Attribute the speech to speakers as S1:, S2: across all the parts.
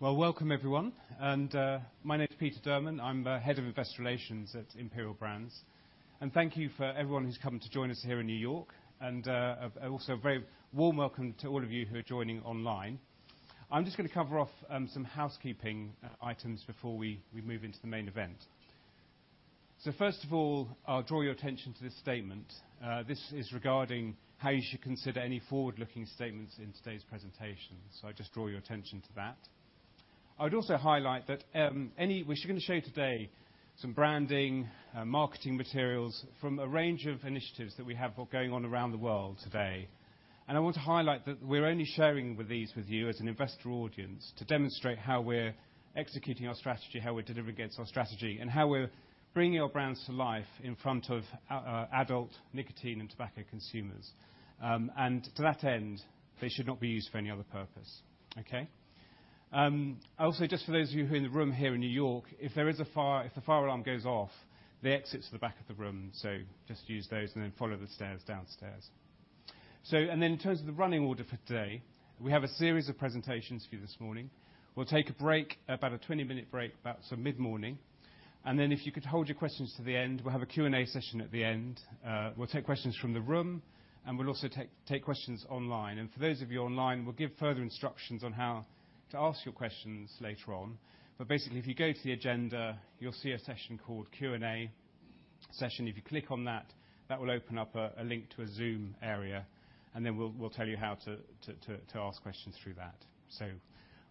S1: Well, welcome everyone. My name is Peter Durman. I'm the Head of Investor Relations at Imperial Brands. Thank you for everyone who's come to join us here in New York, and also a very warm welcome to all of you who are joining online. I'm just going to cover off some housekeeping items before we move into the main event. First of all, I'll draw your attention to this statement. This is regarding how you should consider any forward-looking statements in today's presentation. I just draw your attention to that. I would also highlight that we're going to show you today some branding, marketing materials from a range of initiatives that we have going on around the world today. I want to highlight that we're only sharing with these, with you as an investor audience, to demonstrate how we're executing our strategy, how we're delivering against our strategy, and how we're bringing our brands to life in front of adult nicotine and tobacco consumers. To that end, they should not be used for any other purpose, okay? Also, just for those of you who are in the room here in New York, if there is a fire, if the fire alarm goes off, the exit's at the back of the room, just use those, follow the stairs downstairs. In terms of the running order for today, we have a series of presentations for you this morning. We'll take a break, about a 20-minute break, about so mid-morning, and then if you could hold your questions to the end, we'll have a Q&A session at the end. We'll take questions from the room, and we'll also take questions online. For those of you online, we'll give further instructions on how to ask your questions later on. Basically, if you go to the agenda, you'll see a session called Q&A session. If you click on that will open up a link to a Zoom area, and then we'll tell you how to ask questions through that.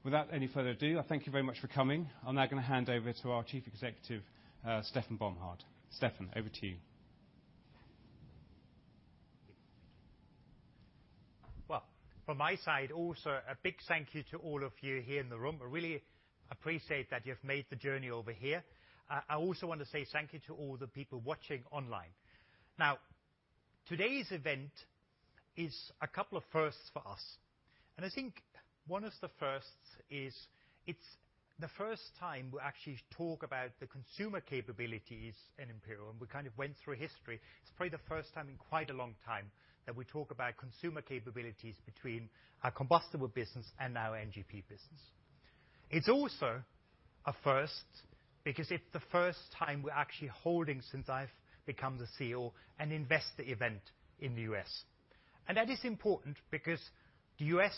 S1: Without any further ado, I thank you very much for coming. I'm now going to hand over to our Chief Executive, Stefan Bomhard. Stefan, over to you.
S2: Well, from my side, also, a big thank you to all of you here in the room. I really appreciate that you've made the journey over here. I also want to say thank you to all the people watching online. Today's event is a couple of firsts for us, and I think one of the firsts is, it's the first time we actually talk about the consumer capabilities in Imperial, and we kind of went through a history. It's probably the first time in quite a long time that we talk about consumer capabilities between our combustible business and our NGP business. It's also a first because it's the first time we're actually holding, since I've become the CEO, an investor event in the U.S. That is important because the U.S.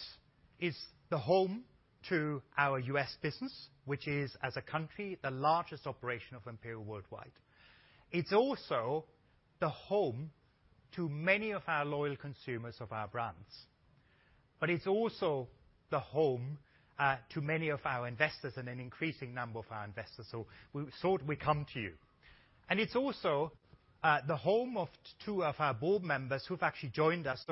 S2: is the home to our U.S. business, which is, as a country, the largest operation of Imperial worldwide. It's also the home to many of our loyal consumers of our brands. It's also the home to many of our investors and an increasing number of our investors, so we thought we come to you. It's also the home of two of our board members who've actually joined us.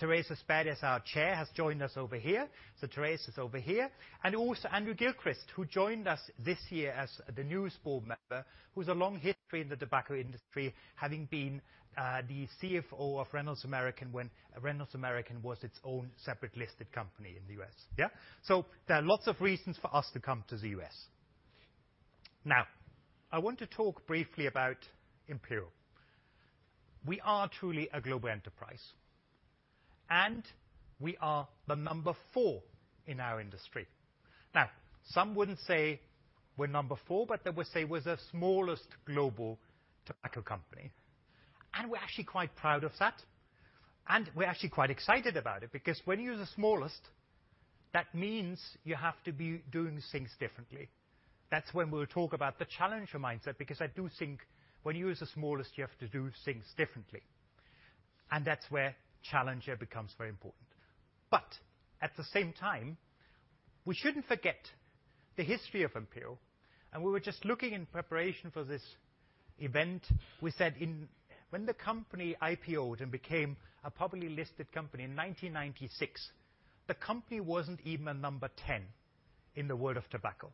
S2: Thérèse Esperdy, our Chair, has joined us over here. Teresa's over here. Also Andrew Gilchrist, who joined us this year as the newest board member, who has a long history in the tobacco industry, having been the CFO of Reynolds American when Reynolds American was its own separate listed company in the U.S. Yeah? There are lots of reasons for us to come to the U.S. Now, I want to talk briefly about Imperial. We are truly a global enterprise, and we are the number four in our industry. Now, some wouldn't say we're number four, but they would say we're the smallest global tobacco company, and we're actually quite proud of that. We're actually quite excited about it, because when you're the smallest, that means you have to be doing things differently. That's when we'll talk about the challenger mindset, because I do think when you are the smallest, you have to do things differently, and that's where challenger becomes very important. At the same time, we shouldn't forget the history of Imperial, and we were just looking in preparation for this event. We said When the company IPOed and became a publicly listed company in 1996, the company wasn't even a number 10 in the world of tobacco.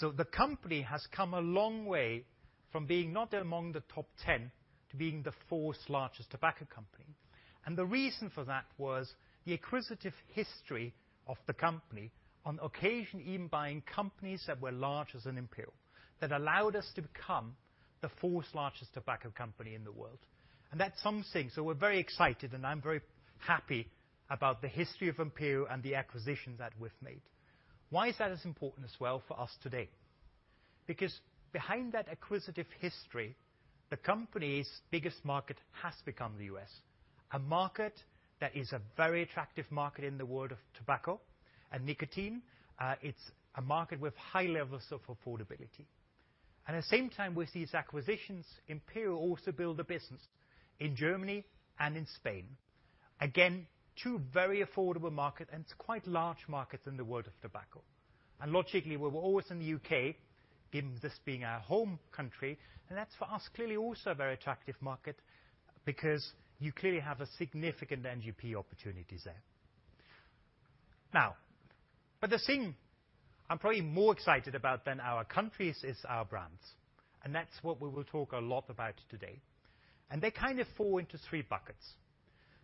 S2: The company has come a long way from being not among the top 10 to being the 4th largest tobacco company. The reason for that was the acquisitive history of the company, on occasion, even buying companies that were larger than Imperial, that allowed us to become the 4th largest tobacco company in the world. That's something. We're very excited, and I'm very happy about the history of Imperial and the acquisitions that we've made. Why is that as important as well for us today? Behind that acquisitive history, the company's biggest market has become the U.S., a market that is a very attractive market in the world of tobacco and nicotine. It's a market with high levels of affordability. At the same time, with these acquisitions, Imperial also build a business in Germany and in Spain. Again, two very affordable market, and it's quite large markets in the world of tobacco. Logically, we were always in the U.K., given this being our home country. That's for us, clearly also a very attractive market because you clearly have a significant NGP opportunities there. The thing I'm probably more excited about than our countries is our brands. That's what we will talk a lot about today. They kind of fall into three buckets.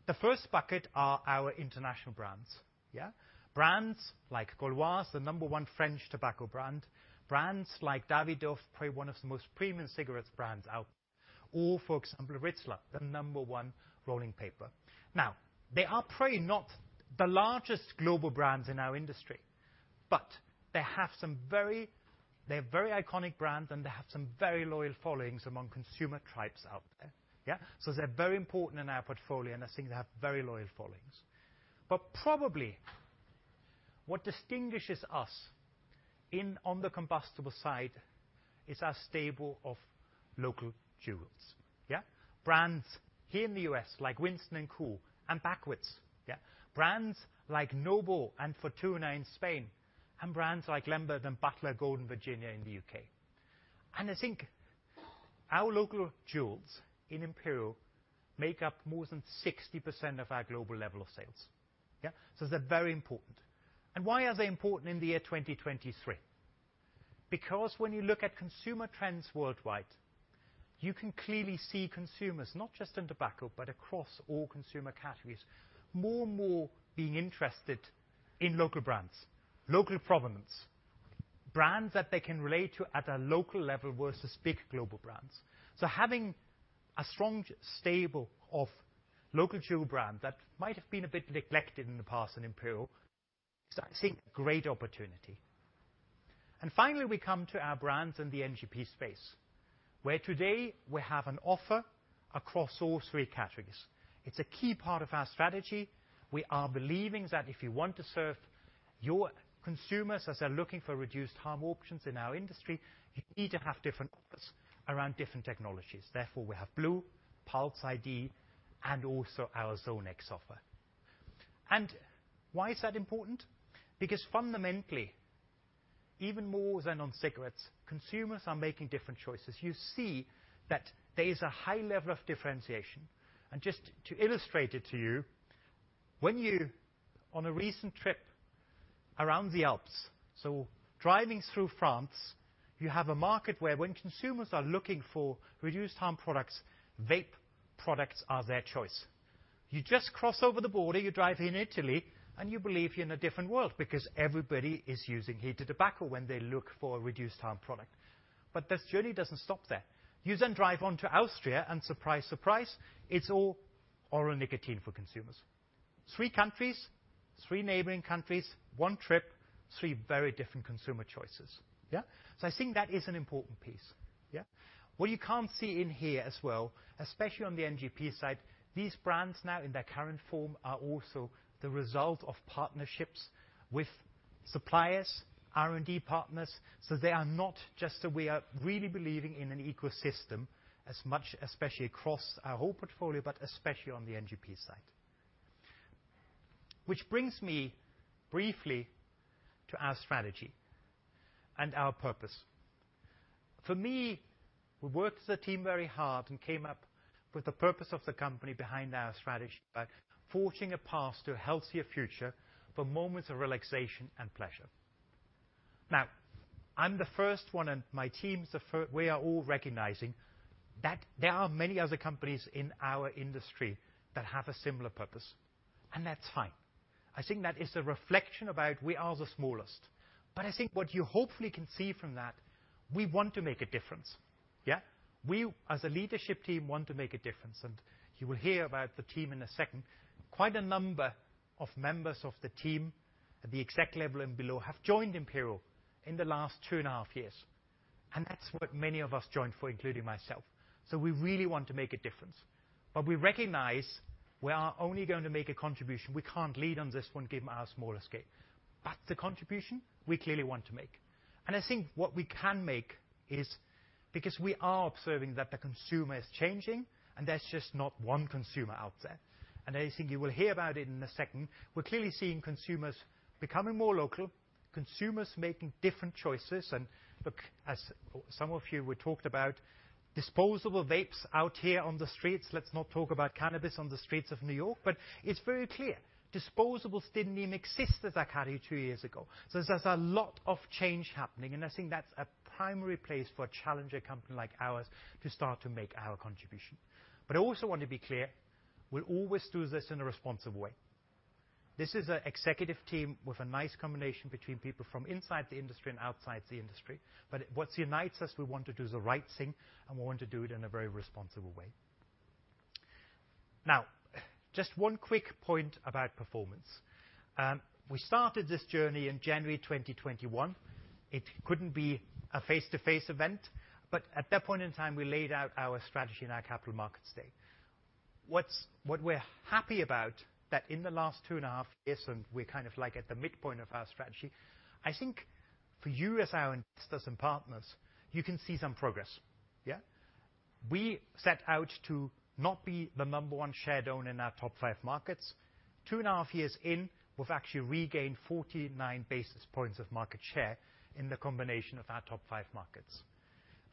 S2: The first bucket are our international brands, yeah? Brands like Gauloises, the number one French tobacco brand. Brands like Davidoff, probably one of the most premium cigarettes brands out. For example, Rizla, the number one rolling paper. They are probably not the largest global brands in our industry, but they have some very iconic brands, and they have some very loyal followings among consumer tribes out there, yeah. They're very important in our portfolio, and I think they have very loyal followings. Probably what distinguishes us on the combustible side is our stable of local jewels, yeah. Brands here in the U.S., like Winston and KOOL, and Backwoods, yeah. Brands like Nobel and Fortuna in Spain, and brands like Lambert & Butler, Golden Virginia in the U.K. I think our local jewels in Imperial make up more than 60% of our global level of sales, yeah. They're very important. Why are they important in the year 2023? When you look at consumer trends worldwide, you can clearly see consumers, not just in tobacco, but across all consumer categories, more and more being interested in local brands, local provenance, brands that they can relate to at a local level versus big global brands. Having a strong stable of local jewel brands that might have been a bit neglected in the past in Imperial, is, I think, a great opportunity. Finally, we come to our brands in the NGP space, where today we have an offer across all three categories. It's a key part of our strategy. We are believing that if you want to serve your consumers as they're looking for reduced harm options in our industry, you need to have different offers around different technologies. Therefore, we have blu, Pulze ID, and also our Zone X offer. Why is that important? Because fundamentally, even more than on cigarettes, consumers are making different choices. You see that there is a high level of differentiation. Just to illustrate it to you, when you On a recent trip around the Alps, so driving through France, you have a market where when consumers are looking for reduced harm products, vape products are their choice. You just cross over the border, you drive in Italy, and you believe you're in a different world because everybody is using heated tobacco when they look for a reduced harm product. This journey doesn't stop there. You drive on to Austria, and surprise, it's all oral nicotine for consumers. Three countries, three neighboring countries, one trip, three very different consumer choices, yeah? I think that is an important piece, yeah. What you can't see in here as well, especially on the NGP side, these brands now in their current form, are also the result of partnerships with suppliers, R&D partners, so they are not just that we are really believing in an ecosystem as much, especially across our whole portfolio, but especially on the NGP side. Which brings me briefly to our strategy and our purpose. For me, we worked as a team very hard and came up with the purpose of the company behind our strategy by forging a path to a healthier future for moments of relaxation and pleasure. Now, I'm the first one, and we are all recognizing that there are many other companies in our industry that have a similar purpose, and that's fine. I think that is a reflection about we are the smallest, but I think what you hopefully can see from that, we want to make a difference, yeah? We, as a leadership team, want to make a difference, and you will hear about the team in a second. Quite a number of members of the team, at the exec level and below, have joined Imperial in the last two and a half years, and that's what many of us joined for, including myself. We really want to make a difference, but we recognize we are only going to make a contribution. We can't lead on this one, given our smaller scale. The contribution, we clearly want to make. I think what we can make is because we are observing that the consumer is changing, and there's just not one consumer out there. I think you will hear about it in a second. We're clearly seeing consumers becoming more local, consumers making different choices. Look, as some of you were talked about, disposable vapes out here on the streets. Let's not talk about cannabis on the streets of New York, but it's very clear disposables didn't even exist as a category two years ago. There's a lot of change happening, and I think that's a primary place for a challenger company like ours to start to make our contribution. I also want to be clear, we'll always do this in a responsible way. This is an executive team with a nice combination between people from inside the industry and outside the industry. What unites us, we want to do the right thing, and we want to do it in a very responsible way. Just one quick point about performance. We started this journey in January 2021. It couldn't be a face-to-face event, at that point in time, we laid out our strategy and our Capital Market Day. What we're happy about, that in the last two and a half years, and we're kind of, like, at the midpoint of our strategy, I think for you as our investors and partners, you can see some progress, yeah? We set out to not be the number one shareowner in our top five markets. Two and a half years in, we've actually regained 49 basis points of market share in the combination of our top five markets.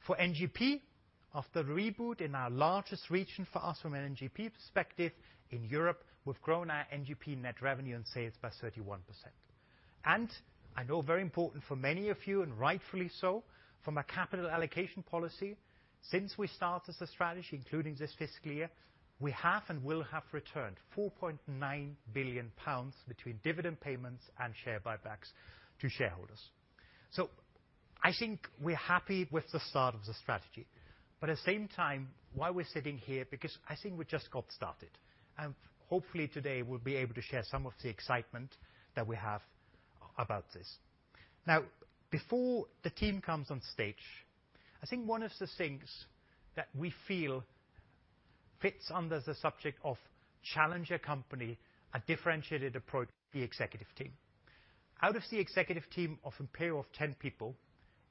S2: For NGP, after the reboot in our largest region for us from an NGP perspective, in Europe, we've grown our NGP net revenue and sales by 31%. I know very important for many of you, and rightfully so, from a capital allocation policy, since we started the strategy, including this fiscal year, we have and will have returned 4.9 billion pounds between dividend payments and share buybacks to shareholders. I think we're happy with the start of the strategy, but at the same time, why we're sitting here, because I think we just got started. Hopefully, today, we'll be able to share some of the excitement that we have about this. Before the team comes on stage, I think one of the things that we feel fits under the subject of challenger company, a differentiated approach, the executive team. Out of the executive team of Imperial, 10 people,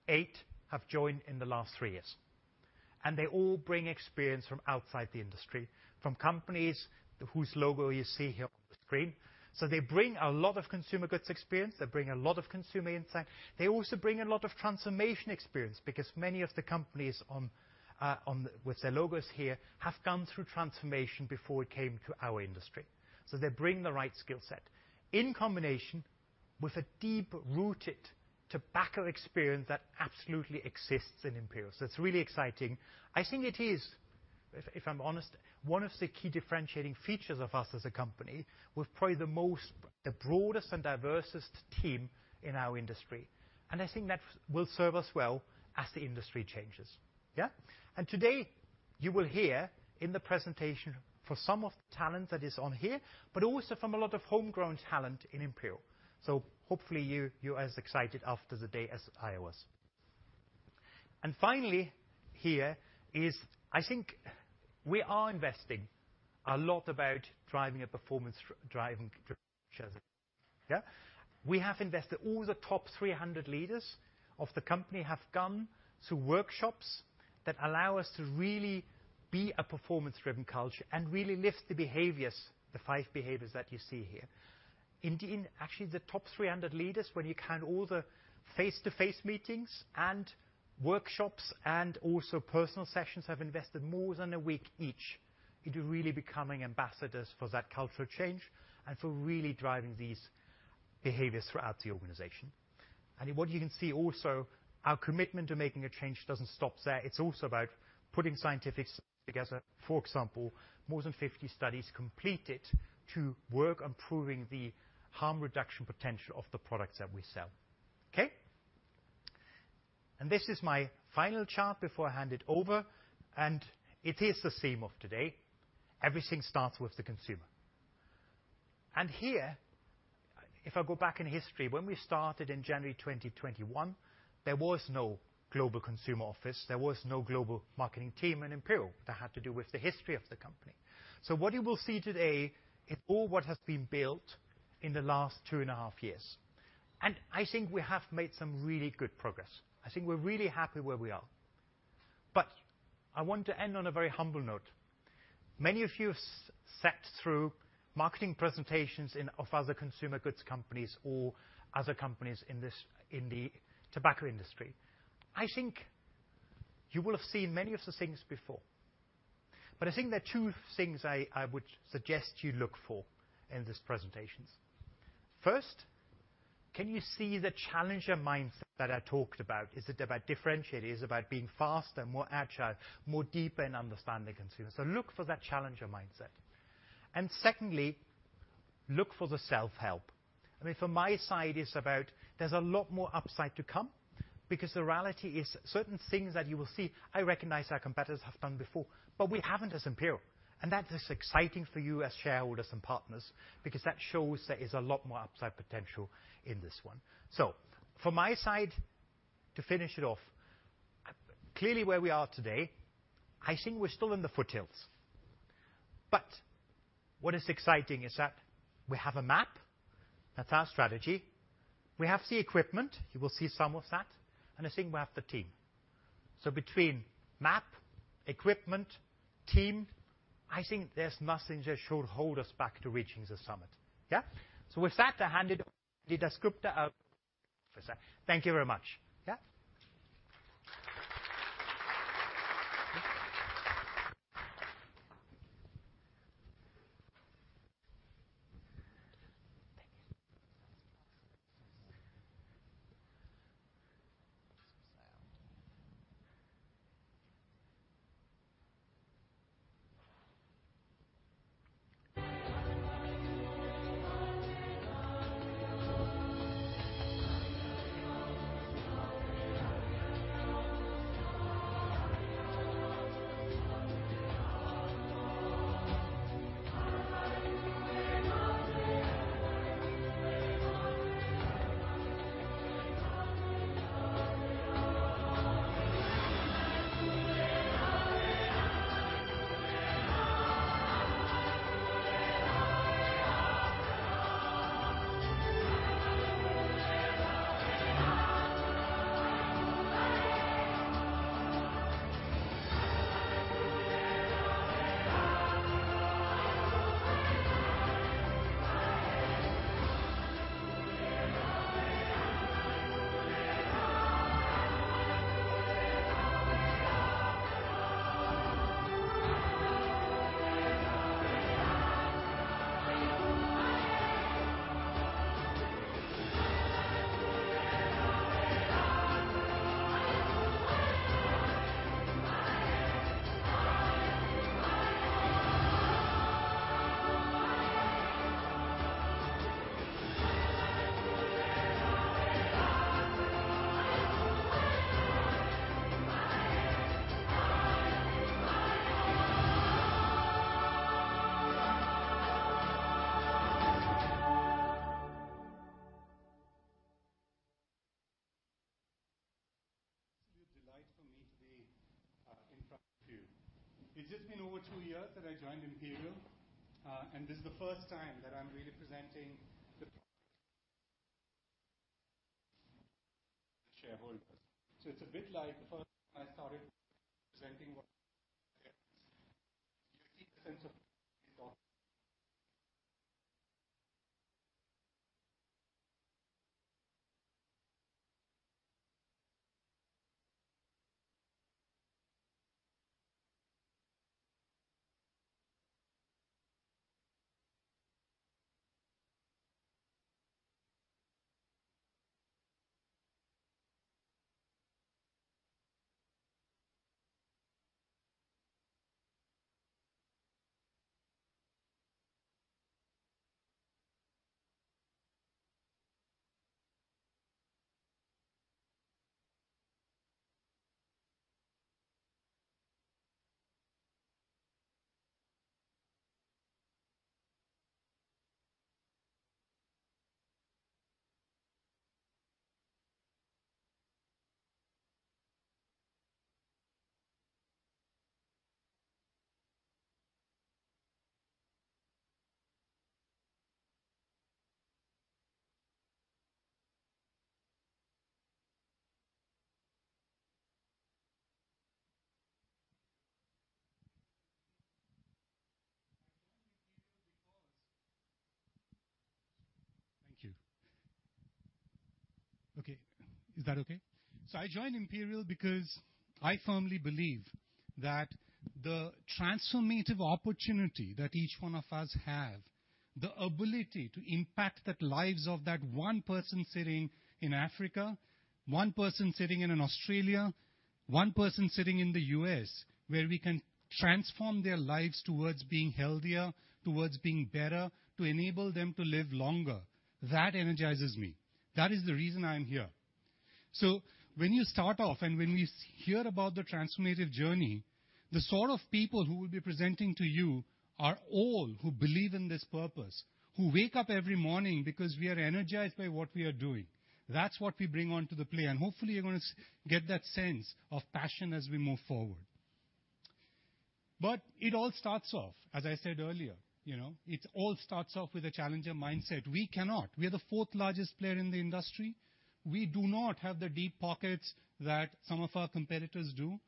S2: eight have joined in the last three years. They all bring experience from outside the industry, from companies whose logo you see here on the screen. They bring a lot of consumer goods experience, they bring a lot of consumer insight. They also bring a lot of transformation experience because many of the companies with their logos here, have gone through transformation before we came to our industry. They bring the right skill set in combination with a deep-rooted tobacco experience that absolutely exists in Imperial. It's really exciting. I think it is, if I'm honest, one of the key differentiating features of us as a company. We're probably the most, the broadest and diversest team in our industry. I think that will serve us well as the industry changes. Yeah? Today, you will hear in the presentation for some of the talent that is on here, but also from a lot of homegrown talent in Imperial. Hopefully, you're as excited after the day as I was. Finally, I think we are investing a lot about driving a performance, driving culture. Yeah? We have invested. All the top 300 leaders of the company have gone through workshops that allow us to really be a performance-driven culture and really lift the behaviors, the five behaviors that you see here. Indeed, actually, the top 300 leaders, when you count all the face-to-face meetings and workshops and also personal sessions, have invested more than one week each into really becoming ambassadors for that cultural change and for really driving these behaviors throughout the organization. What you can see also, our commitment to making a change doesn't stop there. It's also about putting scientific together. For example, more than 50 studies completed to work on proving the harm reduction potential of the products that we sell. Okay? This is my final chart before I hand it over, and it is the theme of today. Everything starts with the consumer. Here, if I go back in history, when we started in January 2021, there was no global consumer office, there was no global marketing team in Imperial. That had to do with the history of the company. What you will see today is all what has been built in the last two and a half years, and I think we have made some really good progress. I think we're really happy where we are. I want to end on a very humble note. Many of you have sat through marketing presentations of other consumer goods companies or other companies in this, in the tobacco industry. I think you will have seen many of the things before, but I think there are two things I would suggest you look for in these presentations. First, can you see the challenger mindset that I talked about? Is it about differentiating, is about being faster, more agile, more deeper in understanding the consumer? Look for that challenger mindset. Secondly, look for the self-help. I mean, from my side, it's about there's a lot more upside to come because the reality is certain things that you will see, I recognize our competitors have done before, but we haven't as Imperial, and that is exciting for you as shareholders and partners because that shows there is a lot more upside potential in this one. From my side, to finish it off, clearly, where we are today, I think we're still in the foothills, but what is exciting is that we have a map. That's our strategy. We have the equipment. You will see some of that, and I think we have the team. Between map, equipment, team, I think there's nothing that should hold us back to reaching the summit. Yeah? With that, I hand it over to the scripture of... Thank you very much. Yeah.
S3: It's a delight for me today, in front of you. It's just been over two years that I joined Imperial, and this is the first time that I'm really presenting the shareholders. It's a bit like the first time I started presenting what. You'll see the sense of. Thank you. Okay. Is that okay? I joined Imperial because I firmly believe that the transformative opportunity that each one of us have, the ability to impact the lives of that one person sitting in Africa, one person sitting in Australia, one person sitting in the U.S., where we can transform their lives towards being healthier, towards being better, to enable them to live longer, that energizes me. That is the reason I'm here. When you start off and when we hear about the transformative journey, the sort of people who will be presenting to you are all who believe in this purpose, who wake up every morning because we are energized by what we are doing. That's what we bring onto the play, and hopefully, you're gonna get that sense of passion as we move forward. It all starts off, as I said earlier, you know, it all starts off with a challenger mindset. We are the fourth largest player in the industry. We do not have the deep pockets that some of our competitors do.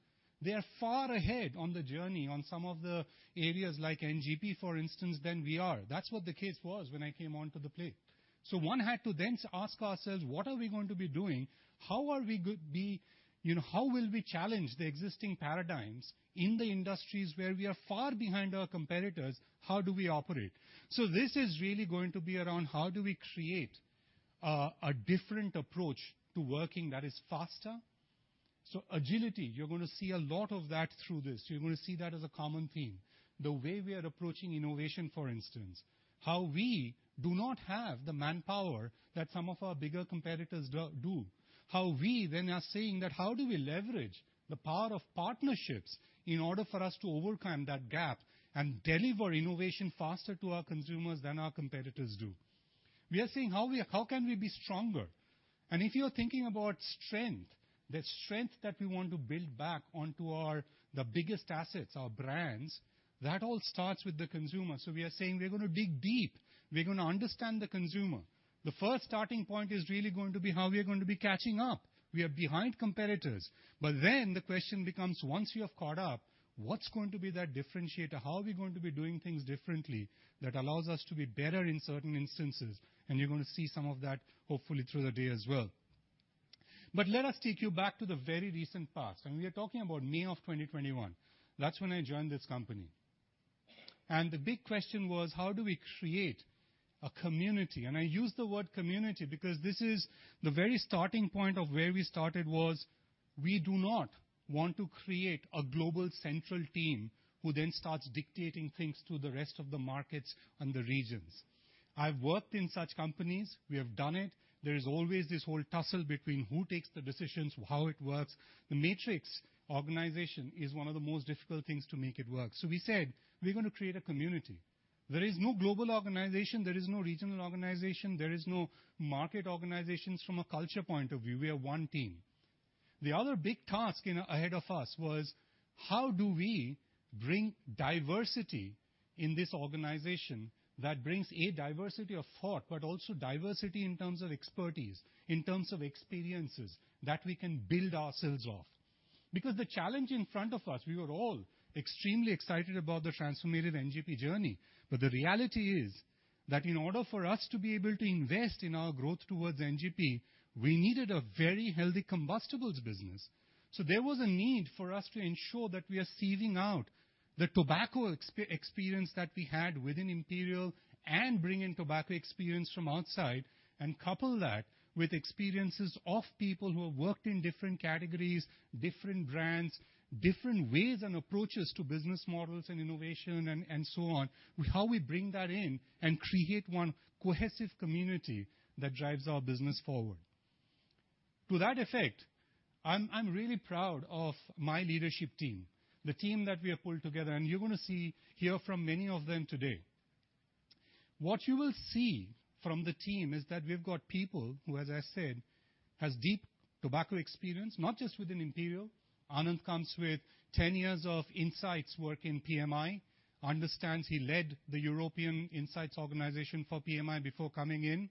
S3: They are far ahead on the journey on some of the areas like NGP, for instance, than we are. That's what the case was when I came onto the play. One had to then ask ourselves, what are we going to be doing? How are we? You know, how will we challenge the existing paradigms in the industries where we are far behind our competitors? How do we operate? This is really going to be around how do we create a different approach to working that is faster? Agility, you're gonna see a lot of that through this. You're gonna see that as a common theme. The way we are approaching innovation, for instance, how we do not have the manpower that some of our bigger competitors do. How we are saying that, "How do we leverage the power of partnerships in order for us to overcome that gap and deliver innovation faster to our consumers than our competitors do?" We are saying, "How can we be stronger?" If you're thinking about strength, the strength that we want to build back onto our, the biggest assets, our brands, that all starts with the consumer. We are saying we're gonna dig deep. We're gonna understand the consumer. The first starting point is really going to be how we are going to be catching up. We are behind competitors. The question becomes, once you have caught up, what's going to be that differentiator? How are we going to be doing things differently that allows us to be better in certain instances? You're gonna see some of that, hopefully, through the day as well. Let us take you back to the very recent past, we are talking about May of 2021. That's when I joined this company. The big question was: how do we create a community? I use the word community because this is the very starting point of where we started was, we do not want to create a global central team who then starts dictating things to the rest of the markets and the regions. I've worked in such companies. We have done it. There is always this whole tussle between who takes the decisions, how it works. The matrix organization is one of the most difficult things to make it work. We said, "We're gonna create a community." There is no global organization, there is no regional organization, there is no market organizations from a culture point of view. We are one team. The other big task ahead of us was: how do we bring diversity in this organization that brings, A., diversity of thought, but also diversity in terms of expertise, in terms of experiences that we can build ourselves off? The challenge in front of us, we were all extremely excited about the transformative NGP journey, but the reality is that in order for us to be able to invest in our growth towards NGP, we needed a very healthy combustibles business. There was a need for us to ensure that we are sieving out the tobacco experience that we had within Imperial and bring in tobacco experience from outside, and couple that with experiences of people who have worked in different categories, different brands, different ways and approaches to business models and innovation and so on. With how we bring that in and create one cohesive community that drives our business forward. To that effect, I'm really proud of my leadership team, the team that we have pulled together, and you're gonna hear from many of them today. What you will see from the team is that we've got people who, as I said, has deep tobacco experience, not just within Imperial. Anand comes with 10 years of insights work in PMI, understands he led the European Insights organization for PMI before coming in.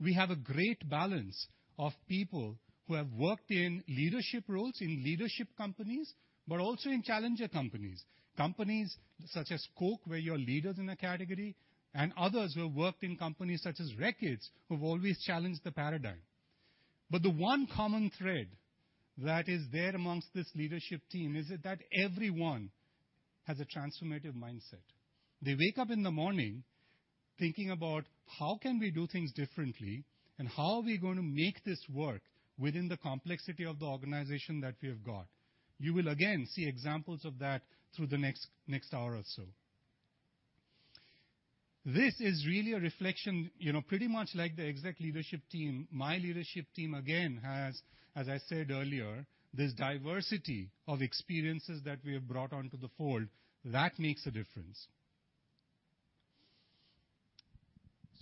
S3: We have a great balance of people who have worked in leadership roles, in leadership companies, but also in challenger companies. Companies such as Coke, where you're leaders in a category, and others who have worked in companies such as Reckitt, who've always challenged the paradigm. The one common thread that is there amongst this leadership team is that everyone has a transformative mindset. They wake up in the morning thinking about: How can we do things differently? How are we going to make this work within the complexity of the organization that we have got? You will again see examples of that through the next hour or so. This is really a reflection, you know, pretty much like the exec leadership team. My leadership team, again, has, as I said earlier, this diversity of experiences that we have brought onto the fold. That makes a difference.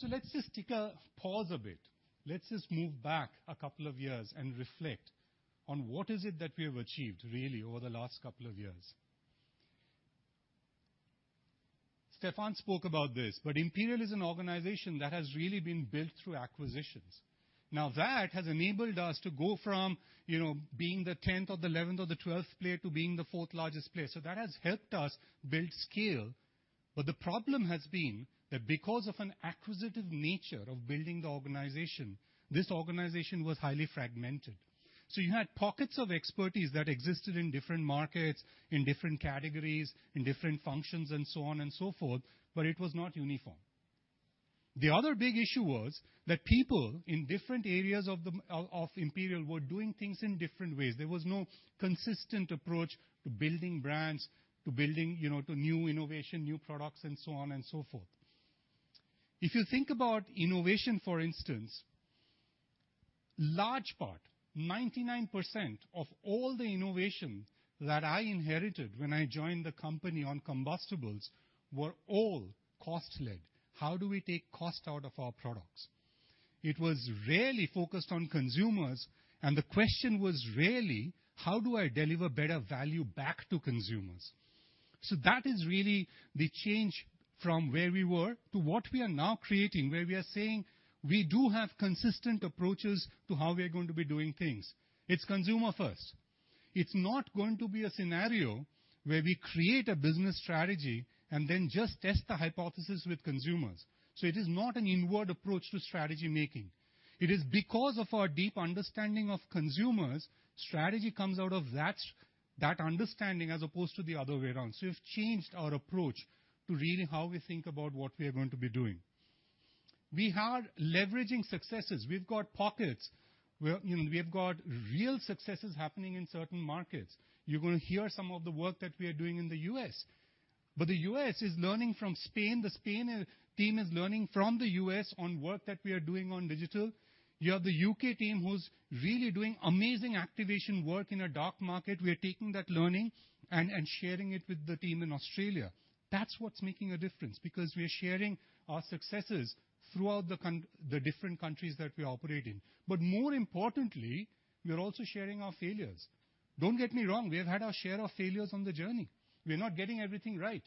S3: Let's just take a pause a bit. Let's just move back a couple of years and reflect on what is it that we have achieved, really, over the last couple of years. Stefan Bomhard spoke about this, Imperial is an organization that has really been built through acquisitions. That has enabled us to go from, you know, being the 10th or the 11th or the 12th player to being the fourth largest player. That has helped us build scale. The problem has been that because of an acquisitive nature of building the organization, this organization was highly fragmented. You had pockets of expertise that existed in different markets, in different categories, in different functions, and so on and so forth, but it was not uniform. The other big issue was that people in different areas of Imperial were doing things in different ways. There was no consistent approach to building brands, to building, you know, to new innovation, new products, and so on and so forth. If you think about innovation, for instance, large part, 99% of all the innovation that I inherited when I joined the company on combustibles were all cost-led. How do we take cost out of our products? It was rarely focused on consumers, and the question was rarely: How do I deliver better value back to consumers? That is really the change from where we were to what we are now creating, where we are saying we do have consistent approaches to how we are going to be doing things. It's consumer first. It's not going to be a scenario where we create a business strategy and then just test the hypothesis with consumers. It is not an inward approach to strategy making. It is because of our deep understanding of consumers, strategy comes out of that understanding, as opposed to the other way around. We've changed our approach to really how we think about what we are going to be doing. We are leveraging successes. We have got real successes happening in certain markets. You're going to hear some of the work that we are doing in the U.S. The U.S. is learning from Spain. The Spain team is learning from the U.S. on work that we are doing on digital. You have the U.K. team, who's really doing amazing activation work in a dark market. We are taking that learning and sharing it with the team in Australia. That's what's making a difference, because we are sharing our successes throughout the different countries that we operate in. More importantly, we are also sharing our failures. Don't get me wrong, we have had our share of failures on the journey. We are not getting everything right.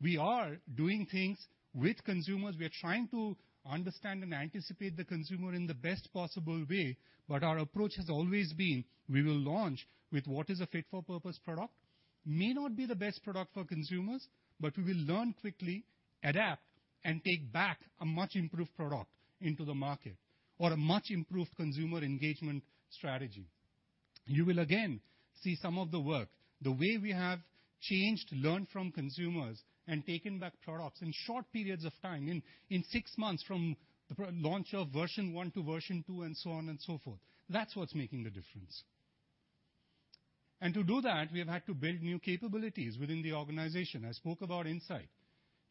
S3: We are doing things with consumers. We are trying to understand and anticipate the consumer in the best possible way. Our approach has always been, we will launch with what is a fit-for-purpose product. May not be the best product for consumers. We will learn quickly, adapt, and take back a much-improved product into the market or a much-improved consumer engagement strategy. You will again see some of the work, the way we have changed, learned from consumers, and taken back products in short periods of time, in six months, from the launch of version 1 to version 2, and so on and so forth. That's what's making the difference. To do that, we have had to build new capabilities within the organization. I spoke about insight.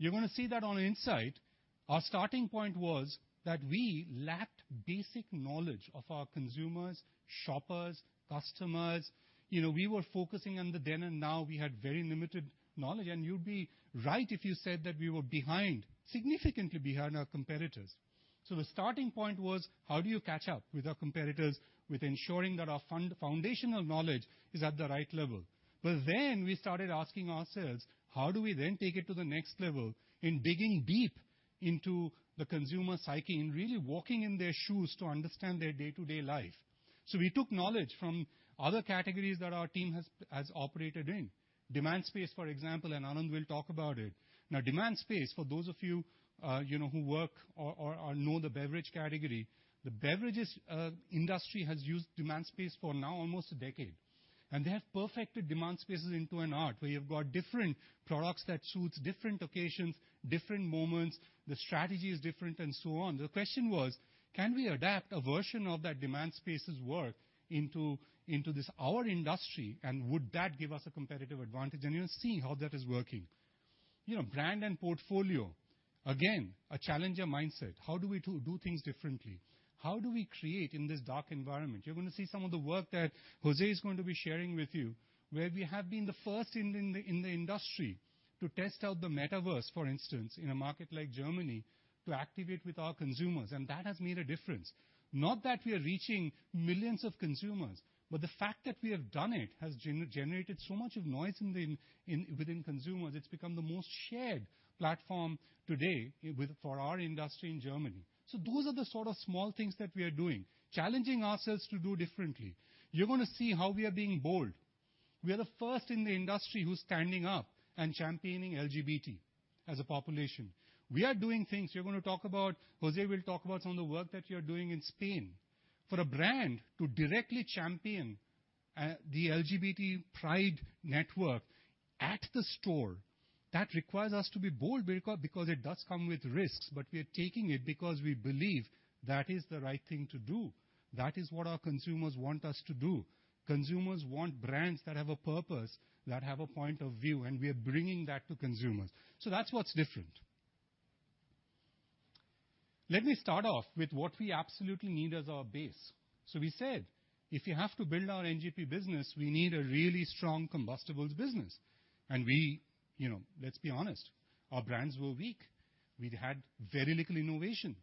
S3: You're gonna see that on insight, our starting point was that we lacked basic knowledge of our consumers, shoppers, customers. You know, we were focusing on the then and now. We had very limited knowledge, and you'd be right if you said that we were behind, significantly behind our competitors. The starting point was: How do you catch up with our competitors, with ensuring that our foundational knowledge is at the right level? We started asking ourselves: How do we then take it to the next level in digging deep into the consumer psyche and really walking in their shoes to understand their day-to-day life? We took knowledge from other categories that our team has operated in. Demand space, for example, Anand will talk about it. Demand space, for those of you know, who work or know the beverage category, the beverages industry has used demand space for now almost 10 years. They have perfected demand spaces into an art, where you've got different products that suits different occasions, different moments, the strategy is different, and so on. The question was, can we adapt a version of that demand space's work into this, our industry, and would that give us a competitive advantage? You'll see how that is working. You know, brand and portfolio, again, a challenger mindset. How do we do things differently? How do we create in this dark environment? You're gonna see some of the work that Jose is going to be sharing with you, where we have been the first in the industry to test out the metaverse, for instance, in a market like Germany, to activate with our consumers. That has made a difference. Not that we are reaching millions of consumers, but the fact that we have done it has generated so much of noise within consumers, it's become the most shared platform today for our industry in Germany. Those are the sort of small things that we are doing, challenging ourselves to do differently. You're gonna see how we are being bold. We are the first in the industry who's standing up and championing LGBT as a population. We are doing things. We're gonna talk about Jose will talk about some of the work that we are doing in Spain. For a brand to directly champion the LGBT Pride network at the store, that requires us to be bold, because it does come with risks, we are taking it because we believe that is the right thing to do. That is what our consumers want us to do. Consumers want brands that have a purpose, that have a point of view, we are bringing that to consumers. That's what's different. Let me start off with what we absolutely need as our base. We said, if we have to build our NGP business, we need a really strong combustibles business, you know, let's be honest, our brands were weak. We'd had very little innovation.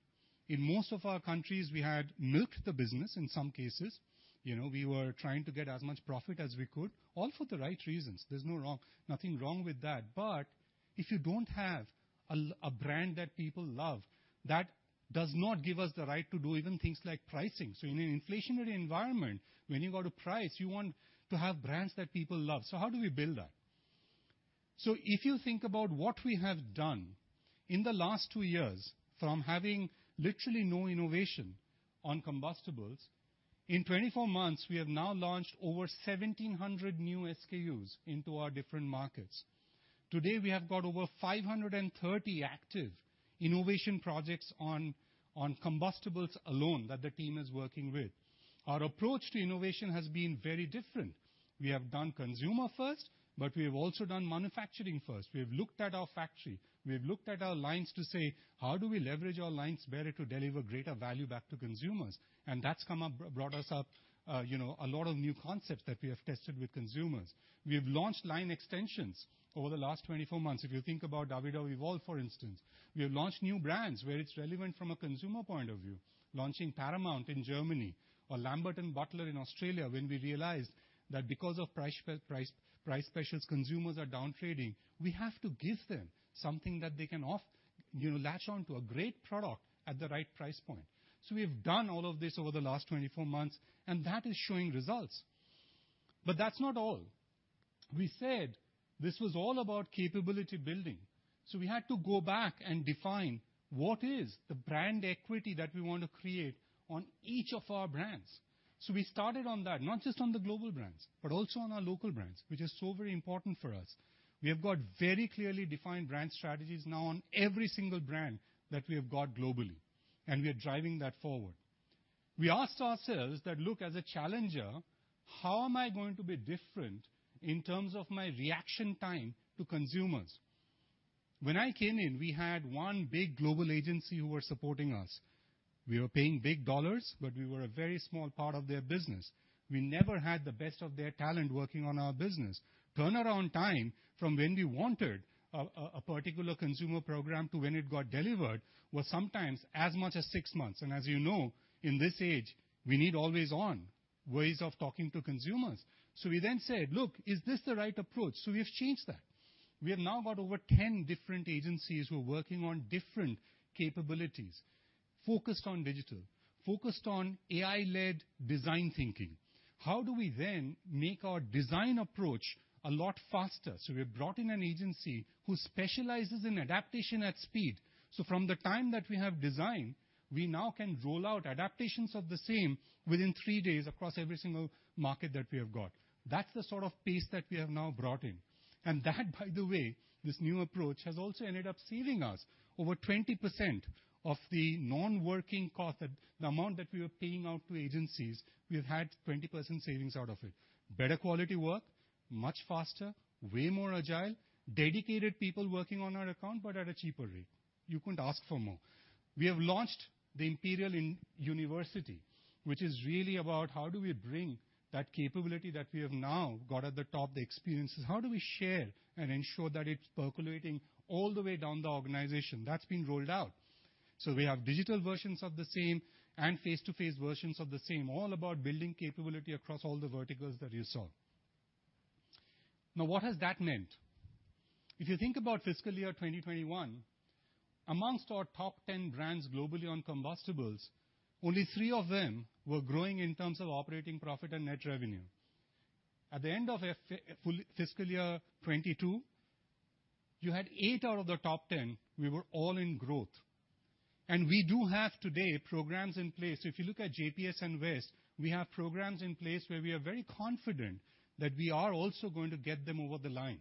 S3: In most of our countries, we had milked the business in some cases. You know, we were trying to get as much profit as we could. All for the right reasons, there's nothing wrong with that. If you don't have a brand that people love, that does not give us the right to do even things like pricing. In an inflationary environment, when you go to price, you want to have brands that people love. How do we build that? If you think about what we have done, in the last two years, from having literally no innovation on combustibles, in 24 months, we have now launched over 1,700 new SKUs into our different markets. Today, we have got over 530 active innovation projects on combustibles alone, that the team is working with. Our approach to innovation has been very different. We have done consumer first, but we have also done manufacturing first. We have looked at our factory. We have looked at our lines to say: How do we leverage our lines better to deliver greater value back to consumers? That's brought us up, you know, a lot of new concepts that we have tested with consumers. We have launched line extensions over the last 24 months. If you think about WWE Vol, for instance. We have launched new brands where it's relevant from a consumer point of view, launching Paramount in Germany or Lambert & Butler in Australia, when we realized that because of price specials, consumers are downtrading. We have to give them something that they can, you know, latch on to a great product at the right price point. We have done all of this over the last 24 months, and that is showing results. That's not all. We said this was all about capability building, we had to go back and define what is the brand equity that we want to create on each of our brands. We started on that, not just on the global brands, but also on our local brands, which is so very important for us. We have got very clearly defined brand strategies now on every single brand that we have got globally, and we are driving that forward. We asked ourselves that, "Look, as a challenger, how am I going to be different in terms of my reaction time to consumers?" When I came in, we had one big global agency who were supporting us. We were paying big dollars, but we were a very small part of their business. We never had the best of their talent working on our business. Turnaround time from when we wanted a particular consumer program to when it got delivered, was sometimes as much as six months. As you know, in this age, we need always on ways of talking to consumers. We then said, "Look, is this the right approach?" We have changed that. We have now got over 10 different agencies who are working on different capabilities, focused on digital, focused on AI-led design thinking. How do we then make our design approach a lot faster? We've brought in an agency who specializes in adaptation at speed. From the time that we have design, we now can roll out adaptations of the same within three days across every single market that we have got. That's the sort of pace that we have now brought in. That, by the way, this new approach, has also ended up saving us over 20% of the non-working cost that the amount that we were paying out to agencies, we've had 20% savings out of it. Better quality work, much faster, way more agile, dedicated people working on our account, but at a cheaper rate. You couldn't ask for more. We have launched the Imperial University, which is really about how do we bring that capability that we have now got at the top, the experiences? How do we share and ensure that it's percolating all the way down the organization? That's been rolled out. We have digital versions of the same and face-to-face versions of the same, all about building capability across all the verticals that you saw. What has that meant? If you think about fiscal year 2021, amongst our top 10 brands globally on combustibles, only three of them were growing in terms of operating profit and net revenue. At the end of fiscal year 2022, you had eight out of the top 10, we were all in growth. We do have today programs in place. If you look at JPS and West, we have programs in place where we are very confident that we are also going to get them over the line.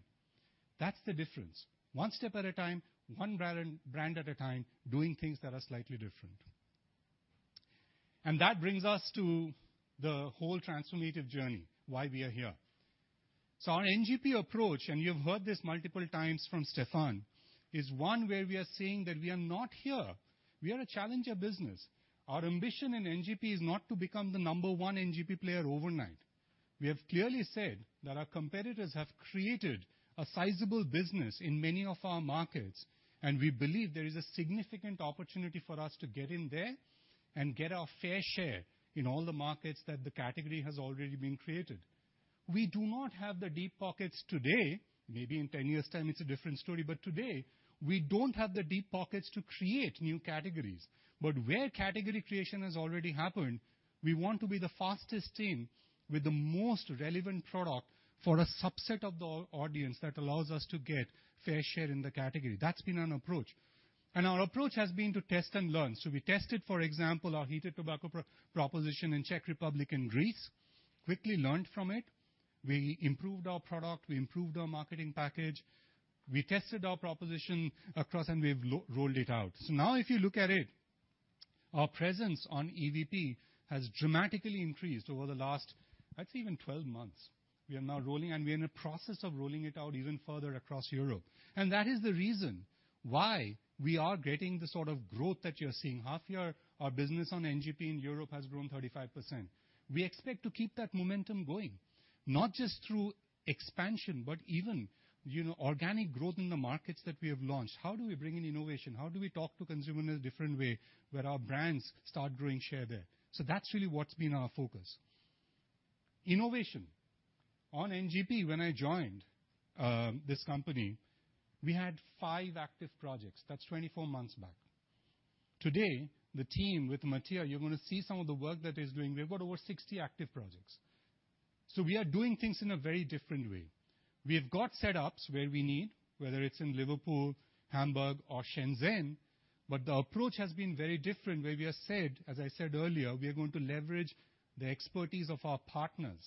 S3: That's the difference. One step at a time, one brand at a time, doing things that are slightly different. That brings us to the whole transformative journey, why we are here. Our NGP approach, and you've heard this multiple times from Stefan, is one where we are saying that we are not here. We are a challenger business. Our ambition in NGP is not to become the number one NGP player overnight. We have clearly said that our competitors have created a sizable business in many of our markets, and we believe there is a significant opportunity for us to get in there and get our fair share in all the markets that the category has already been created. We do not have the deep pockets today. Maybe in 10 years' time, it's a different story, but today, we don't have the deep pockets to create new categories. Where category creation has already happened, we want to be the fastest team with the most relevant product for a subset of the audience that allows us to get fair share in the category. That's been an approach. Our approach has been to test and learn. We tested, for example, our heated tobacco proposition in Czech Republic and Greece, quickly learned from it. We improved our product, we improved our marketing package, we tested our proposition across, and we've rolled it out. Now if you look at it, our presence on EVP has dramatically increased over the last, I'd say even 12 months. We are now rolling, and we are in the process of rolling it out even further across Europe. That is the reason why we are getting the sort of growth that you're seeing. Half year, our business on NGP in Europe has grown 35%. We expect to keep that momentum going, not just through expansion, but even, you know, organic growth in the markets that we have launched. How do we bring in innovation? How do we talk to consumer in a different way, where our brands start growing share there? That's really what's been our focus. Innovation. On NGP, when I joined this company, we had five active projects. That's 24 months back. Today, the team with Mattia, you're gonna see some of the work that he's doing. We've got over 60 active projects. We are doing things in a very different way. We have got setups where we need, whether it's in Liverpool, Hamburg, or Shenzhen. The approach has been very different, where we have said, as I said earlier, we are going to leverage the expertise of our partners.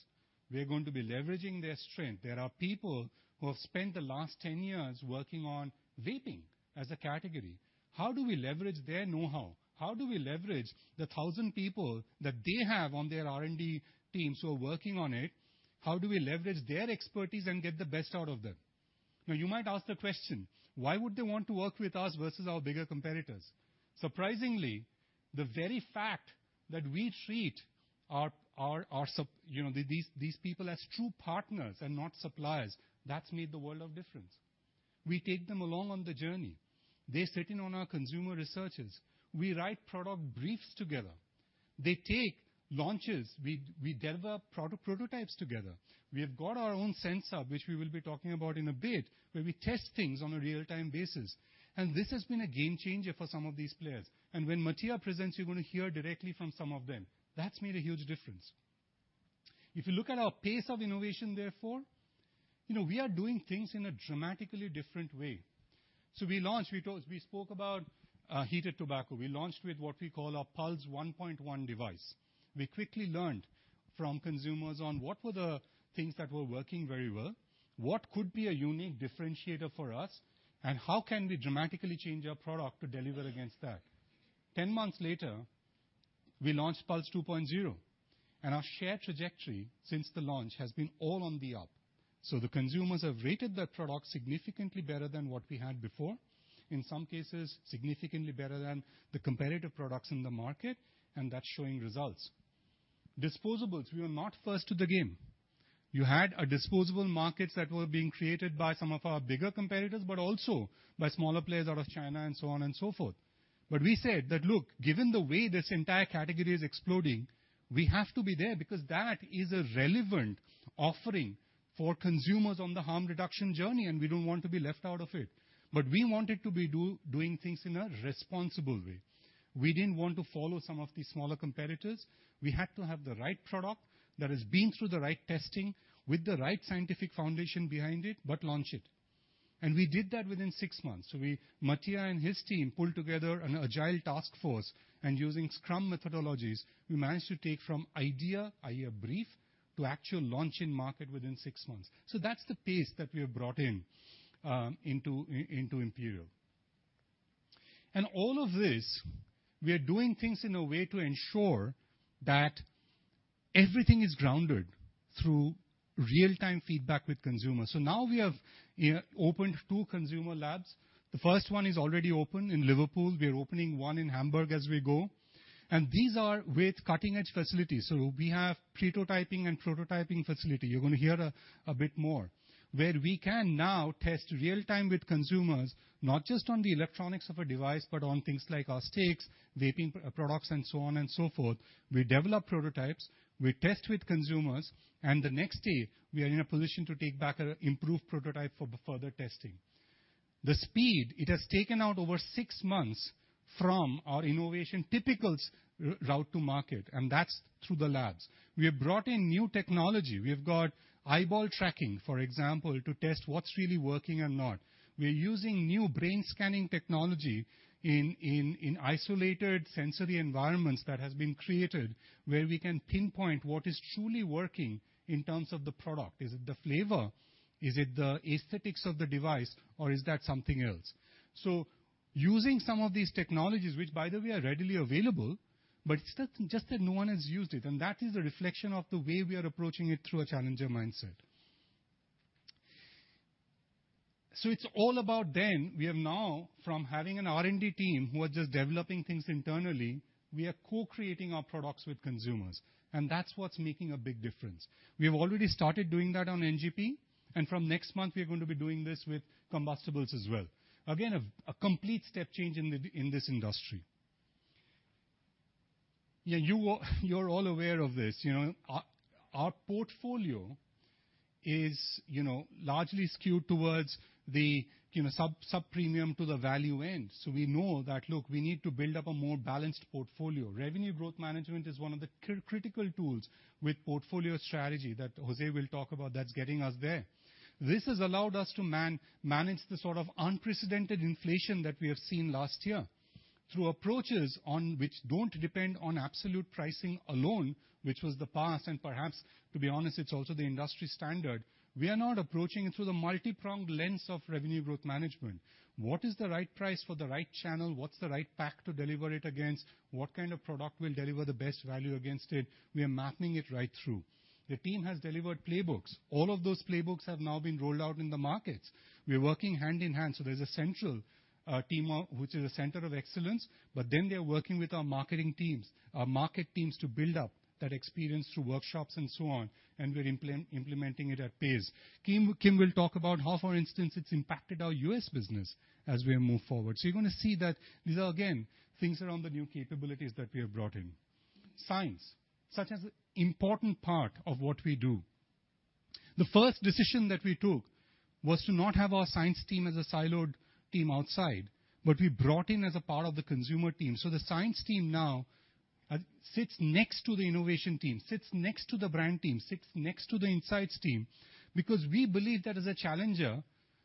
S3: We are going to be leveraging their strength. There are people who have spent the last 10 years working on vaping as a category. How do we leverage their know-how? How do we leverage the 1,000 people that they have on their R&D teams who are working on it? How do we leverage their expertise and get the best out of them? You might ask the question: why would they want to work with us versus our bigger competitors? Surprisingly, the very fact that we treat our You know, these people as true partners and not suppliers, that's made the world of difference. We take them along on the journey. They sit in on our consumer researches. We write product briefs together. They take launches. We develop product prototypes together. We have got our own Sense Hub, which we will be talking about in a bit, where we test things on a real-time basis. This has been a game changer for some of these players. When Mattia presents, you're going to hear directly from some of them. That's made a huge difference. If you look at our pace of innovation, therefore, you know, we are doing things in a dramatically different way. We launched, we spoke about heated tobacco. We launched with what we call our Pulze 1.1 device. We quickly learned from consumers on what were the things that were working very well, what could be a unique differentiator for us, and how can we dramatically change our product to deliver against that? 10 months later, we launched Pulze 2.0, our share trajectory since the launch has been all on the up. The consumers have rated that product significantly better than what we had before. In some cases, significantly better than the competitive products in the market, that's showing results. Disposables, we were not first to the game. You had a disposable markets that were being created by some of our bigger competitors, also by smaller players out of China and so on and so forth. We said that, "Look, given the way this entire category is exploding, we have to be there because that is a relevant offering for consumers on the harm reduction journey, and we don't want to be left out of it." We wanted to be doing things in a responsible way. We didn't want to follow some of these smaller competitors. We had to have the right product that has been through the right testing with the right scientific foundation behind it, but launch it. We did that within six months. We... Mattia and his team pulled together an agile task force, and using Scrum methodologies, we managed to take from idea, i.e., a brief, to actual launch in market within six months. That's the pace that we have brought in, into Imperial. All of this, we are doing things in a way to ensure that everything is grounded through real-time feedback with consumers. Now we have opened two consumer labs. The first one is already open in Liverpool. We are opening one in Hamburg as we go. These are with cutting-edge facilities. We have pretotype and prototyping facility. You're going to hear a bit more. Where we can now test real time with consumers, not just on the electronics of a device, but on things like our sticks, vaping products, and so on and so forth. We develop prototypes, we test with consumers, and the next day, we are in a position to take back an improved prototype for further testing. The speed, it has taken out over six months from our innovation typical route to market, and that's through the labs. We have brought in new technology. We've got eyeball tracking, for example, to test what's really working or not. We're using new brain scanning technology in isolated sensory environments that has been created, where we can pinpoint what is truly working in terms of the product. Is it the flavor? Is it the aesthetics of the device, or is that something else? Using some of these technologies, which, by the way, are readily available, but it's just that no one has used it, and that is a reflection of the way we are approaching it through a challenger mindset. It's all about then. We are now from having an R&D team who are just developing things internally, we are co-creating our products with consumers, and that's what's making a big difference. We have already started doing that on NGP. From next month, we are going to be doing this with Combustibles as well. A complete step change in this industry. You're all aware of this, you know. Our portfolio is, you know, largely skewed towards the, you know, sub-sub-premium to the value end. We know that, look, we need to build up a more balanced portfolio. Revenue growth management is one of the critical tools with portfolio strategy that Jose will talk about, that's getting us there. This has allowed us to manage the sort of unprecedented inflation that we have seen last year through approaches on which don't depend on absolute pricing alone, which was the past, and perhaps, to be honest, it's also the industry standard. We are now approaching it through the multipronged lens of revenue growth management. What is the right price for the right channel? What's the right pack to deliver it against? What kind of product will deliver the best value against it? We are mapping it right through. The team has delivered playbooks. All of those playbooks have now been rolled out in the markets. We're working hand in hand, there's a central team which is a center of excellence, they're working with our marketing teams, our market teams, to build up that experience through workshops and so on, and we're implementing it at pace. Kim will talk about how, for instance, it's impacted our U.S. business as we move forward. You're going to see that these are, again, things around the new capabilities that we have brought in. Science, such as important part of what we do. The first decision that we took was to not have our science team as a siloed team outside, but we brought in as a part of the consumer team. The science team now sits next to the innovation team, sits next to the brand team, sits next to the insights team, because we believe that as a challenger,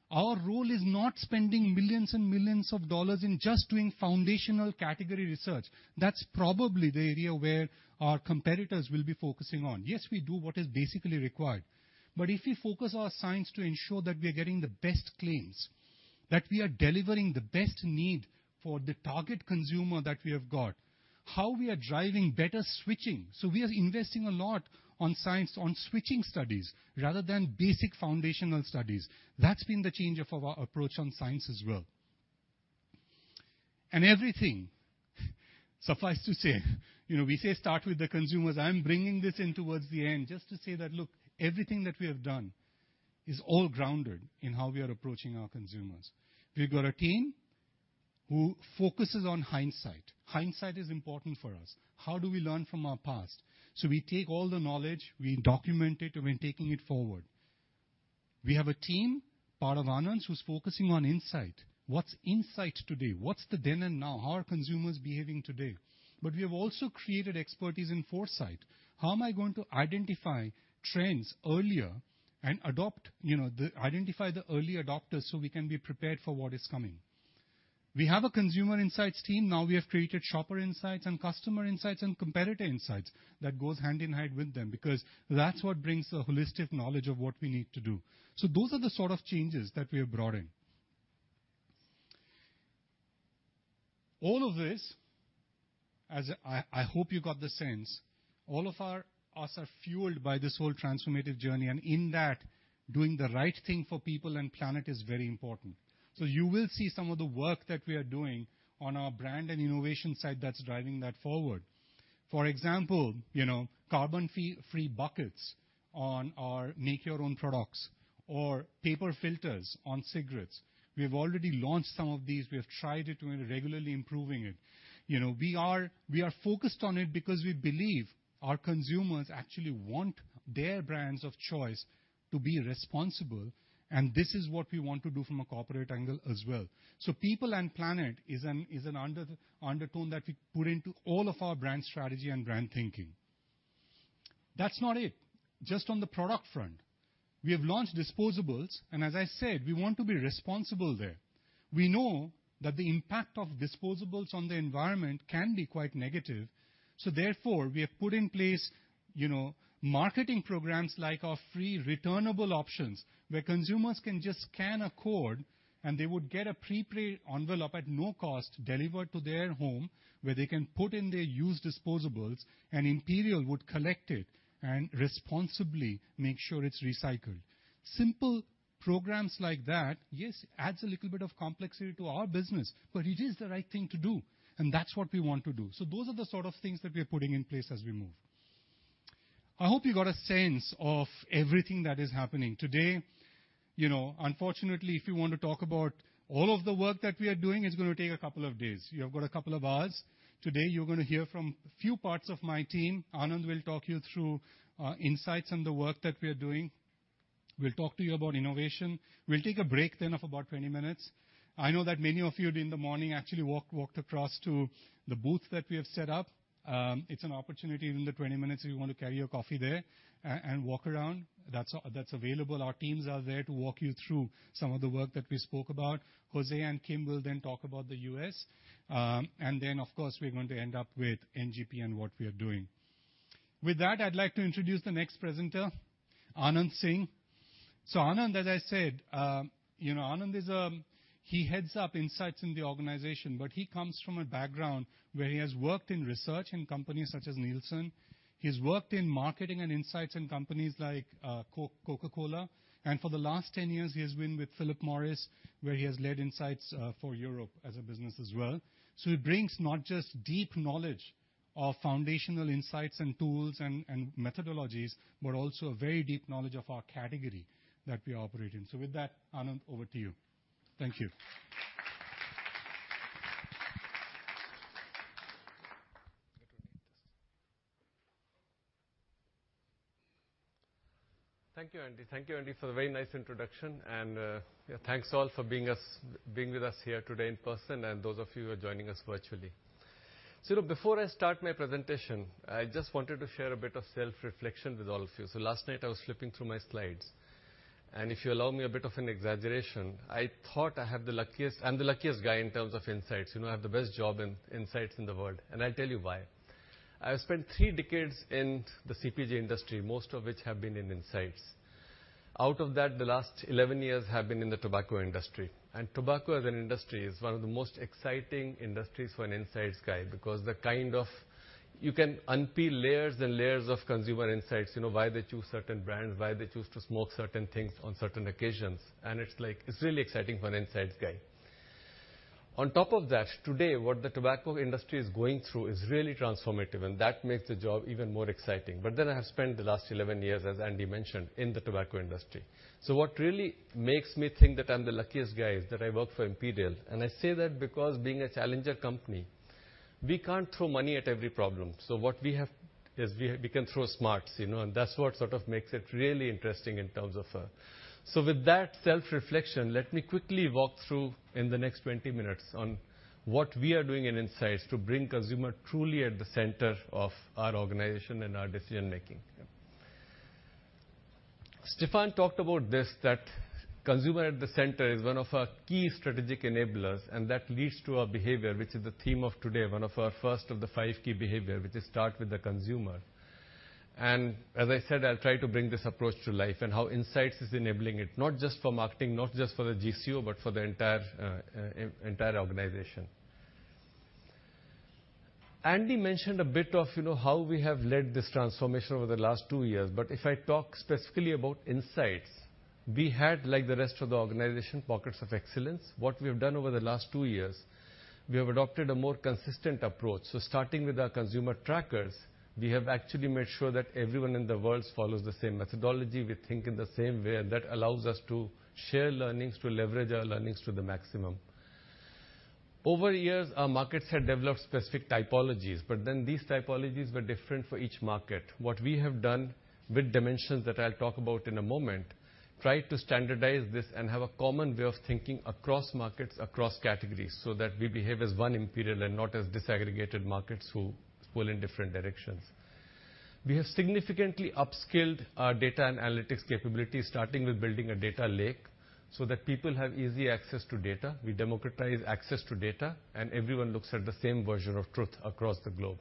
S3: our role is not spending millions and millions of dollars in just doing foundational category research. That's probably the area where our competitors will be focusing on. Yes, we do what is basically required, but if we focus our science to ensure that we are getting the best claims, that we are delivering the best need for the target consumer that we have got, how we are driving better switching. We are investing a lot on science, on switching studies, rather than basic foundational studies. That's been the change of our approach on science as well. Everything, suffice to say, you know, we say start with the consumers. I'm bringing this in towards the end, just to say that, look, everything that we have done is all grounded in how we are approaching our consumers. We've got a team who focuses on hindsight. Hindsight is important for us. How do we learn from our past? We take all the knowledge, we document it, and we're taking it forward. We have a team, part of Anand's, who's focusing on insight. What's insight today? What's the then and now? How are consumers behaving today? We have also created expertise in foresight. How am I going to identify trends earlier and adopt, you know, the... Identify the early adopters so we can be prepared for what is coming? We have a consumer insights team. Now we have created shopper insights and customer insights and competitor insights that goes hand in hand with them, because that's what brings the holistic knowledge of what we need to do. Those are the sort of changes that we have brought in. All of this, as I hope you got the sense, all of us are fueled by this whole transformative journey, and in that, doing the right thing for people and planet is very important. You will see some of the work that we are doing on our brand and innovation side that's driving that forward. For example, you know, carbon-free buckets on our make-your-own products or paper filters on cigarettes. We've already launched some of these. We have tried it, and we're regularly improving it. You know, we are focused on it because we believe our consumers actually want their brands of choice to be responsible, and this is what we want to do from a corporate angle as well. People and planet is an undertone that we put into all of our brand strategy and brand thinking. That's not it. Just on the product front, we have launched disposables, and as I said, we want to be responsible there. We know that the impact of disposables on the environment can be quite negative. Therefore, we have put in place, you know, marketing programs like our free returnable options, where consumers can just scan a code, and they would get a prepaid envelope at no cost delivered to their home, where they can put in their used disposables, and Imperial would collect it and responsibly make sure it's recycled. Simple programs like that, yes, adds a little bit of complexity to our business. It is the right thing to do, and that's what we want to do. Those are the sort of things that we're putting in place as we move. I hope you got a sense of everything that is happening today. You know, unfortunately, if you want to talk about all of the work that we are doing, it's going to take a couple of days. You have got a couple of hours. Today, you're going to hear from a few parts of my team. Anand will talk you through insights and the work that we are doing. We'll talk to you about innovation. We'll take a break of about 20 minutes. I know that many of you in the morning actually walked across to the booth that we have set up. It's an opportunity in the 20 minutes if you want to carry your coffee there and walk around, that's available. Our teams are there to walk you through some of the work that we spoke about. José and Kim will talk about the U.S. Of course, we're going to end up with NGP and what we are doing. With that, I'd like to introduce the next presenter, Anand Singh. Anand, as I said, you know, Anand he heads up insights in the organization, but he comes from a background where he has worked in research in companies such as Nielsen. He's worked in marketing and insights in companies like Coca-Cola, and for the last 10 years, he has been with Philip Morris, where he has led insights for Europe as a business as well. He brings not just deep knowledge of foundational insights and tools and methodologies, but also a very deep knowledge of our category that we operate in. With that, Anand, over to you. Thank you.
S4: Thank you, Andy. Thank you, Andy, for the very nice introduction. Thanks, all, for being with us here today in person, and those of you who are joining us virtually. Before I start my presentation, I just wanted to share a bit of self-reflection with all of you. Last night, I was flipping through my slides, and if you allow me a bit of an exaggeration, I thought I am the luckiest guy in terms of insights. You know, I have the best job in insights in the world, and I'll tell you why. I've spent three decades in the CPG industry, most of which have been in insights. Out of that, the last 11 years have been in the tobacco industry. Tobacco, as an industry, is one of the most exciting industries for an insights guy, because you can unpeel layers and layers of consumer insights. You know, why they choose certain brands, why they choose to smoke certain things on certain occasions, and it's like, it's really exciting for an insights guy. On top of that, today, what the tobacco industry is going through is really transformative, and that makes the job even more exciting. I have spent the last 11 years, as Andy mentioned, in the tobacco industry. What really makes me think that I'm the luckiest guy is that I work for Imperial. I say that because being a challenger company, we can't throw money at every problem, so what we have is we can throw smarts, you know? That's what sort of makes it really interesting in terms of, with that self-reflection, let me quickly walk through, in the next 20 minutes, on what we are doing in insights to bring consumer truly at the center of our organization and our decision making. Stefan talked about this, that consumer at the center is one of our key strategic enablers, and that leads to our behavior, which is the theme of today, one of our first of the five key behavior, which is start with the consumer. As I said, I'll try to bring this approach to life and how insights is enabling it, not just for marketing, not just for the GSU, but for the entire organization. Andy mentioned a bit of, you know, how we have led this transformation over the last two years, but if I talk specifically about insights, we had, like the rest of the organization, pockets of excellence. What we have done over the last two years, we have adopted a more consistent approach. Starting with our consumer trackers, we have actually made sure that everyone in the world follows the same methodology. We think in the same way, and that allows us to share learnings, to leverage our learnings to the maximum. Over the years, our markets have developed specific typologies, but then these typologies were different for each market. What we have done with dimensions that I'll talk about in a moment, tried to standardize this and have a common way of thinking across markets, across categories, so that we behave as one Imperial and not as disaggregated markets who pull in different directions. We have significantly upskilled our data and analytics capabilities, starting with building a data lake, so that people have easy access to data. We democratize access to data, everyone looks at the same version of truth across the globe.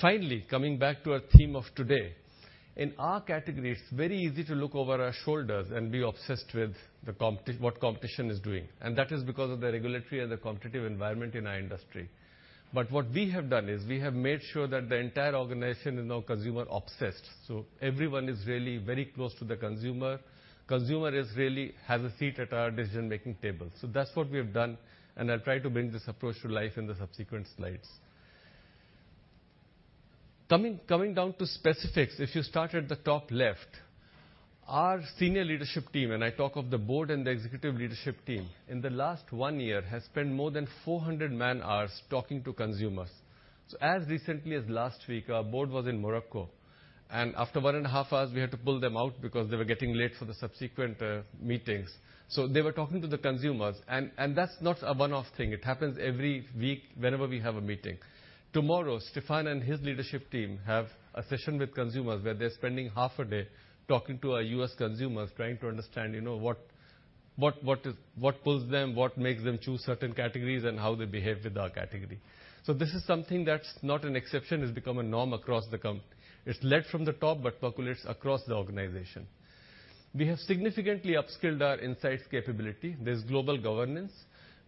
S4: Finally, coming back to our theme of today, in our category, it's very easy to look over our shoulders and be obsessed with what competition is doing, and that is because of the regulatory and the competitive environment in our industry. What we have done is, we have made sure that the entire organization is now consumer-obsessed, everyone is really very close to the consumer. Consumer has a seat at our decision-making table. That's what we have done, I'll try to bring this approach to life in the subsequent slides. Coming down to specifics, if you start at the top left, our senior leadership team, I talk of the board and the executive leadership team, in the last one year, has spent more than 400 man-hours talking to consumers. As recently as last week, our board was in Morocco, after one and a half hours, we had to pull them out because they were getting late for the subsequent meetings. They were talking to the consumers, and that's not a one-off thing. It happens every week whenever we have a meeting. Tomorrow, Stefan and his leadership team have a session with consumers where they're spending half a day talking to our U.S. consumers, trying to understand, you know, what pulls them, what makes them choose certain categories, and how they behave with our category. This is something that's not an exception, it's become a norm across the company. It's led from the top, percolates across the organization. We have significantly upskilled our insights capability. There's global governance.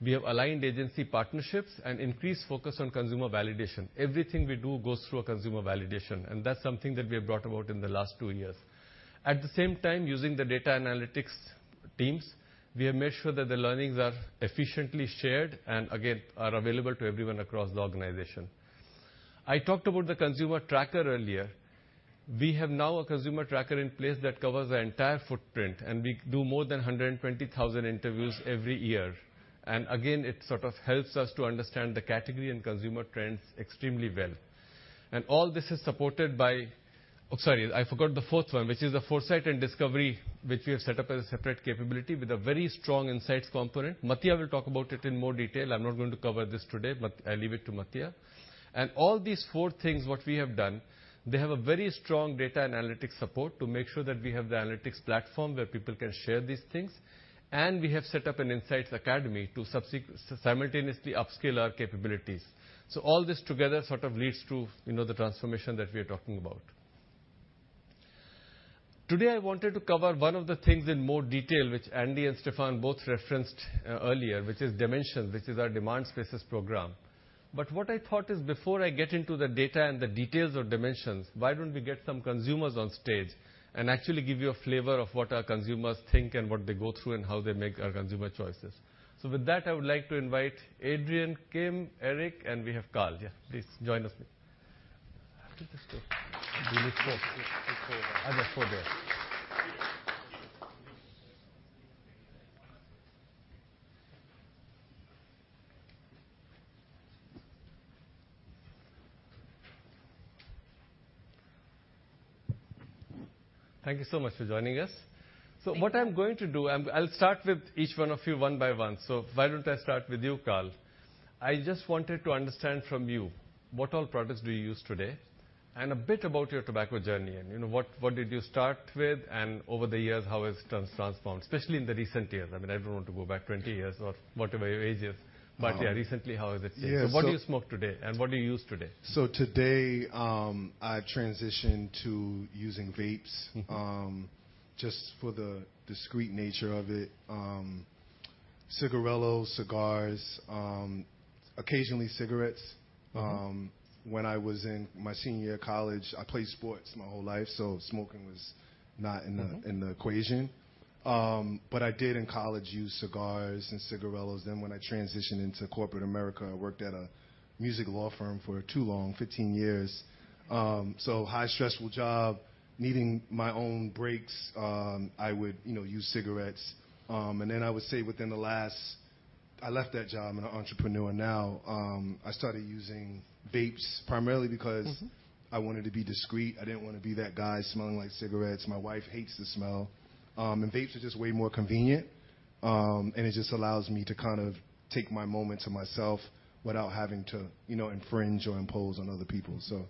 S4: We have aligned agency partnerships and increased focus on consumer validation. Everything we do goes through a consumer validation, that's something that we have brought about in the last two years. At the same time, using the data analytics teams, we have made sure that the learnings are efficiently shared and again, are available to everyone across the organization. I talked about the consumer tracker earlier. We have now a consumer tracker in place that covers our entire footprint, and we do more than 120,000 interviews every year. Again, it sort of helps us to understand the category and consumer trends extremely well. All this is supported. Oh, sorry, I forgot the fourth one, which is the foresight and discovery, which we have set up as a separate capability with a very strong insights component. Mattia will talk about it in more detail. I'm not going to cover this today, but I leave it to Mattia. All these four things, what we have done, they have a very strong data and analytics support to make sure that we have the analytics platform, where people can share these things. We have set up an insights academy to simultaneously upscale our capabilities. All this together sort of leads to, you know, the transformation that we are talking about. Today, I wanted to cover one of the things in more detail, which Andy and Stefan both referenced earlier, which is dimensions, which is our demand spaces program. What I thought is before I get into the data and the details of dimensions, why don't we get some consumers on stage and actually give you a flavor of what our consumers think and what they go through and how they make our consumer choices? With that, I would like to invite Adrian, Kim, Eric, and we have Carl. Yeah, please join us. Thank you so much for joining us.
S5: Thank you.
S4: What I'm going to do, I'll start with each one of you, one by one. Why don't I start with you, Carl? I just wanted to understand from you, what all products do you use today? A bit about your tobacco journey, you know, what did you start with, and over the years, how has it transformed, especially in the recent years. I mean, I don't want to go back 20 years or whatever your age is, yeah, recently, how has it changed?
S5: Yeah.
S4: What do you smoke today, and what do you use today?
S5: Today, I transitioned to using vapes.
S4: Mm-hmm.
S5: just for the discreet nature of it. Cigarillos, cigars, occasionally cigarettes.
S4: Mm-hmm.
S5: When I was in my senior year of college, I played sports my whole life, so smoking was not in.
S4: Mm-hmm...
S5: in the equation. I did, in college, use cigars and cigarillos. When I transitioned into corporate America, I worked at a music law firm for too long, 15 years. High-stressful job, needing my own breaks, I would, you know, use cigarettes. I would say within the last... I left that job, I'm an entrepreneur now. I started using vapes primarily because-
S4: Mm-hmm
S5: I wanted to be discreet. I didn't want to be that guy smelling like cigarettes. My wife hates the smell. Vapes are just way more convenient, and it just allows me to kind of take my moment to myself without having to infringe or impose on other people.
S4: Mm-hmm.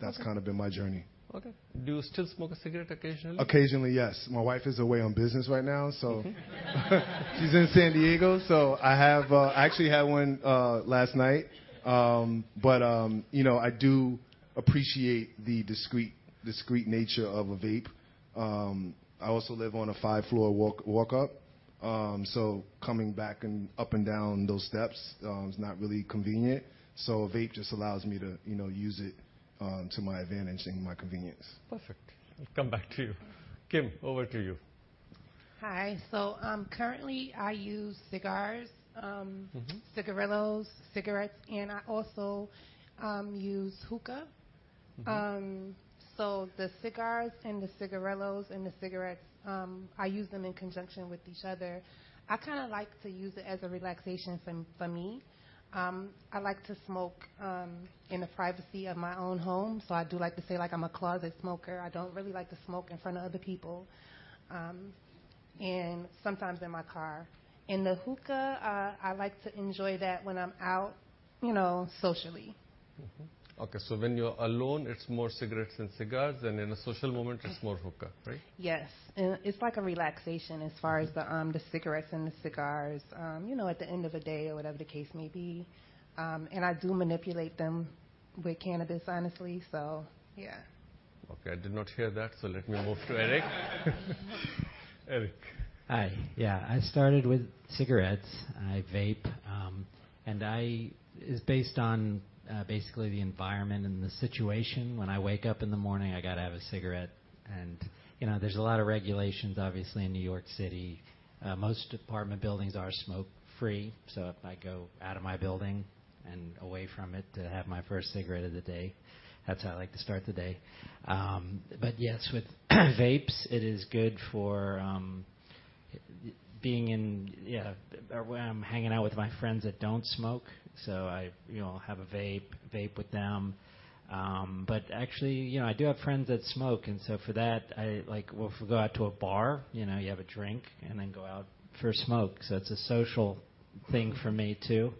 S5: That's kind of been my journey.
S4: Okay. Do you still smoke a cigarette occasionally?
S5: Occasionally, yes. My wife is away on business right now. She's in San Diego, so I have... I actually had one last night. You know, I do appreciate the discreet nature of a vape. I also live on a five-floor walk up. Coming back and up and down those steps is not really convenient. A vape just allows me to, you know, use it to my advantage and my convenience.
S4: Perfect. I'll come back to you. Kim, over to you.
S5: Hi. Currently, I use cigars.
S4: Mm-hmm...
S5: cigarillos, cigarettes, and I also use hookah.
S4: Mm-hmm.
S5: The cigars and the cigarillos and the cigarettes, I use them in conjunction with each other. I kinda like to use it as a relaxation from, for me. I like to smoke in the privacy of my own home, so I do like to say, like, I'm a closet smoker. I don't really like to smoke in front of other people, and sometimes in my car. The hookah, I like to enjoy that when I'm out, you know, socially.
S4: Okay, when you're alone, it's more cigarettes and cigars, and in a social moment, it's more hookah, right?
S5: Yes. It's like a relaxation as far as the cigarettes and the cigars. You know, at the end of the day or whatever the case may be. I do manipulate them with cannabis, honestly. Yeah.
S4: Okay, I did not hear that, so let me move to Eric. Eric.
S5: Hi. Yeah, I started with cigarettes. I vape. It's based on basically the environment and the situation. When I wake up in the morning, I gotta have a cigarette. You know, there's a lot of regulations, obviously, in New York City. Most apartment buildings are smoke-free, so if I go out of my building and away from it to have my first cigarette of the day, that's how I like to start the day. Yes, with vapes, it is good for being in, yeah, or when I'm hanging out with my friends that don't smoke. I, you know, I'll have a vape with them. Actually, you know, I do have friends that smoke, and so for that, I like, we'll go out to a bar, you know, you have a drink and then go out for a smoke. It's a social thing for me, too.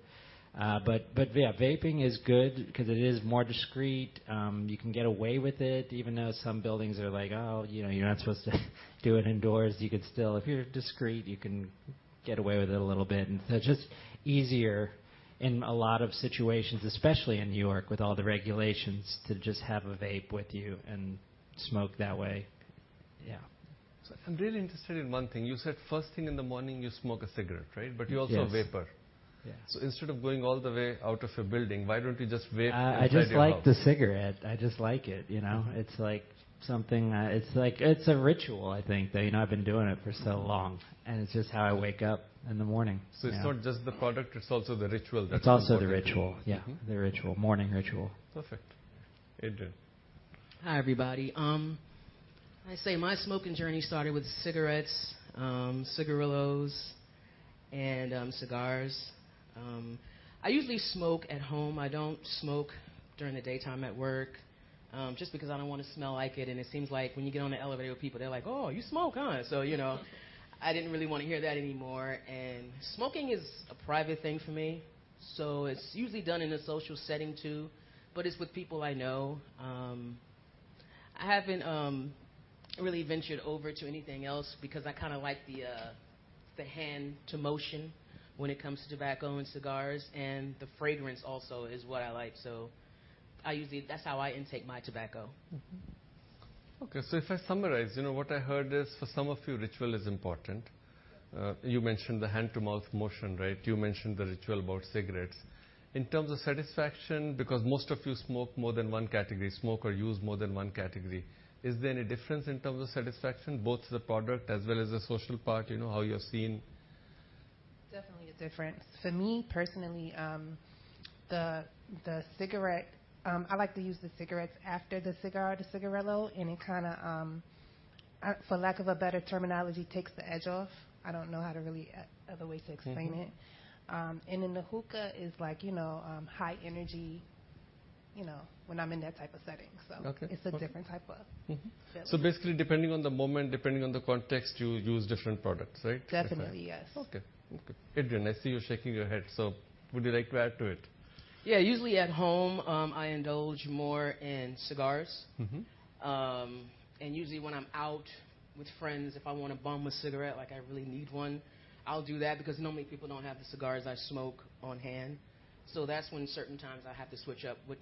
S5: Yeah, vaping is good because it is more discreet. You can get away with it, even though some buildings are like, "Oh, you know, you're not supposed to do it indoors." You can still, if you're discreet, you can get away with it a little bit. Just easier in a lot of situations, especially in New York, with all the regulations, to just have a vape with you and smoke that way. Yeah.
S4: I'm really interested in one thing. You said first thing in the morning, you smoke a cigarette, right?
S5: Yes.
S4: You're also a vaper.
S5: Yes.
S4: Instead of going all the way out of your building, why don't you just vape inside your house?
S5: I just like the cigarette. I just like it, you know? It's like, it's a ritual, I think. You know, I've been doing it for so long. It's just how I wake up in the morning.
S4: It's not just the product, it's also the ritual.
S5: It's also the ritual.
S4: Yeah.
S5: The ritual, morning ritual.
S4: Perfect. Adrian.
S5: Hi, everybody. I say my smoking journey started with cigarettes, cigarillos and cigars. I usually smoke at home. I don't smoke during the daytime at work, just because I don't want to smell like it, and it seems like when you get on the elevator with people, they're like: "Oh, you smoke, huh?" You know, I didn't really want to hear that anymore. Smoking is a private thing for me, so it's usually done in a social setting, too, but it's with people I know. I haven't really ventured over to anything else because I kind of like the hand to motion when it comes to tobacco and cigars. The fragrance also is what I like. That's how I intake my tobacco.
S4: Okay, if I summarize, you know, what I heard is, for some of you, ritual is important. You mentioned the hand-to-mouth motion, right? You mentioned the ritual about cigarettes. In terms of satisfaction, because most of you smoke or use more than one category, is there any difference in terms of satisfaction, both the product as well as the social part? You know, how you're seen.
S5: Definitely a difference. For me, personally, the cigarette, I like to use the cigarettes after the cigar or the cigarillo, and it kind of, for lack of a better terminology, takes the edge off. I don't know how to really other ways to explain it.
S4: Mm-hmm.
S5: Then the hookah is like, you know, high energy, you know, when I'm in that type of setting.
S4: Okay.
S5: it's a different
S4: Mm-hmm
S5: -feeling.
S4: Basically, depending on the moment, depending on the context, you use different products, right?
S5: Definitely, yes.
S4: Okay. Okay. Adrian, I see you shaking your head, so would you like to add to it?
S5: Yeah. Usually, at home, I indulge more in cigars.
S4: Mm-hmm.
S5: Usually when I'm out with friends, if I want to bum a cigarette, like I really need one, I'll do that, because normally people don't have the cigars I smoke on hand. That's when certain times I have to switch up which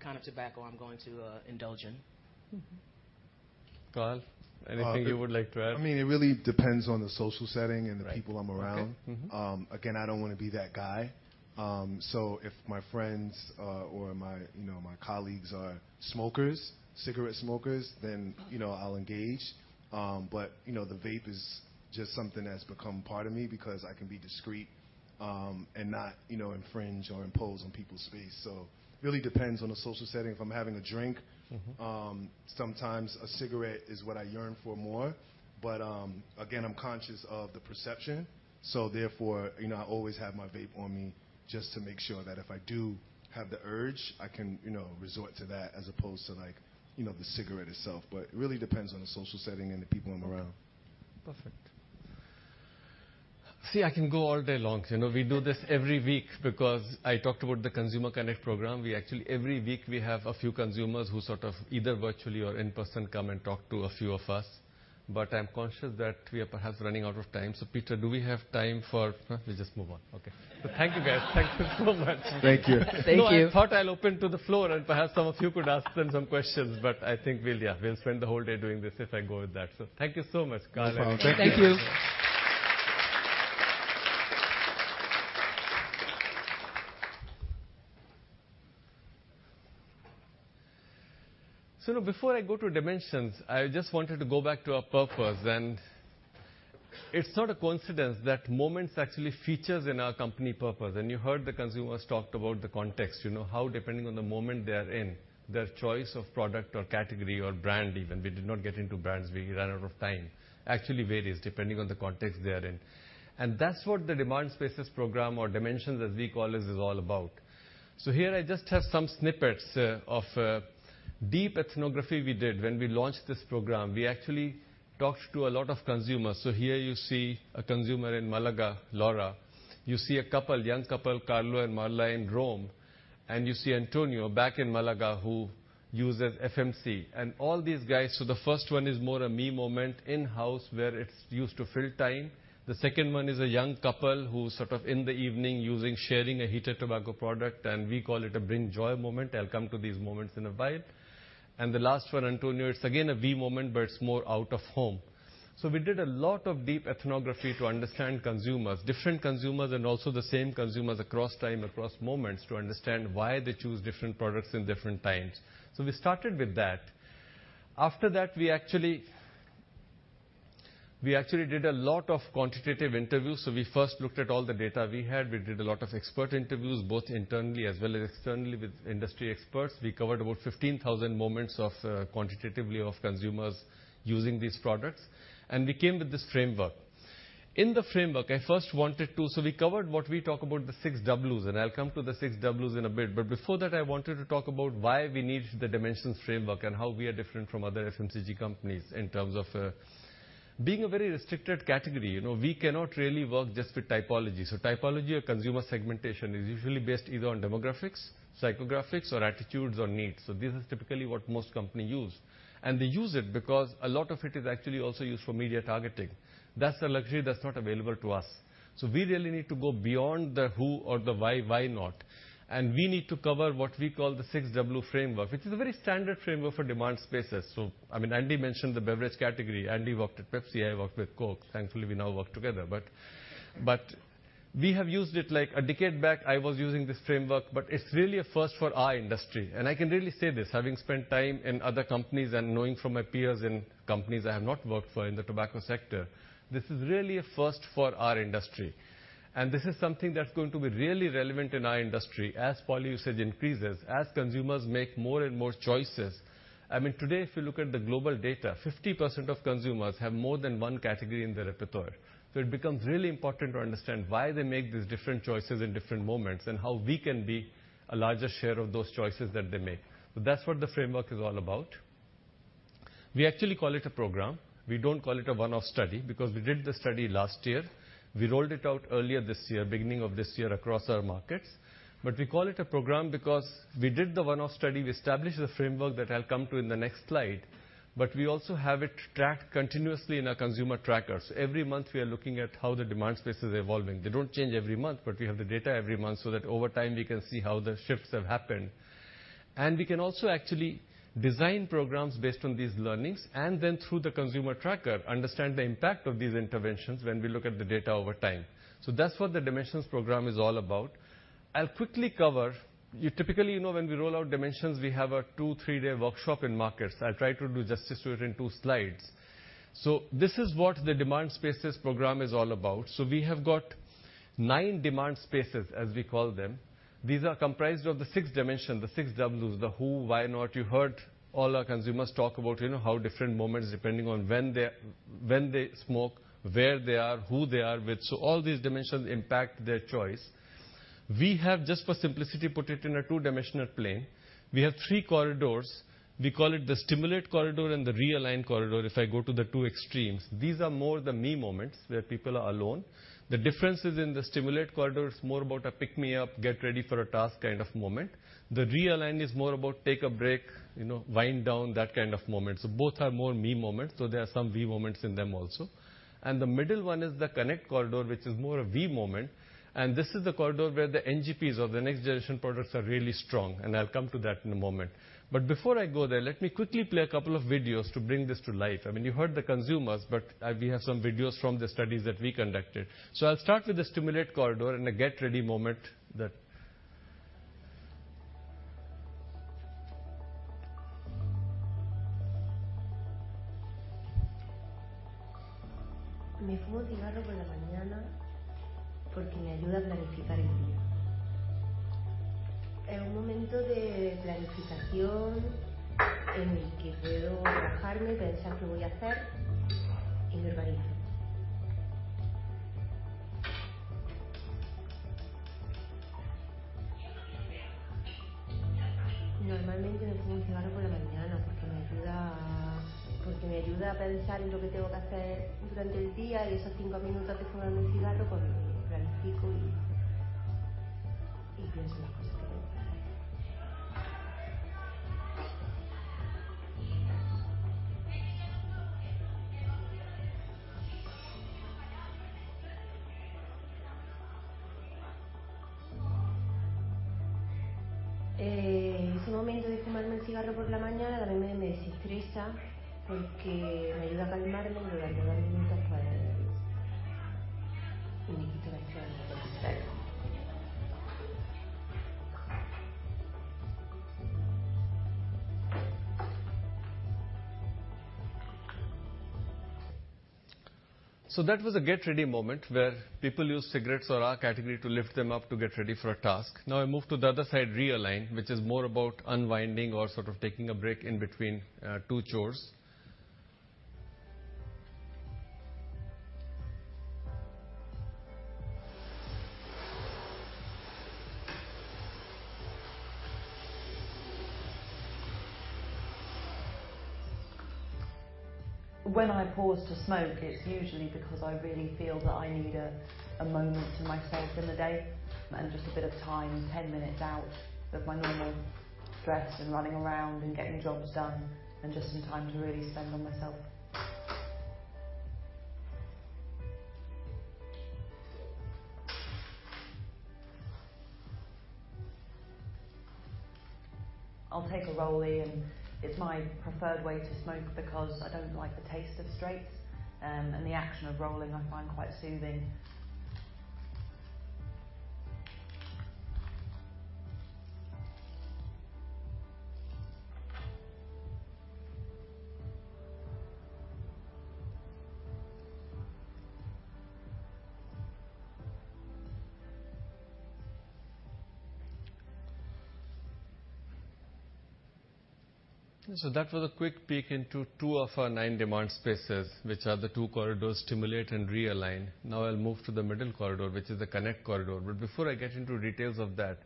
S5: kind of tobacco I'm going to indulge in.
S4: Carl, anything you would like to add?
S5: I mean, it really depends on the social setting.
S4: Right
S5: The people I'm around.
S4: Okay. Mm-hmm.
S5: Again, I don't want to be that guy. If my friends, or my, you know, my colleagues are smokers, cigarette smokers, then, you know, I'll engage. You know, the vape is just something that's become part of me because I can be discreet, and not, you know, infringe or impose on people's space. Really depends on the social setting. If I'm having a drink-
S4: Mm-hmm
S5: Sometimes a cigarette is what I yearn for more. Again, I'm conscious of the perception, so therefore, you know, I always have my vape on me, just to make sure that if I do have the urge, I can, you know, resort to that, as opposed to like, you know, the cigarette itself. It really depends on the social setting and the people I'm around.
S4: Perfect. See, I can go all day long. You know, we do this every week because I talked about the Consumer Connect program. We actually, every week, we have a few consumers who sort of either virtually or in person, come and talk to a few of us. I'm conscious that we are perhaps running out of time. Peter, do we have time for... No, we just move on. Okay. Thank you, guys. Thank you so much.
S5: Thank you. Thank you.
S4: I thought I'll open to the floor, and perhaps some of you could ask them some questions, but I think we'll, yeah, we'll spend the whole day doing this if I go with that. Thank you so much, Carl.
S5: Thank you. Thank you.
S4: Before I go to dimensions, I just wanted to go back to our purpose, and it's not a coincidence that moments actually features in our company purpose. You heard the consumers talked about the context, you know, how depending on the moment they are in, their choice of product or category or brand even, we did not get into brands, we ran out of time, actually varies depending on the context they are in. That's what the demand spaces program or dimensions, as we call it, is all about. Here I just have some snippets of deep ethnography we did when we launched this program. We actually talked to a lot of consumers. Here you see a consumer in Malaga, Laura. You see a couple, young couple, Carlo and Marla, in Rome, and you see Antonio back in Malaga, who uses FMC. All these guys, the first one is more a me moment in-house, where it's used to fill time. The second one is a young couple who sort of in the evening using sharing a heated tobacco product, and we call it a bring joy moment. I'll come to these moments in a while. The last one, Antonio, it's again, a me moment, but it's more out of home. We did a lot of deep ethnography to understand consumers, different consumers and also the same consumers across time, across moments, to understand why they choose different products in different times. We started with that. After that, we actually did a lot of quantitative interviews. We first looked at all the data we had. We did a lot of expert interviews, both internally as well as externally, with industry experts. We covered about 15,000 moments of quantitatively of consumers using these products, and we came with this framework. In the framework, I first wanted to... we covered what we talk about, the six Ws, and I'll come to the six Ws in a bit, but before that, I wanted to talk about why we need the Dimensions framework and how we are different from other FMCG companies in terms of being a very restricted category. You know, we cannot really work just with typology. typology or consumer segmentation is usually based either on demographics, psychographics or attitudes or needs. This is typically what most companies use, and they use it because a lot of it is actually also used for media targeting. That's a luxury that's not available to us. We really need to go beyond the who or the why not? We need to cover what we call the six W framework, which is a very standard framework for demand spaces. I mean, Andy mentioned the beverage category. Andy worked at Pepsi, I worked with Coke. Thankfully, we now work together. We have used it, like a decade back, I was using this framework, but it's really a first for our industry. I can really say this, having spent time in other companies and knowing from my peers in companies I have not worked for in the tobacco sector, this is really a first for our industry. This is something that's going to be really relevant in our industry as poly usage increases, as consumers make more and more choices. I mean, today, if you look at the global data, 50% of consumers have more than one category in their repertoire. It becomes really important to understand why they make these different choices in different moments, and how we can be a larger share of those choices that they make. That's what the framework is all about. We actually call it a program. We don't call it a one-off study, because we did the study last year. We rolled it out earlier this year, beginning of this year, across our markets. We call it a program because we did the one-off study. We established the framework that I'll come to in the next slide, but we also have it tracked continuously in our consumer trackers. Every month, we are looking at how the demand space is evolving. They don't change every month, but we have the data every month so that over time, we can see how the shifts have happened. We can also actually design programs based on these learnings, and then through the consumer tracker, understand the impact of these interventions when we look at the data over time. That's what the Dimensions program is all about. I'll quickly cover... Typically, you know, when we roll out Dimensions, we have a two, three-day workshop in markets. I'll try to do justice to it in two slides. This is what the demand spaces program is all about. We have got nine demand spaces, as we call them. These are comprised of the six dimensions, the six Ws, the who, why not? You heard all our consumers talk about, you know, how different moments, depending on when they, when they smoke, where they are, who they are with. All these dimensions impact their choice. We have, just for simplicity, put it in a two-dimensional plane. We have three corridors. We call it the stimulate corridor and the realign corridor, if I go to the two extremes. These are more the me moments where people are alone. The differences in the stimulate corridor is more about a pick me up, get ready for a task kind of moment. The realign is more about take a break, you know, wind down, that kind of moment. Both are more me moments, so there are some we moments in them also. The middle one is the connect corridor, which is more a we moment, and this is the corridor where the NGPs or the next generation products are really strong, and I'll come to that in a moment. Before I go there, let me quickly play a couple of videos to bring this to life. I mean, you heard the consumers. We have some videos from the studies that we conducted. I'll start with the stimulate corridor and a get ready moment. That was a get ready moment where people use cigarettes or our category to lift them up to get ready for a task. Now I move to the other side, realign, which is more about unwinding or sort of taking a break in between two chores.
S6: When I pause to smoke, it's usually because I really feel that I need a moment to myself in the day and just a bit of time, 10 minutes out of my normal stress and running around and getting jobs done, and just some time to really spend on myself. I'll take a rollie. It's my preferred way to smoke because I don't like the taste of straight, and the action of rolling I find quite soothing.
S4: That was a quick peek into two of our nine demand spaces, which are the two corridors, Stimulate and Realign. I'll move to the middle corridor, which is the Connect corridor. Before I get into details of that,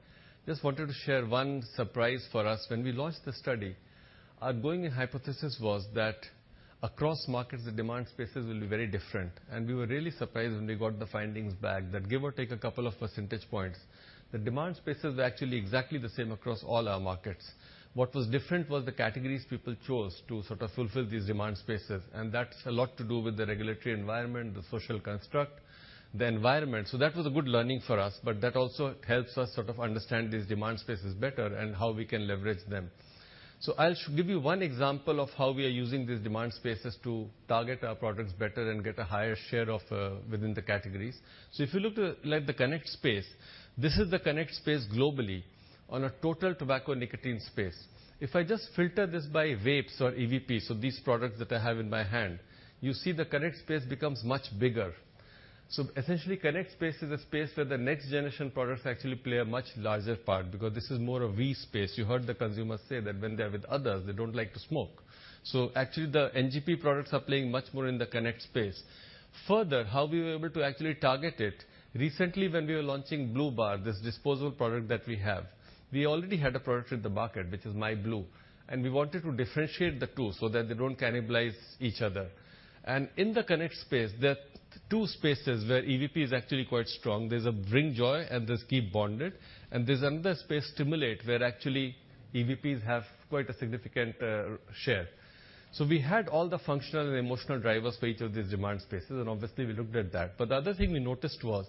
S4: just wanted to share one surprise for us. When we launched the study, our going hypothesis was that across markets, the demand spaces will be very different. We were really surprised when we got the findings back, that give or take a couple of percentage points, the demand spaces are actually exactly the same across all our markets. What was different was the categories people chose to sort of fulfill these demand spaces, and that's a lot to do with the regulatory environment, the social construct, the environment. That was a good learning for us, but that also helps us sort of understand these demand spaces better and how we can leverage them. I'll give you one example of how we are using these demand spaces to target our products better and get a higher share of within the categories. If you look to, like, the connect space, this is the connect space globally on a total tobacco nicotine space. If I just filter this by vapes or EVPs, so these products that I have in my hand, you see the connect space becomes much bigger. Essentially, connect space is a space where the next generation products actually play a much larger part, because this is more a we space. You heard the consumers say that when they're with others, they don't like to smoke. Actually, the NGP products are playing much more in the connect space. How we were able to actually target it, recently when we were launching blu bar, this disposable product that we have, we already had a product in the market, which is myblu, and we wanted to differentiate the two so that they don't cannibalize each other. In the connect space, there are two spaces where EVP is actually quite strong. There's a bring joy, and there's keep bonded, and there's another space, stimulate, where actually EVPs have quite a significant share. We had all the functional and emotional drivers for each of these demand spaces, and obviously, we looked at that. The other thing we noticed was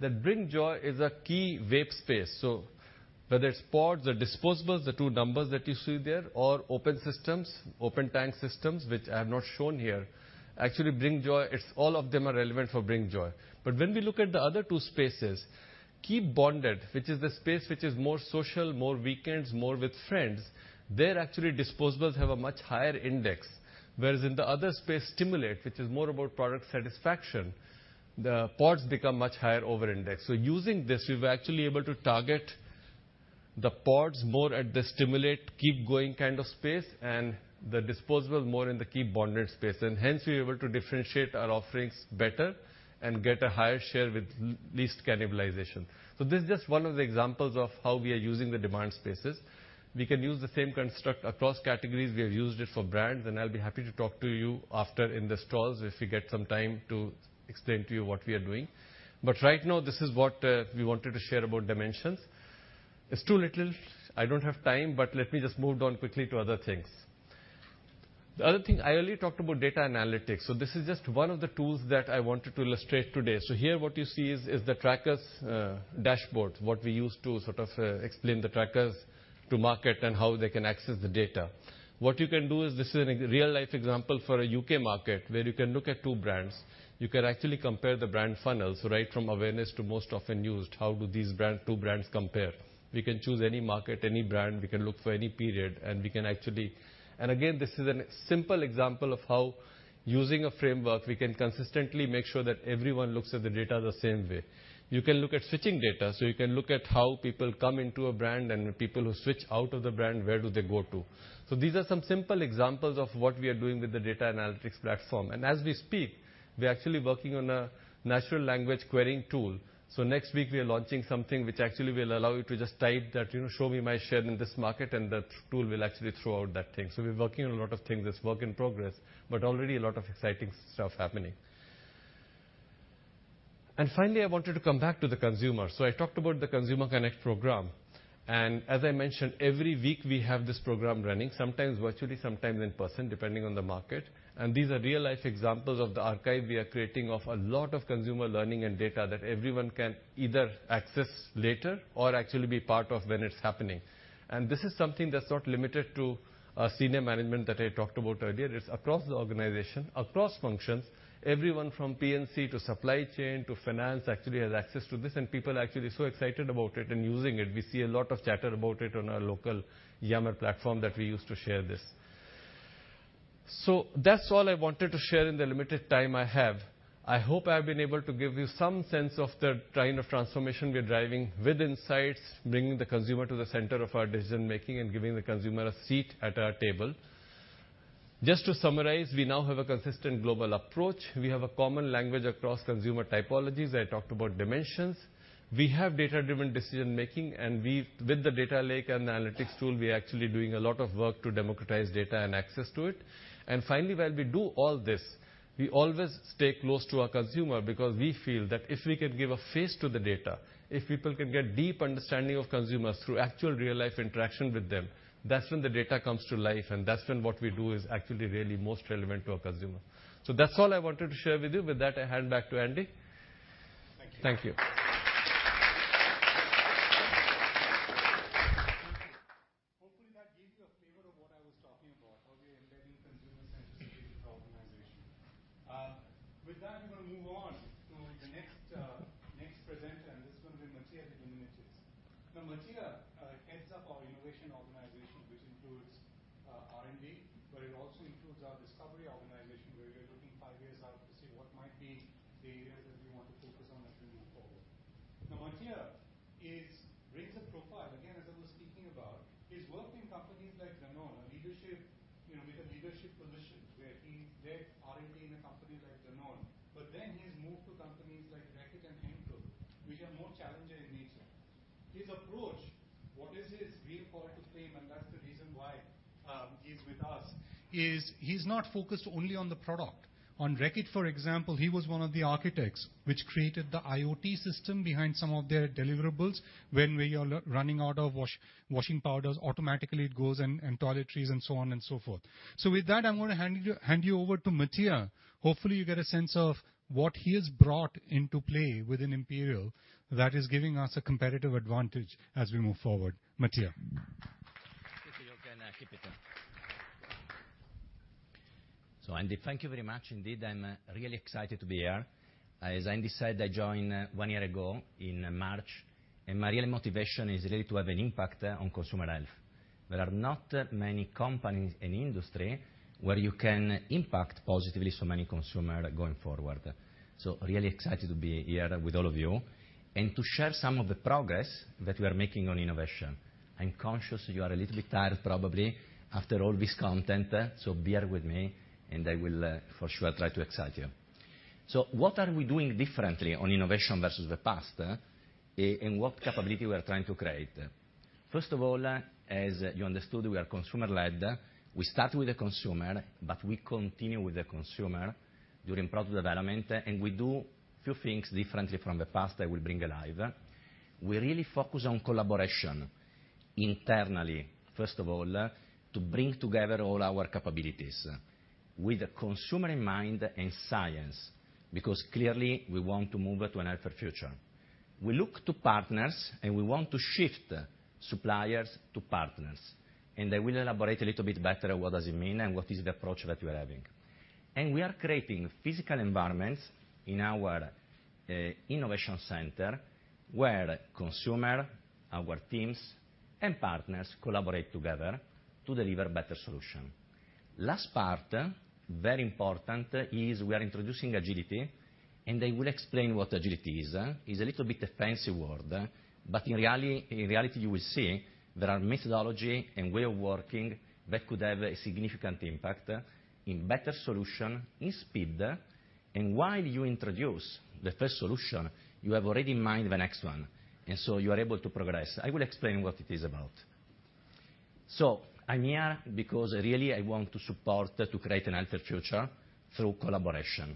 S4: that bring joy is a key vape space. Whether it's pods or disposables, the two numbers that you see there, or open systems, open tank systems, which are not shown here, actually bring joy. It's all of them are relevant for bring joy. When we look at the other two spaces, keep bonded, which is the space which is more social, more weekends, more with friends, there, actually, disposables have a much higher index, whereas in the other space, stimulate, which is more about product satisfaction, the pods become much higher over index. Using this, we were actually able to target the pods more at the stimulate, keep going kind of space, and the disposables more in the keep bonded space, and hence we're able to differentiate our offerings better and get a higher share with least cannibalization. This is just one of the examples of how we are using the demand spaces. We can use the same construct across categories. We have used it for brands. I'll be happy to talk to you after in the stores if you get some time to explain to you what we are doing. Right now, this is what we wanted to share about dimensions. It's too little. I don't have time. Let me just move on quickly to other things. The other thing, I only talked about data analytics. This is just one of the tools that I wanted to illustrate today. Here what you see is the trackers dashboard, what we use to sort of explain the trackers to market and how they can access the data. What you can do is, this is a real-life example for a U.K. market, where you can look at two brands. You can actually compare the brand funnels, right from awareness to most often used. How do these two brands compare? We can choose any market, any brand, we can look for any period, we can actually... Again, this is a simple example of how using a framework, we can consistently make sure that everyone looks at the data the same way. You can look at switching data, so you can look at how people come into a brand and the people who switch out of the brand, where do they go to? These are some simple examples of what we are doing with the data analytics platform. As we speak, we are actually working on a natural language querying tool. Next week we are launching something which actually will allow you to just type that, you know, show me my share in this market, and that tool will actually throw out that thing. We're working on a lot of things, that's work in progress, but already a lot of exciting stuff happening. Finally, I wanted to come back to the consumer. I talked about the Consumer Connect program, and as I mentioned, every week we have this program running, sometimes virtually, sometimes in person, depending on the market. These are real-life examples of the archive we are creating of a lot of consumer learning and data that everyone can either access later or actually be part of when it's happening. This is something that's not limited to senior management that I talked about earlier. It's across the organization, across functions. Everyone from PNC to supply chain to finance, actually has access to this, and people are actually so excited about it and using it. We see a lot of chatter about it on our local Yammer platform that we use to share this. That's all I wanted to share in the limited time I have. I hope I've been able to give you some sense of the kind of transformation we're driving with insights, bringing the consumer to the center of our decision-making, and giving the consumer a seat at our table. Just to summarize, we now have a consistent global approach. We have a common language across consumer typologies. I talked about dimensions. We have data-driven decision making, with the data lake and analytics tool, we are actually doing a lot of work to democratize data and access to it. Finally, while we do all this, we always stay close to our consumer because we feel that if we can give a face to the data, if people can get deep understanding of consumers through actual, real-life interaction with them, that's when the data comes to life, and that's when what we do is actually really most relevant to our consumer. That's all I wanted to share with you. I hand back to Andy. Thank you.
S3: Hopefully, his real call to claim, and that's the reason why he's with us, is he's not focused only on the product. On Reckitt, for example, he was one of the architects which created the IoT system behind some of their deliverables. When we are running out of washing powders, automatically it goes, and toiletries and so on and so forth. With that, I'm gonna hand you over to Mattia. Hopefully, you get a sense of what he has brought into play within Imperial that is giving us a competitive advantage as we move forward. Mattia.
S7: Thank you again, Andy. Andy, thank you very much indeed. I'm really excited to be here. As Andy said, I joined one year ago in March, and my real motivation is really to have an impact on consumer health. There are not many companies in industry where you can impact positively so many consumer going forward. Really excited to be here with all of you and to share some of the progress that we are making on innovation. I'm conscious you are a little bit tired, probably, after all this content, so bear with me, and I will for sure, try to excite you. What are we doing differently on innovation versus the past, and what capability we are trying to create? First of all, as you understood, we are consumer-led. We start with the consumer, but we continue with the consumer during product development, and we do few things differently from the past I will bring alive. We really focus on collaboration internally, first of all, to bring together all our capabilities with the consumer in mind and science, because clearly we want to move to a healthier future. We look to partners, and we want to shift suppliers to partners, and I will elaborate a little bit better what does it mean and what is the approach that we are having. We are creating physical environments in our innovation center, where consumer, our teams, and partners collaborate together to deliver better solution. Last part, very important, is we are introducing agility, and I will explain what agility is. It's a little bit a fancy word. In reality, you will see there are methodology and way of working that could have a significant impact in better solution, in speed, and while you introduce the first solution, you have already in mind the next one. You are able to progress. I will explain what it is about. I'm here because really I want to support to create a healthier future through collaboration.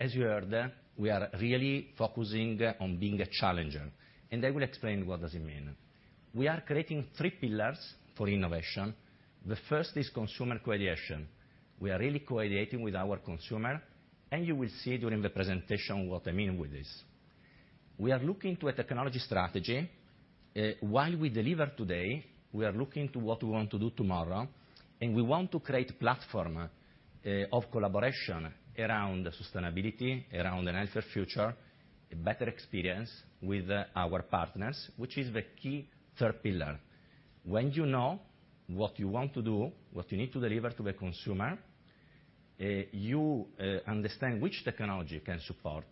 S7: As you heard, we are really focusing on being a challenger, and I will explain what does it mean. We are creating three pillars for innovation. The first is consumer co-creation. We are really co-creating with our consumer, and you will see during the presentation what I mean with this. We are looking to a technology strategy. While we deliver today, we are looking to what we want to do tomorrow, and we want to create platform of collaboration around sustainability, around a healthier future, a better experience with our partners, which is the key third pillar. When you know what you want to do, what you need to deliver to the consumer, you understand which technology can support,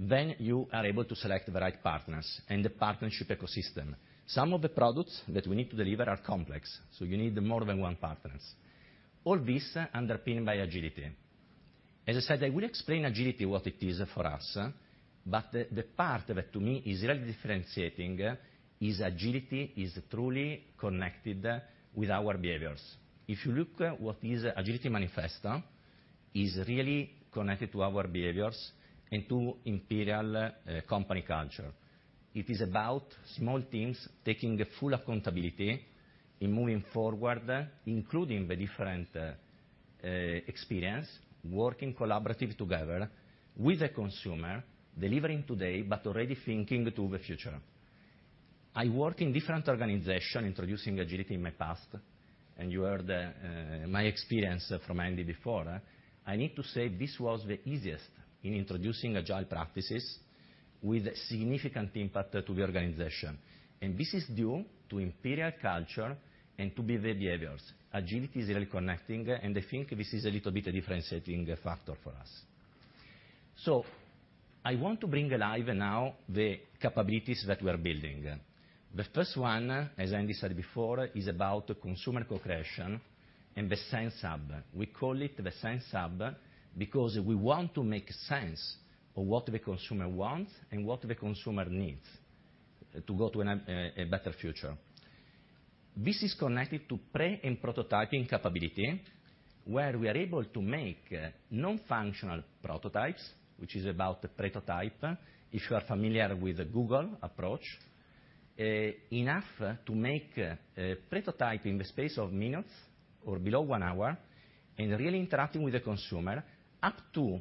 S7: then you are able to select the right partners and the partnership ecosystem. Some of the products that we need to deliver are complex, so you need more than one partners. All this underpinned by agility. As I said, I will explain agility, what it is for us, but the part that to me is really differentiating is agility is truly connected with our behaviors. If you look what is agility manifesto, is really connected to our behaviors and to Imperial company culture. It is about small teams taking the full accountability in moving forward, including the different experience, working collaboratively together with the consumer, delivering today but already thinking to the future. I worked in different organizations introducing agility in my past, and you heard my experience from Andy before. I need to say this was the easiest in introducing agile practices with significant impact to the organization, and this is due to Imperial culture and to the behaviors. Agility is really connecting, and I think this is a little bit a differentiating factor for us. I want to bring alive now the capabilities that we are building. The first one, as Andy said before, is about consumer co-creation and the Sense Hub. We call it the Sense Hub because we want to make sense of what the consumer wants and what the consumer needs to go to a better future. This is connected to pre- and prototyping capability, where we are able to make non-functional prototypes, which is about the pretotype, if you are familiar with the Google approach. Enough to make a pretotype in the space of minutes or below one hour, and really interacting with the consumer up to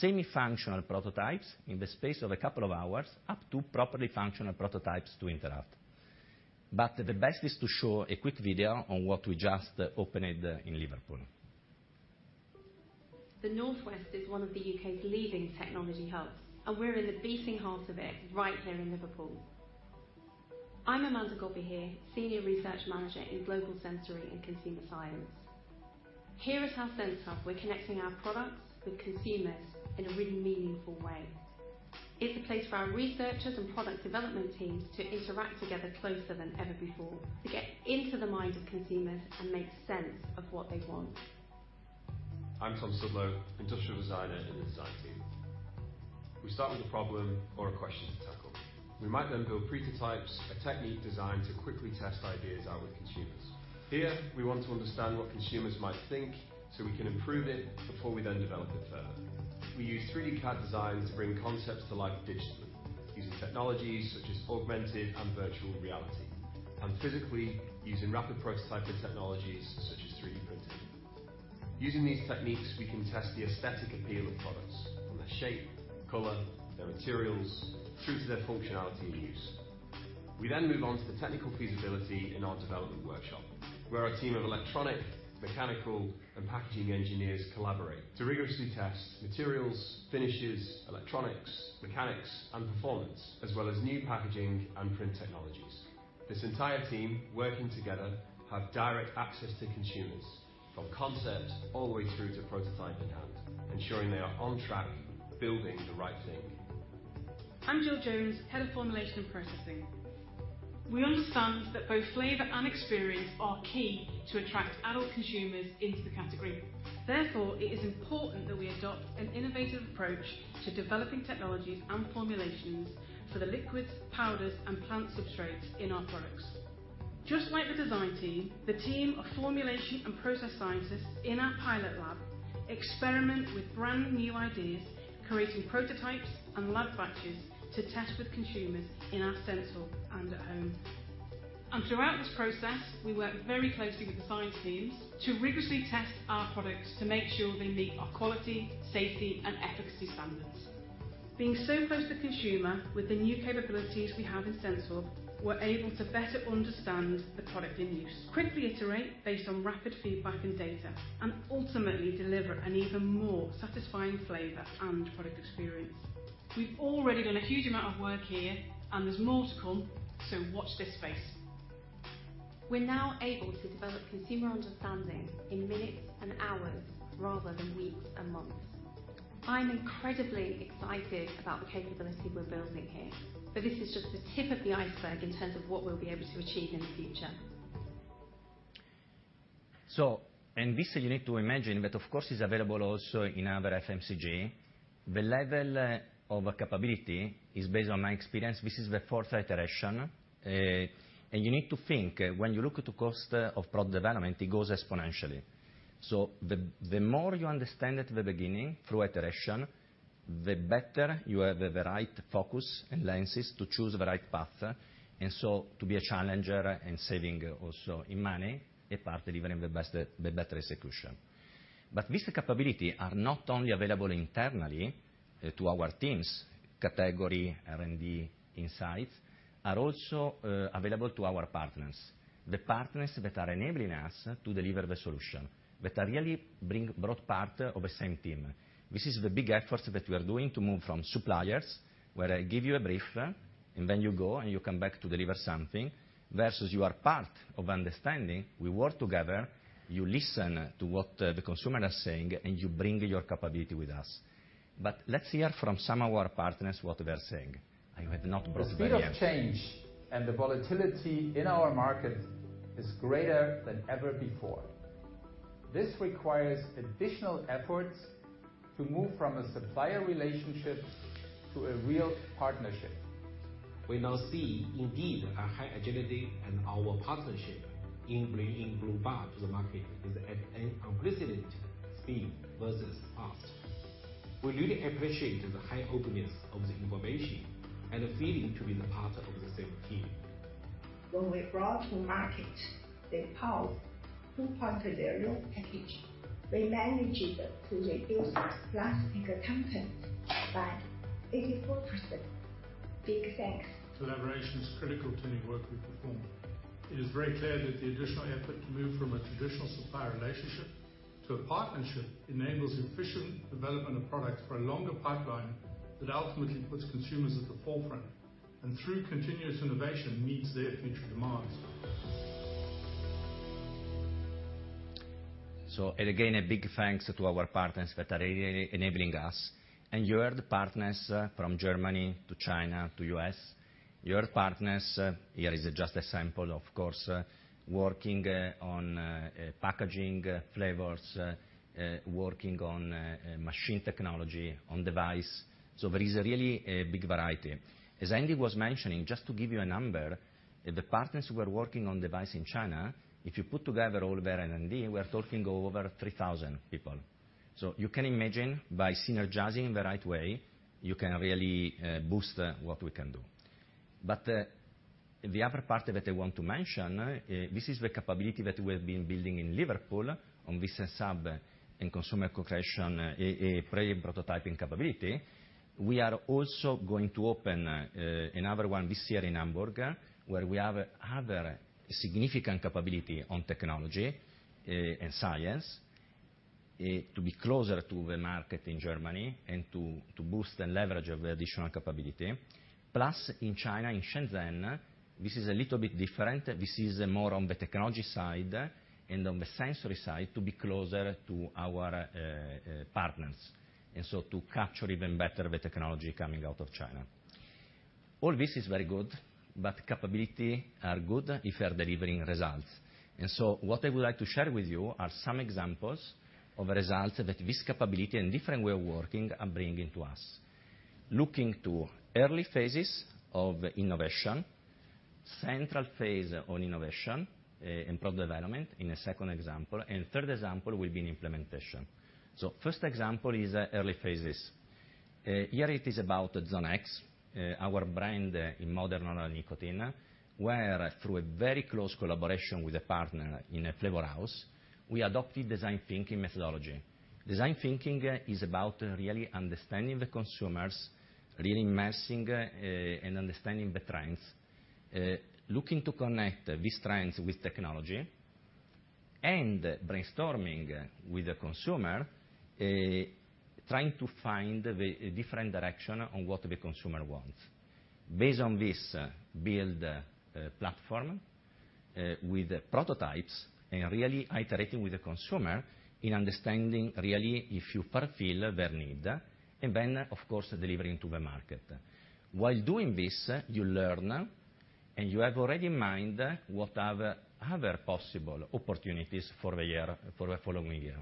S7: semi-functional prototypes in the space of a couple of hours, up to properly functional prototypes to interact. The best is to show a quick video on what we just opened in Liverpool.
S8: The Northwest is one of the U.K.'s leading technology hubs, and we're in the beating heart of it right here in Liverpool. I'm Amanda Godbehere, senior research manager in Global Sensory and Consumer Science. Here at our Sense Hub, we're connecting our products with consumers in a really meaningful way. It's a place for our researchers and product development teams to interact together closer than ever before, to get into the minds of consumers and make sense of what they want.
S9: I'm Tom Sudlow, Industrial Designer in the design team. We start with a problem or a question to tackle. We might then build pretotypes, a technique designed to quickly test ideas out with consumers. Here, we want to understand what consumers might think, so we can improve it before we then develop it further. We use 3D CAD design to bring concepts to life digitally, using technologies such as augmented and virtual reality, and physically using rapid prototyping technologies such as 3D printing. Using these techniques, we can test the aesthetic appeal of products, from their shape, color, their materials, through to their functionality and use. We move on to the technical feasibility in our development workshop, where our team of electronic, mechanical, and packaging engineers collaborate to rigorously test materials, finishes, electronics, mechanics, and performance, as well as new packaging and print technologies. This entire team, working together, have direct access to consumers, from concept all the way through to prototype in hand, ensuring they are on track, building the right thing.
S10: I'm Jill Jones, Head of Formulation and Processing. We understand that both flavor and experience are key to attract adult consumers into the category. Therefore, it is important that we adopt an innovative approach to developing technologies and formulations for the liquids, powders, and plant substrates in our products. Just like the design team, the team of formulation and process scientists in our pilot lab experiment with brand-new ideas, creating prototypes and lab batches to test with consumers in our Sense Hub and at home. Throughout this process, we work very closely with the science teams to rigorously test our products to make sure they meet our quality, safety, and efficacy standards. Being so close to the consumer with the new capabilities we have in Sense Hub, we're able to better understand the product in use, quickly iterate based on rapid feedback and data, and ultimately deliver an even more satisfying flavor and product experience. We've already done a huge amount of work here, and there's more to come, so watch this space.
S8: We're now able to develop consumer understanding in minutes and hours rather than weeks and months. I'm incredibly excited about the capability we're building here. This is just the tip of the iceberg in terms of what we'll be able to achieve in the future.
S7: And this you need to imagine, but of course, it's available also in other FMCG. The level of capability is based on my experience. This is the fourth iteration. You need to think, when you look at the cost of product development, it goes exponentially. The more you understand at the beginning through iteration, the better you have the right focus and lenses to choose the right path, and to be a challenger and saving also in money, apart delivering the best, the better execution. This capability are not only available internally to our teams, category, R&D, insights, are also available to our partners, the partners that are enabling us to deliver the solution, that are really both part of the same team. This is the big effort that we are doing to move from suppliers, where I give you a brief, and then you go, and you come back to deliver something, versus you are part of understanding. We work together, you listen to what the consumer are saying, and you bring your capability with us. Let's hear from some of our partners what they are saying. I have not brought the...
S6: The speed of change and the volatility in our market is greater than ever before. This requires additional efforts to move from a supplier relationship to a real partnership. We now see indeed a high agility in our partnership in bringing blu bar to the market is at an unprecedented speed versus us. We really appreciate the high openness of the innovation and the feeling to be the part of the same team. When we brought to market the Pulze 2.0 package, we managed to reduce plastic content by 84%. Big thanks. Collaboration is critical to any work we perform. It is very clear that the additional effort to move from a traditional supplier relationship to a partnership enables efficient development of products for a longer pipeline that ultimately puts consumers at the forefront, and through continuous innovation, meets their future demands.
S7: And again, a big thanks to our partners that are enabling us. You heard partners from Germany to China to U.S. You heard partners, here is just a sample, of course, working on packaging, flavors, working on machine technology, on device. There is really a big variety. As Andy was mentioning, just to give you a number, the partners who are working on device in China, if you put together all their R&D, we are talking over 3,000 people. You can imagine, by synergizing in the right way, you can really boost what we can do. The other part that I want to mention, this is the capability that we have been building in Liverpool on this hub in consumer co-creation, pre-prototyping capability. We are also going to open another one this year in Hamburg, where we have other significant capability on technology and science to be closer to the market in Germany and to boost the leverage of the additional capability. Plus, in China, in Shenzhen, this is a little bit different. This is more on the technology side and on the sensory side, to be closer to our partners, and so to capture even better the technology coming out of China. All this is very good, but capability are good if you are delivering results. What I would like to share with you are some examples of results that this capability and different way of working are bringing to us. Looking to early phases of innovation, central phase on innovation, and product development in a second example, and third example will be in implementation. First example is early phases. Here it is about the Zone X, our brand in modern oral nicotine, where through a very close collaboration with a partner in a flavor house, we adopted design thinking methodology. Design thinking is about really understanding the consumers, really immersing and understanding the trends. Looking to connect these trends with technology, and brainstorming with the consumer, trying to find a different direction on what the consumer wants. Based on this, build a platform with prototypes and really iterating with the consumer in understanding really if you fulfill their need, and then, of course, delivering to the market. While doing this, you learn, and you have already in mind what other possible opportunities for the year, for the following year.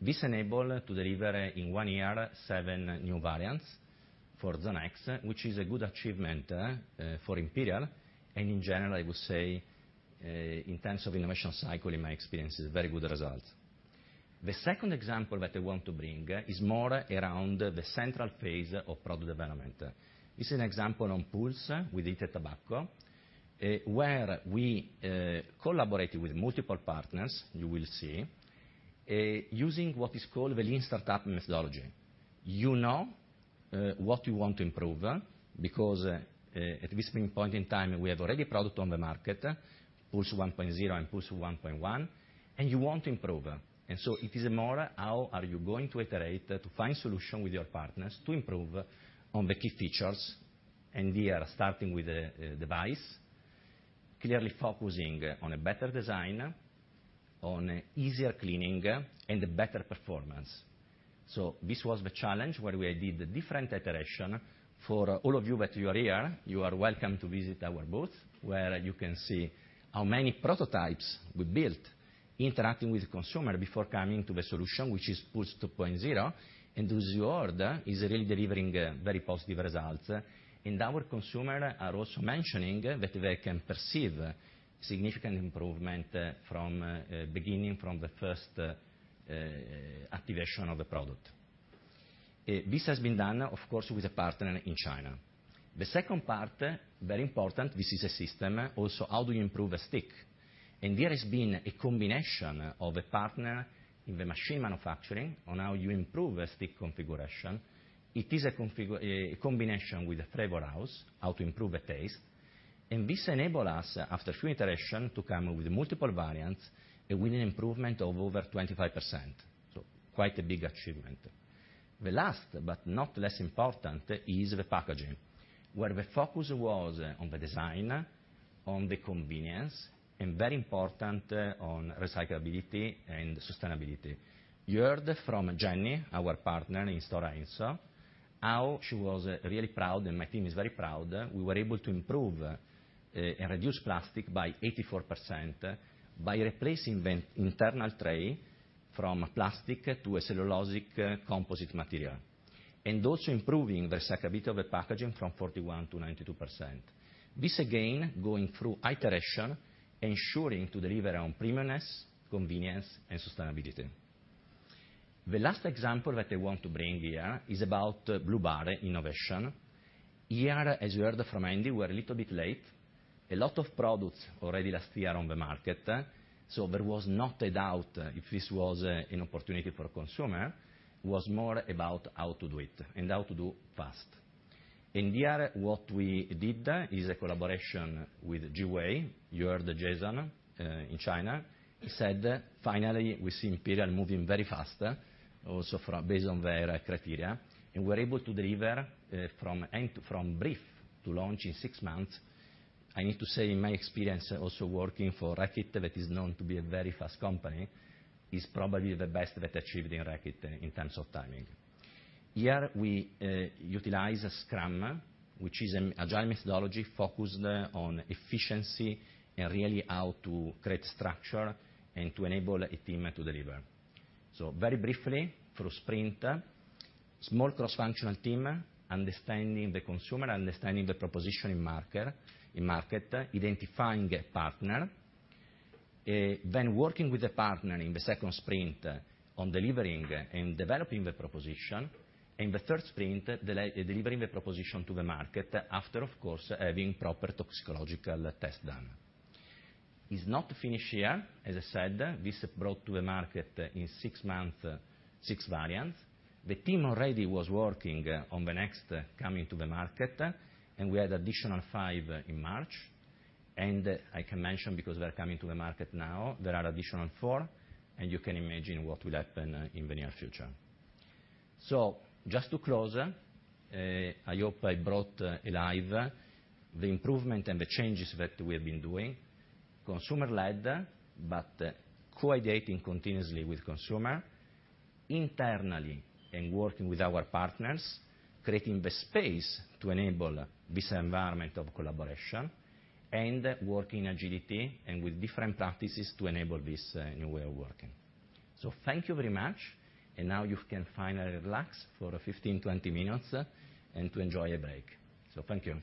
S7: This enable to deliver in one year, seven new variants for Zone X, which is a good achievement for Imperial, and in general, I would say in terms of innovation cycle, in my experience, is very good results. The second example that I want to bring is more around the central phase of product development. This is an example on Pulze with heated tobacco where we collaborated with multiple partners, you will see using what is called the Lean Startup methodology. You know, what you want to improve because at this point in time, we have already product on the market, Pulze 1.0 and Pulze 1.1, and you want to improve. It is more how are you going to iterate to find solution with your partners to improve on the key features, and we are starting with the device, clearly focusing on a better design, on easier cleaning, and a better performance. This was the challenge, where we did a different iteration. For all of you that you are here, you are welcome to visit our booth, where you can see how many prototypes we built interacting with the consumer before coming to the solution, which is Pulze 2.0. As you heard, is really delivering very positive results, and our consumer are also mentioning that they can perceive significant improvement from beginning from the first activation of the product. This has been done, of course, with a partner in China. The second part, very important, this is a system, also, how do you improve a stick? There has been a combination of a partner in the machine manufacturing on how you improve a stick configuration. It is a combination with a flavor house, how to improve the taste. This enable us, after few iteration, to come with multiple variants with an improvement of over 25%, so quite a big achievement. The last, but not less important, is the packaging, where the focus was on the design, on the convenience, and very important, on recyclability and sustainability. You heard from Jenny, our partner in Stora Enso, how she was really proud, and my team is very proud. We were able to improve and reduce plastic by 84% by replacing the internal tray from plastic to a cellulosic composite material, and also improving the recyclability of the packaging from 41%-92%. Again, going through iteration, ensuring to deliver on premiumness, convenience, and sustainability. The last example that I want to bring here is about blu bar innovation. Here, as you heard from Andy, we're a little bit late. A lot of products already last year on the market, there was not a doubt if this was an opportunity for a consumer. It was more about how to do it and how to do fast. Here, what we did is a collaboration with JWEI. You heard Jason in China. He said, "Finally, we see Imperial moving very fast," also based on their criteria, and we're able to deliver from brief to launch in six months. I need to say, in my experience, also working for Reckitt, that is known to be a very fast company, is probably the best that achieved in Reckitt in terms of timing. Here, we utilize Scrum, which is an agile methodology focused on efficiency and really how to create structure and to enable a team to deliver. Very briefly, through sprint, small cross-functional team, understanding the consumer, understanding the proposition in marker, in market, identifying a partner, then working with the partner in the second sprint on delivering and developing the proposition, and the third sprint, delivering the proposition to the market, after, of course, having proper toxicological tests done. It's not finished here. As I said, this brought to the market in six months, six variants. The team already was working on the next coming to the market, and we had additional five in March. I can mention, because they're coming to the market now, there are additional four, and you can imagine what will happen in the near future. Just to close, I hope I brought alive the improvement and the changes that we have been doing. Consumer-led, but co-ideating continuously with consumer, internally and working with our partners, creating the space to enable this environment of collaboration, and working agility and with different practices to enable this new way of working. Thank you very much, and now you can finally relax for 15, 20 minutes and to enjoy a break. Thank you.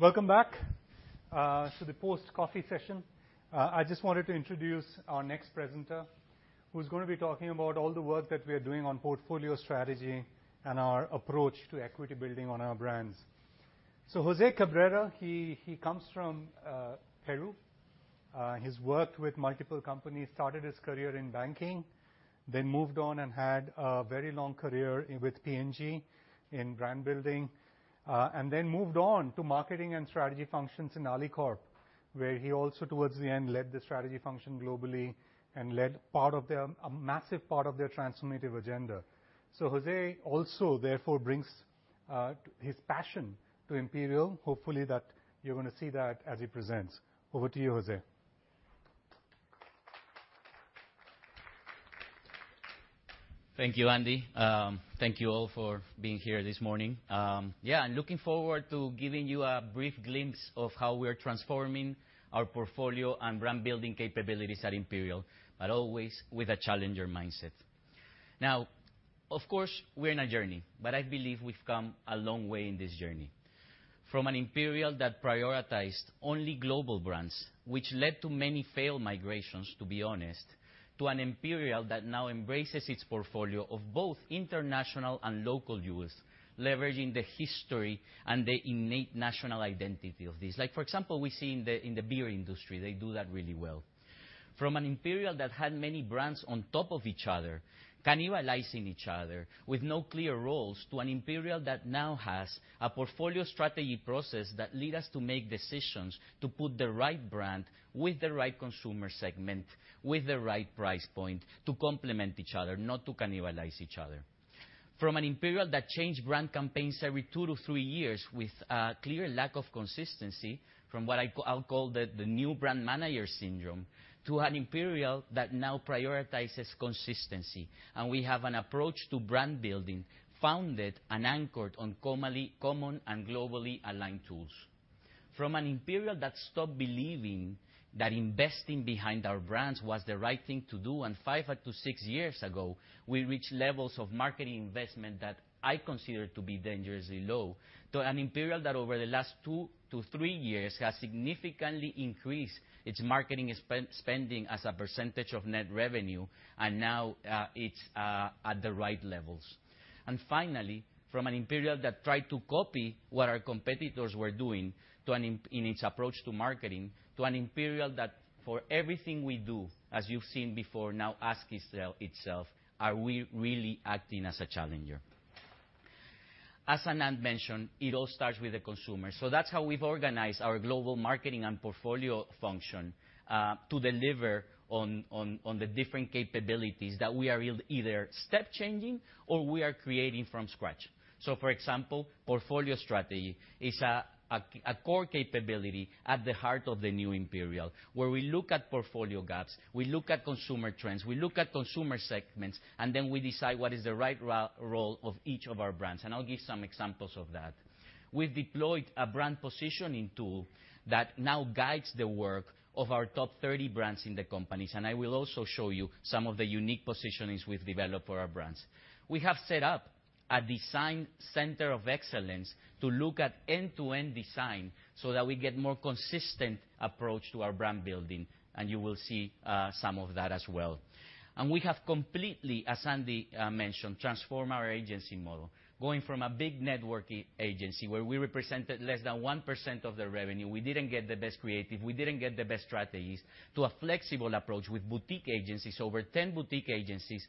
S3: Welcome back to the post-coffee session. I just wanted to introduce our next presenter, who's gonna be talking about all the work that we are doing on portfolio strategy and our approach to equity building on our brands. Jose Cabrera, he comes from Peru. He's worked with multiple companies, started his career in banking, then moved on and had a very long career with P&G in brand building, and then moved on to marketing and strategy functions in Alicorp, where he also, towards the end, led the strategy function globally and led part of their a massive part of their transformative agenda. Jose also, therefore, brings his passion to Imperial. Hopefully, that you're gonna see that as he presents. Over to you, Jose.
S11: Thank you, Andy. Thank you all for being here this morning. I'm looking forward to giving you a brief glimpse of how we're transforming our portfolio and brand building capabilities at Imperial, always with a challenger mindset. Of course, we're in a journey, I believe we've come a long way in this journey. From an Imperial that prioritized only global brands, which led to many failed migrations, to be honest, to an Imperial that now embraces its portfolio of both international and local viewers, leveraging the history and the innate national identity of these. Like, for example, we see in the beer industry, they do that really well. From an Imperial that had many brands on top of each other, cannibalizing each other with no clear roles, to an Imperial that now has a portfolio strategy process that lead us to make decisions to put the right brand with the right consumer segment, with the right price point to complement each other, not to cannibalize each other. From an Imperial that changed brand campaigns every two to three years with a clear lack of consistency from what I'll call the new brand manager syndrome, to an Imperial that now prioritizes consistency, and we have an approach to brand building, founded and anchored on common and globally aligned tools. From an Imperial that stopped believing that investing behind our brands was the right thing to do, and five to six years ago, we reached levels of marketing investment that I consider to be dangerously low, to an Imperial that over the last two to three years has significantly increased its marketing spending as a percentage of net revenue, and now, it's at the right levels. Finally, from an Imperial that tried to copy what our competitors were doing to an in its approach to marketing, to an Imperial that for everything we do, as you've seen before, now asks itself, "Are we really acting as a challenger?" As Anand mentioned, it all starts with the consumer. That's how we've organized our global marketing and portfolio function to deliver on the different capabilities that we are either step changing or we are creating from scratch. For example, portfolio strategy is a core capability at the heart of the new Imperial, where we look at portfolio gaps, we look at consumer trends, we look at consumer segments, and then we decide what is the right role of each of our brands, and I'll give some examples of that. We've deployed a brand positioning tool that now guides the work of our top 30 brands in the companies, and I will also show you some of the unique positionings we've developed for our brands. We have set up a design center of excellence to look at end-to-end design so that we get more consistent approach to our brand building, and you will see some of that as well. We have completely, as Andy mentioned, transformed our agency model, going from a big network agency where we represented less than 1% of their revenue. We didn't get the best creative, we didn't get the best strategies, to a flexible approach with boutique agencies, over 10 boutique agencies,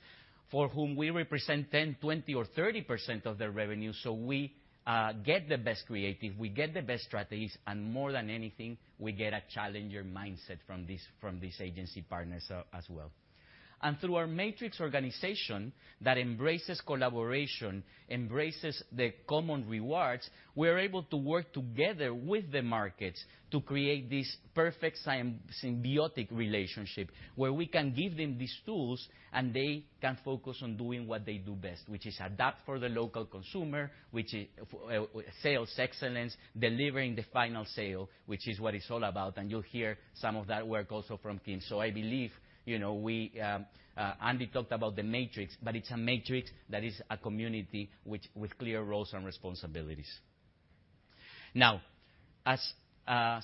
S11: for whom we represent 10%, 20%, or 30% of their revenue, so we get the best creative, we get the best strategies, and more than anything, we get a challenger mindset from these agency partners as well. Through our matrix organization that embraces collaboration, embraces the common rewards, we're able to work together with the markets to create this perfect symbiotic relationship, where we can give them these tools, and they can focus on doing what they do best, which is adapt for the local consumer, which is sales excellence, delivering the final sale, which is what it's all about. You'll hear some of that work also from Kim. I believe, you know, we Andy talked about the matrix, but it's a matrix that is a community with clear roles and responsibilities. As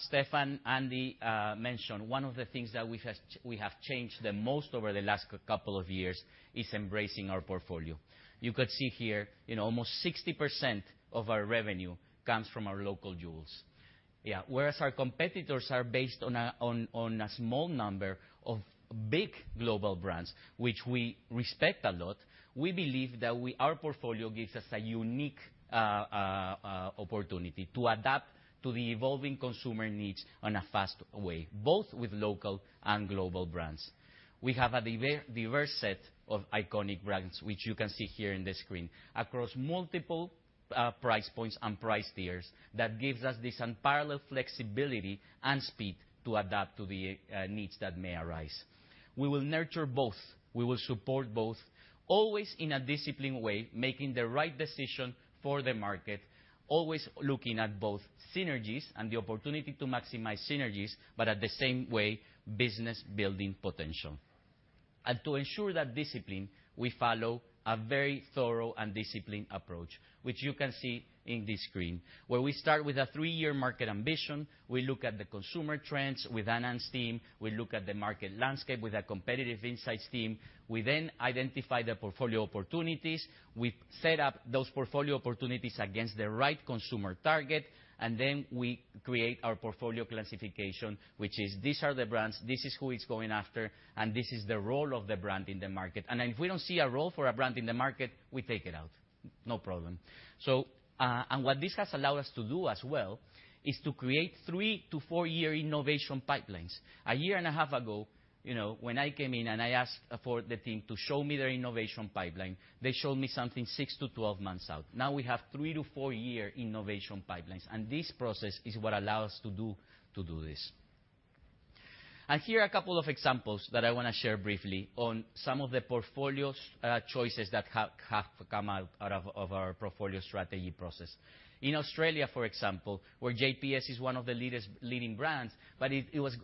S11: Stefan and Andy mentioned, one of the things that we have changed the most over the last couple of years is embracing our portfolio. You could see here, you know, almost 60% of our revenue comes from our local jewels. Whereas our competitors are based on a small number of big global brands, which we respect a lot, we believe that our portfolio gives us a unique opportunity to adapt to the evolving consumer needs in a fast way, both with local and global brands. We have a diverse set of iconic brands, which you can see here on the screen, across multiple price points and price tiers that gives us this unparalleled flexibility and speed to adapt to the needs that may arise. We will nurture both, we will support both, always in a disciplined way, making the right decision for the market, always looking at both synergies and the opportunity to maximize synergies, at the same way, business-building potential. To ensure that discipline, we follow a very thorough and disciplined approach, which you can see in this screen, where we start with a three year market ambition. We look at the consumer trends with Anand's team, we look at the market landscape with our competitive insights team. We then identify the portfolio opportunities. We set up those portfolio opportunities against the right consumer target, and then we create our portfolio classification, which is, these are the brands, this is who it's going after, and this is the role of the brand in the market. If we don't see a role for a brand in the market, we take it out, no problem. What this has allowed us to do as well, is to create three to four year innovation pipelines. A year and a half ago, you know, when I came in and I asked for the team to show me their innovation pipeline, they showed me something 6-12 months out. Now, we have 3-4-year innovation pipelines, and this process is what allow us to do this. Here are a couple of examples that I wanna share briefly on some of the portfolios choices that have come out of our portfolio strategy process. In Australia, for example, where JPS is one of the leading brands, but it was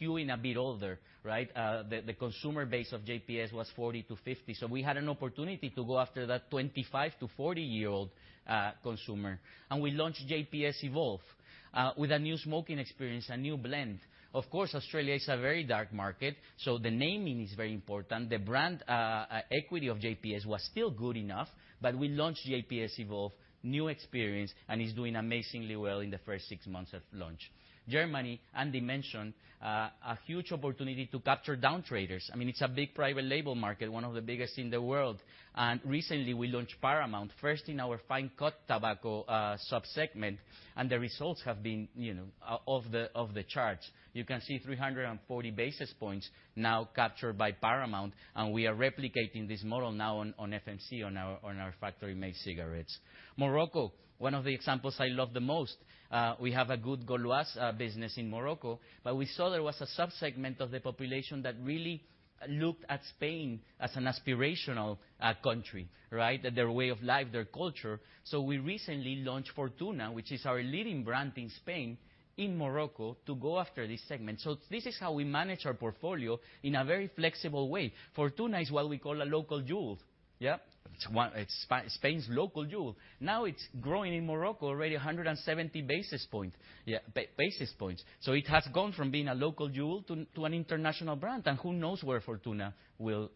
S11: skewing a bit older, right? The consumer base of JPS was 40-50. We had an opportunity to go after that 25-40-year-old consumer, and we launched JPS Evolve with a new smoking experience, a new blend. Australia is a very dark market, the naming is very important. The brand equity of JPS was still good enough, we launched JPS Evolve, new experience, it's doing amazingly well in the first six months of launch. Germany, Andy mentioned, a huge opportunity to capture down traders. I mean, it's a big private label market, one of the biggest in the world. Recently, we launched Paramount, first in our fine cut tobacco sub-segment, the results have been, you know, off the charts. You can see 340 basis points now captured by Paramount, we are replicating this model now on FMC, on our factory-made cigarettes. Morocco, one of the examples I love the most. We have a good Gauloises business in Morocco, but we saw there was a sub-segment of the population that really looked at Spain as an aspirational country, right? Their way of life, their culture. We recently launched Fortuna, which is our leading brand in Spain, in Morocco, to go after this segment. This is how we manage our portfolio in a very flexible way. Fortuna is what we call a local jewel. Yeah, it's one. It's Spain's local jewel. It's growing in Morocco, already 170 basis point, yeah, basis points. It has gone from being a local jewel to an international brand, and who knows where Fortuna will,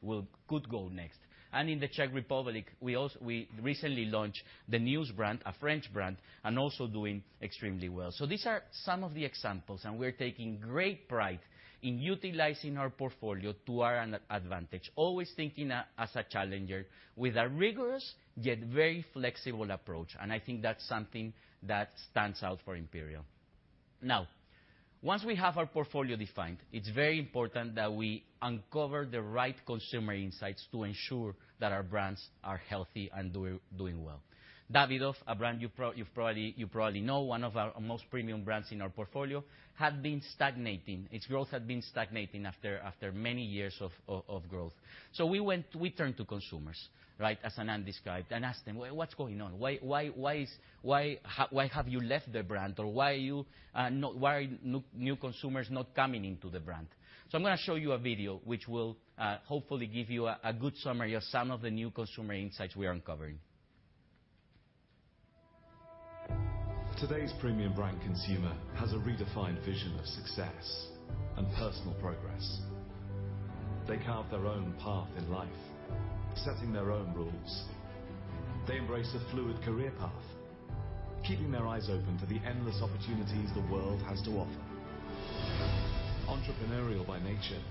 S11: could go next. In the Czech Republic, we also, we recently launched the News brand, a French brand, and also doing extremely well. These are some of the examples, and we're taking great pride in utilizing our portfolio to our advantage. Always thinking as a challenger with a rigorous, yet very flexible approach, and I think that's something that stands out for Imperial. Once we have our portfolio defined, it's very important that we uncover the right consumer insights to ensure that our brands are healthy and doing well. Davidoff, a brand you've probably know, one of our most premium brands in our portfolio, had been stagnating. Its growth had been stagnating after many years of growth. We turned to consumers, right? As Anand described, and asked them, "Well, what's going on? Why have you left the brand or why are you not, why are new consumers not coming into the brand?" I'm gonna show you a video, which will hopefully give you a good summary of some of the new consumer insights we are uncovering.
S6: Today's premium brand consumer has a redefined vision of success and personal progress. They carve their own path in life, setting their own rules. They embrace a fluid career path, keeping their eyes open to the endless opportunities the world has to offer. Entrepreneurial by nature,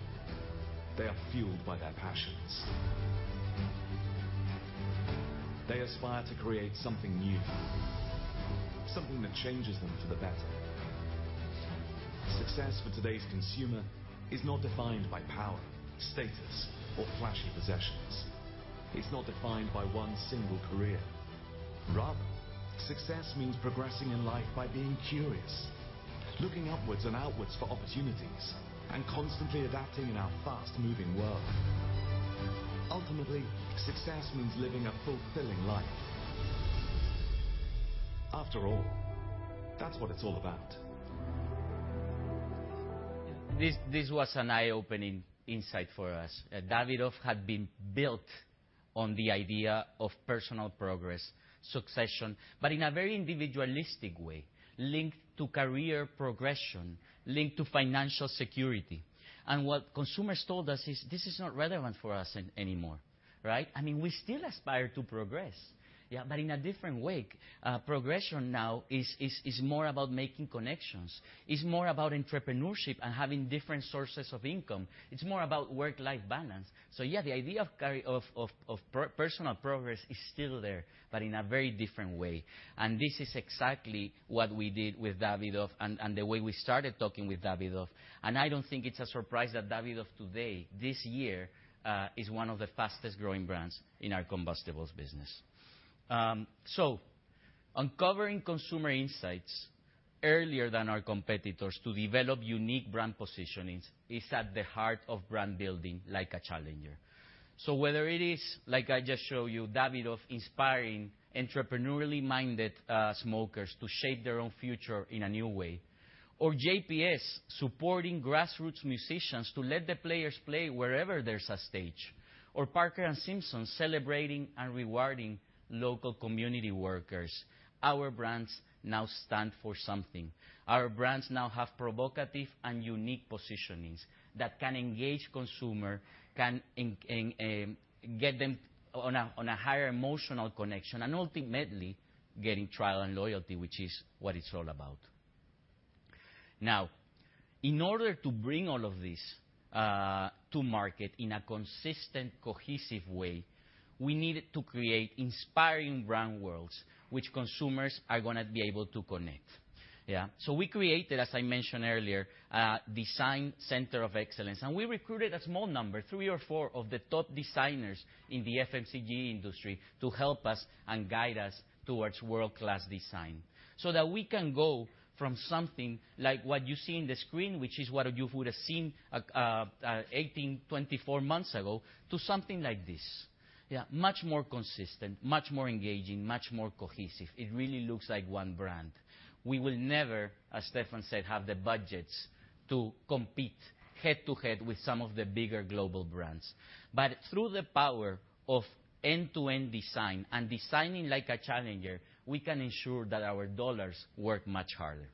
S6: they are fueled by their passions. They aspire to create something new, something that changes them for the better. Success for today's consumer is not defined by power, status, or flashy possessions. It's not defined by one single career. Rather, success means progressing in life by being curious, looking upwards and outwards for opportunities, and constantly adapting in our fast-moving world. Ultimately, success means living a fulfilling life. After all, that's what it's all about.
S11: This was an eye-opening insight for us. Davidoff had been built on the idea of personal progress, succession, but in a very individualistic way, linked to career progression, linked to financial security. What consumers told us is, "This is not relevant for us anymore, right?" I mean, we still aspire to progress, yeah, but in a different way. Progression now is more about making connections. It's more about entrepreneurship and having different sources of income. It's more about work-life balance. Yeah, the idea of personal progress is still there, but in a very different way, and this is exactly what we did with Davidoff and the way we started talking with Davidoff. I don't think it's a surprise that Davidoff today, this year, is one of the fastest-growing brands in our combustibles business. Uncovering consumer insights earlier than our competitors to develop unique brand positionings is at the heart of brand building like a challenger. Whether it is, like I just showed you, Davidoff inspiring entrepreneurially-minded smokers to shape their own future in a new way, or JPS supporting grassroots musicians to let the players play wherever there's a stage, or Parker & Simpson celebrating and rewarding local community workers, our brands now stand for something. Our brands now have provocative and unique positionings that can engage consumer, get them on a higher emotional connection, and ultimately, getting trial and loyalty, which is what it's all about. In order to bring all of this to market in a consistent, cohesive way, we needed to create inspiring brand worlds which consumers are gonna be able to connect. Yeah. We created, as I mentioned earlier, a design center of excellence, and we recruited a small number, three or four, of the top designers in the FMCG industry to help us and guide us towards world-class design, so that we can go from something like what you see in the screen, which is what you would have seen 18, 24 months ago, to something like this. Yeah, much more consistent, much more engaging, much more cohesive. It really looks like one brand. We will never, as Stefan said, have the budgets to compete head-to-head with some of the bigger global brands, but through the power of end-to-end design and designing like a challenger, we can ensure that our dollars work much harder.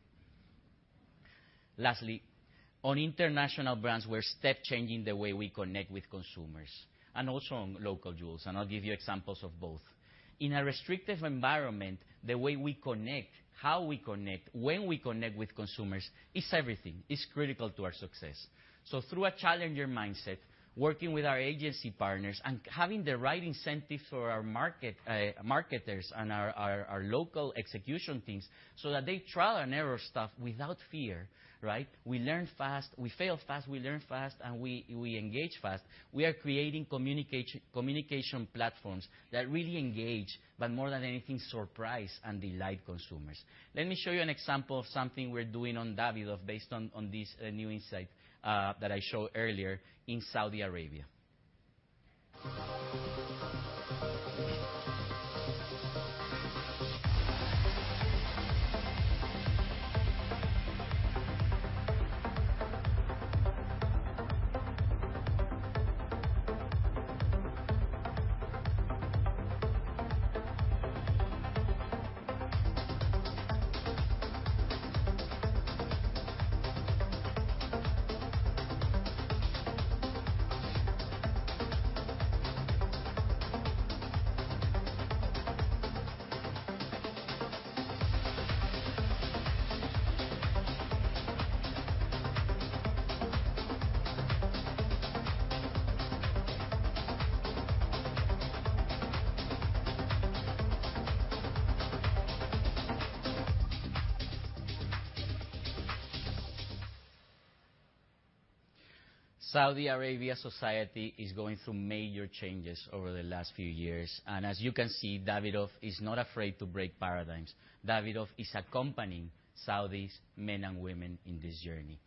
S11: On international brands, we're step changing the way we connect with consumers, and also on local jewels, and I'll give you examples of both. In a restrictive environment, the way we connect, how we connect, when we connect with consumers, is everything. It's critical to our success. Through a challenger mindset, working with our agency partners and having the right incentives for our marketers and our local execution teams, so that they trial and error stuff without fear, right? We learn fast, we fail fast, we learn fast, and we engage fast. We are creating communication platforms that really engage, but more than anything, surprise and delight consumers. Let me show you an example of something we're doing on Davidoff, based on this new insight that I showed earlier in Saudi Arabia. Saudi Arabia society is going through major changes over the last few years, and as you can see, Davidoff is not afraid to break paradigms. Davidoff is accompanying Saudis, men and women, in this journey.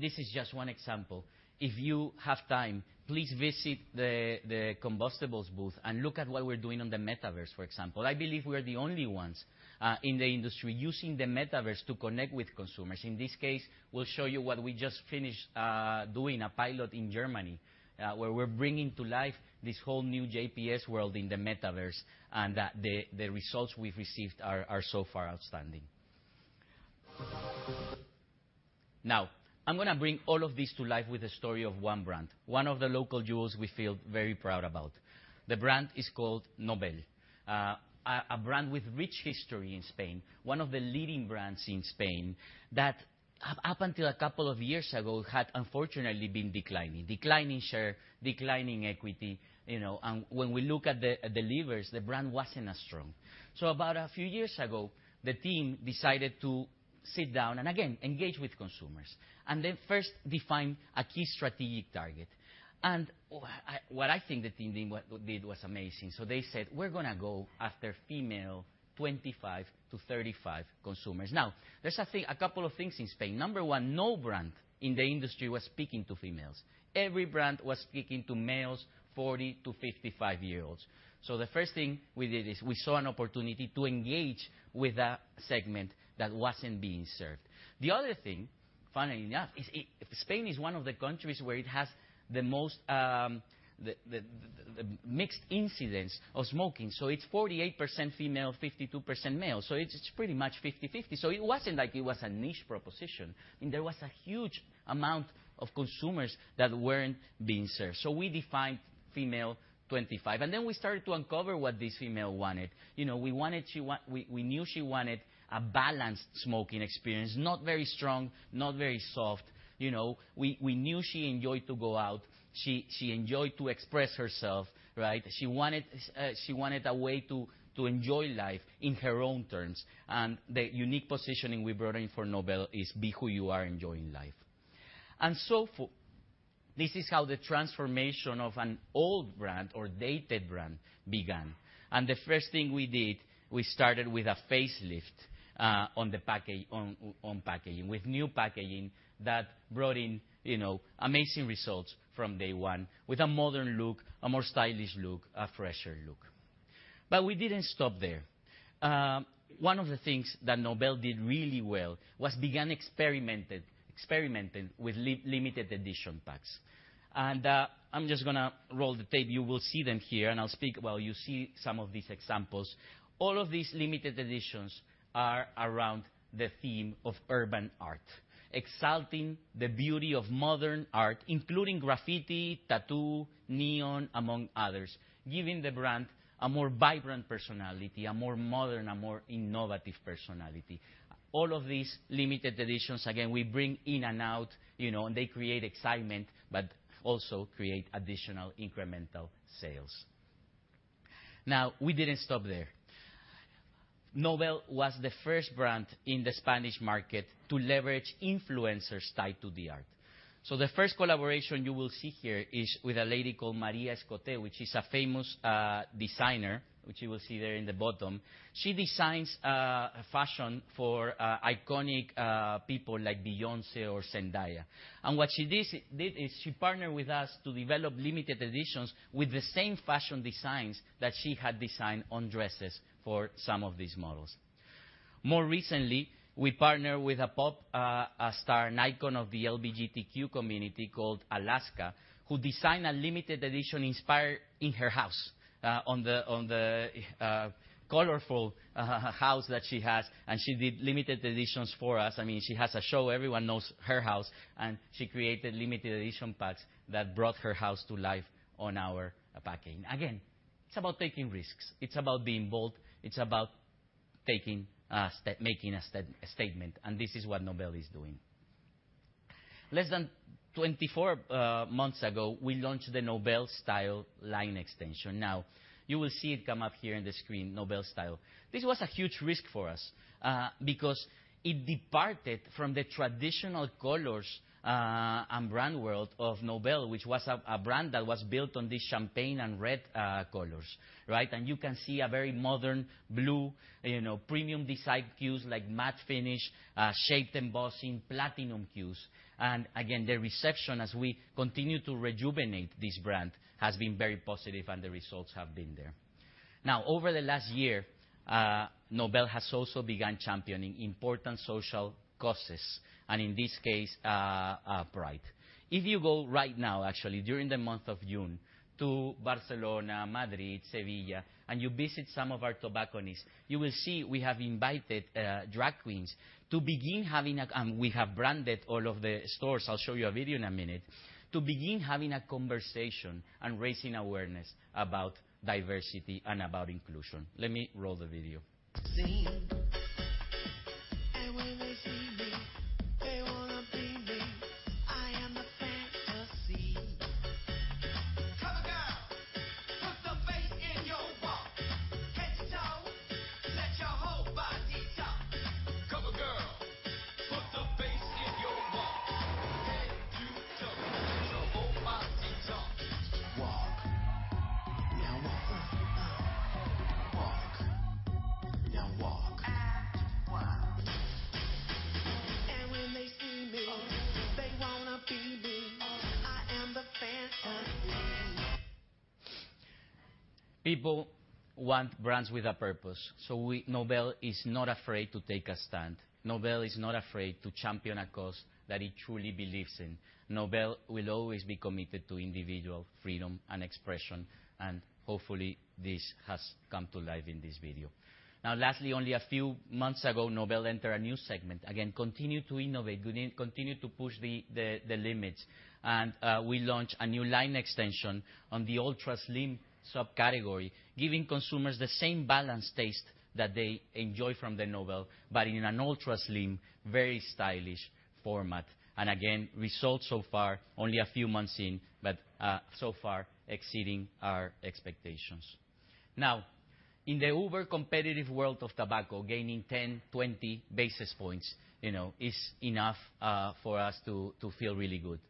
S11: This is just one example. If you have time, please visit the Combustibles booth and look at what we're doing on the metaverse, for example. I believe we are the only ones in the industry using the metaverse to connect with consumers. In this case, we'll show you what we just finished doing a pilot in Germany, where we're bringing to life this whole new JPS world in the metaverse, and the results we've received are so far outstanding. I'm gonna bring all of this to life with a story of one brand, one of the local jewels we feel very proud about. The brand is called Nobel. A brand with rich history in Spain, one of the leading brands in Spain that up until a couple of years ago, had unfortunately been declining. Declining share, declining equity, you know, and when we look at the levers, the brand wasn't as strong. About a few years ago, the team decided to sit down and again, engage with consumers, and they first defined a key strategic target. What I think the team did was amazing. They said, "We're gonna go after female 25-35 consumers." There's a thing, a couple of things in Spain. Number one, no brand in the industry was speaking to females. Every brand was speaking to males, 40-55 years olds. The first thing we did is, we saw an opportunity to engage with a segment that wasn't being served. The other thing, funny enough, is, Spain is one of the countries where it has the most, the mixed incidence of smoking. It's 48% female, 52% male, it's pretty much 50/50. It wasn't like it was a niche proposition, and there was a huge amount of consumers that weren't being served. We defined female 25, and then we started to uncover what this female wanted. You know, we knew she wanted a balanced smoking experience, not very strong, not very soft. You know, we knew she enjoyed to go out, she enjoyed to express herself, right? She wanted a way to enjoy life in her own terms. The unique positioning we brought in for Nobel is, "Be who you are, enjoying life." This is how the transformation of an old brand or dated brand began. The first thing we did, we started with a facelift on the package, on packaging, with new packaging that brought in, you know, amazing results from day one, with a modern look, a more stylish look, a fresher look. We didn't stop there. One of the things that Nobel did really well was began experimenting with limited edition packs. I'm just gonna roll the tape. You will see them here, and I'll speak while you see some of these examples. All of these limited editions are around the theme of urban art, exalting the beauty of modern art, including graffiti, tattoo, neon, among others, giving the brand a more vibrant personality, a more modern, a more innovative personality. All of these limited editions, again, we bring in and out, you know, and they create excitement, but also create additional incremental sales. We didn't stop there. Nobel was the first brand in the Spanish market to leverage influencers tied to the art. The first collaboration you will see here is with a lady called María Escoté, which is a famous designer, which you will see there in the bottom. She designs fashion for iconic people like Beyoncé or Zendaya. What she did is she partnered with us to develop limited editions with the same fashion designs that she had designed on dresses for some of these models. More recently, we partnered with a pop star, an icon of the LGBTQ community called Alaska, who designed a limited edition inspired in her house, on the colorful house that she has, and she did limited editions for us. I mean, she has a show. Everyone knows her house, and she created limited edition packs that brought her house to life on our packaging. Again, it's about taking risks. It's about being bold. It's about taking a step, making a statement, and this is what Nobel is doing. Less than 24 months ago, we launched the Nobel Style line extension. You will see it come up here on the screen, Nobel Style. This was a huge risk for us, because it departed from the traditional colors and brand world of Nobel, which was a brand that was built on the champagne and red colors, right? You can see a very modern blue, you know, premium design cues like matte finish, shaped embossing, platinum hues. Again, the reception, as we continue to rejuvenate this brand, has been very positive, and the results have been there. Over the last year, Nobel has also begun championing important social causes, and in this case, pride. If you go right now, actually, during the month of June, to Barcelona, Madrid, Sevilla, and you visit some of our tobacconists, you will see we have invited drag queens to begin having a... We have branded all of the stores, I'll show you a video in a minute, to begin having a conversation and raising awareness about diversity and about inclusion. Let me roll the video.
S6: When they see me, they wanna be me. I am a fantasy. Cover girl, put the bass in your walk. Head to toe, let your whole body talk. Cover girl, put the bass in your walk. Head to toe, let your whole body talk. Walk. Now walk. Walk. Now walk. I walk. When they see me, they wanna be me.
S11: People want brands with a purpose. Nobel is not afraid to take a stand. Nobel is not afraid to champion a cause that it truly believes in. Nobel will always be committed to individual freedom and expression, and hopefully, this has come to life in this video. Lastly, only a few months ago, Nobel entered a new segment. Again, continue to innovate, continue to push the limits. We launched a new line extension on the ultra slim subcategory, giving consumers the same balanced taste that they enjoy from the Nobel, but in an ultra slim, very stylish format. Again, results so far, only a few months in, but so far, exceeding our expectations. In the uber competitive world of tobacco, gaining 10, 20 basis points, you know, is enough for us to feel really good.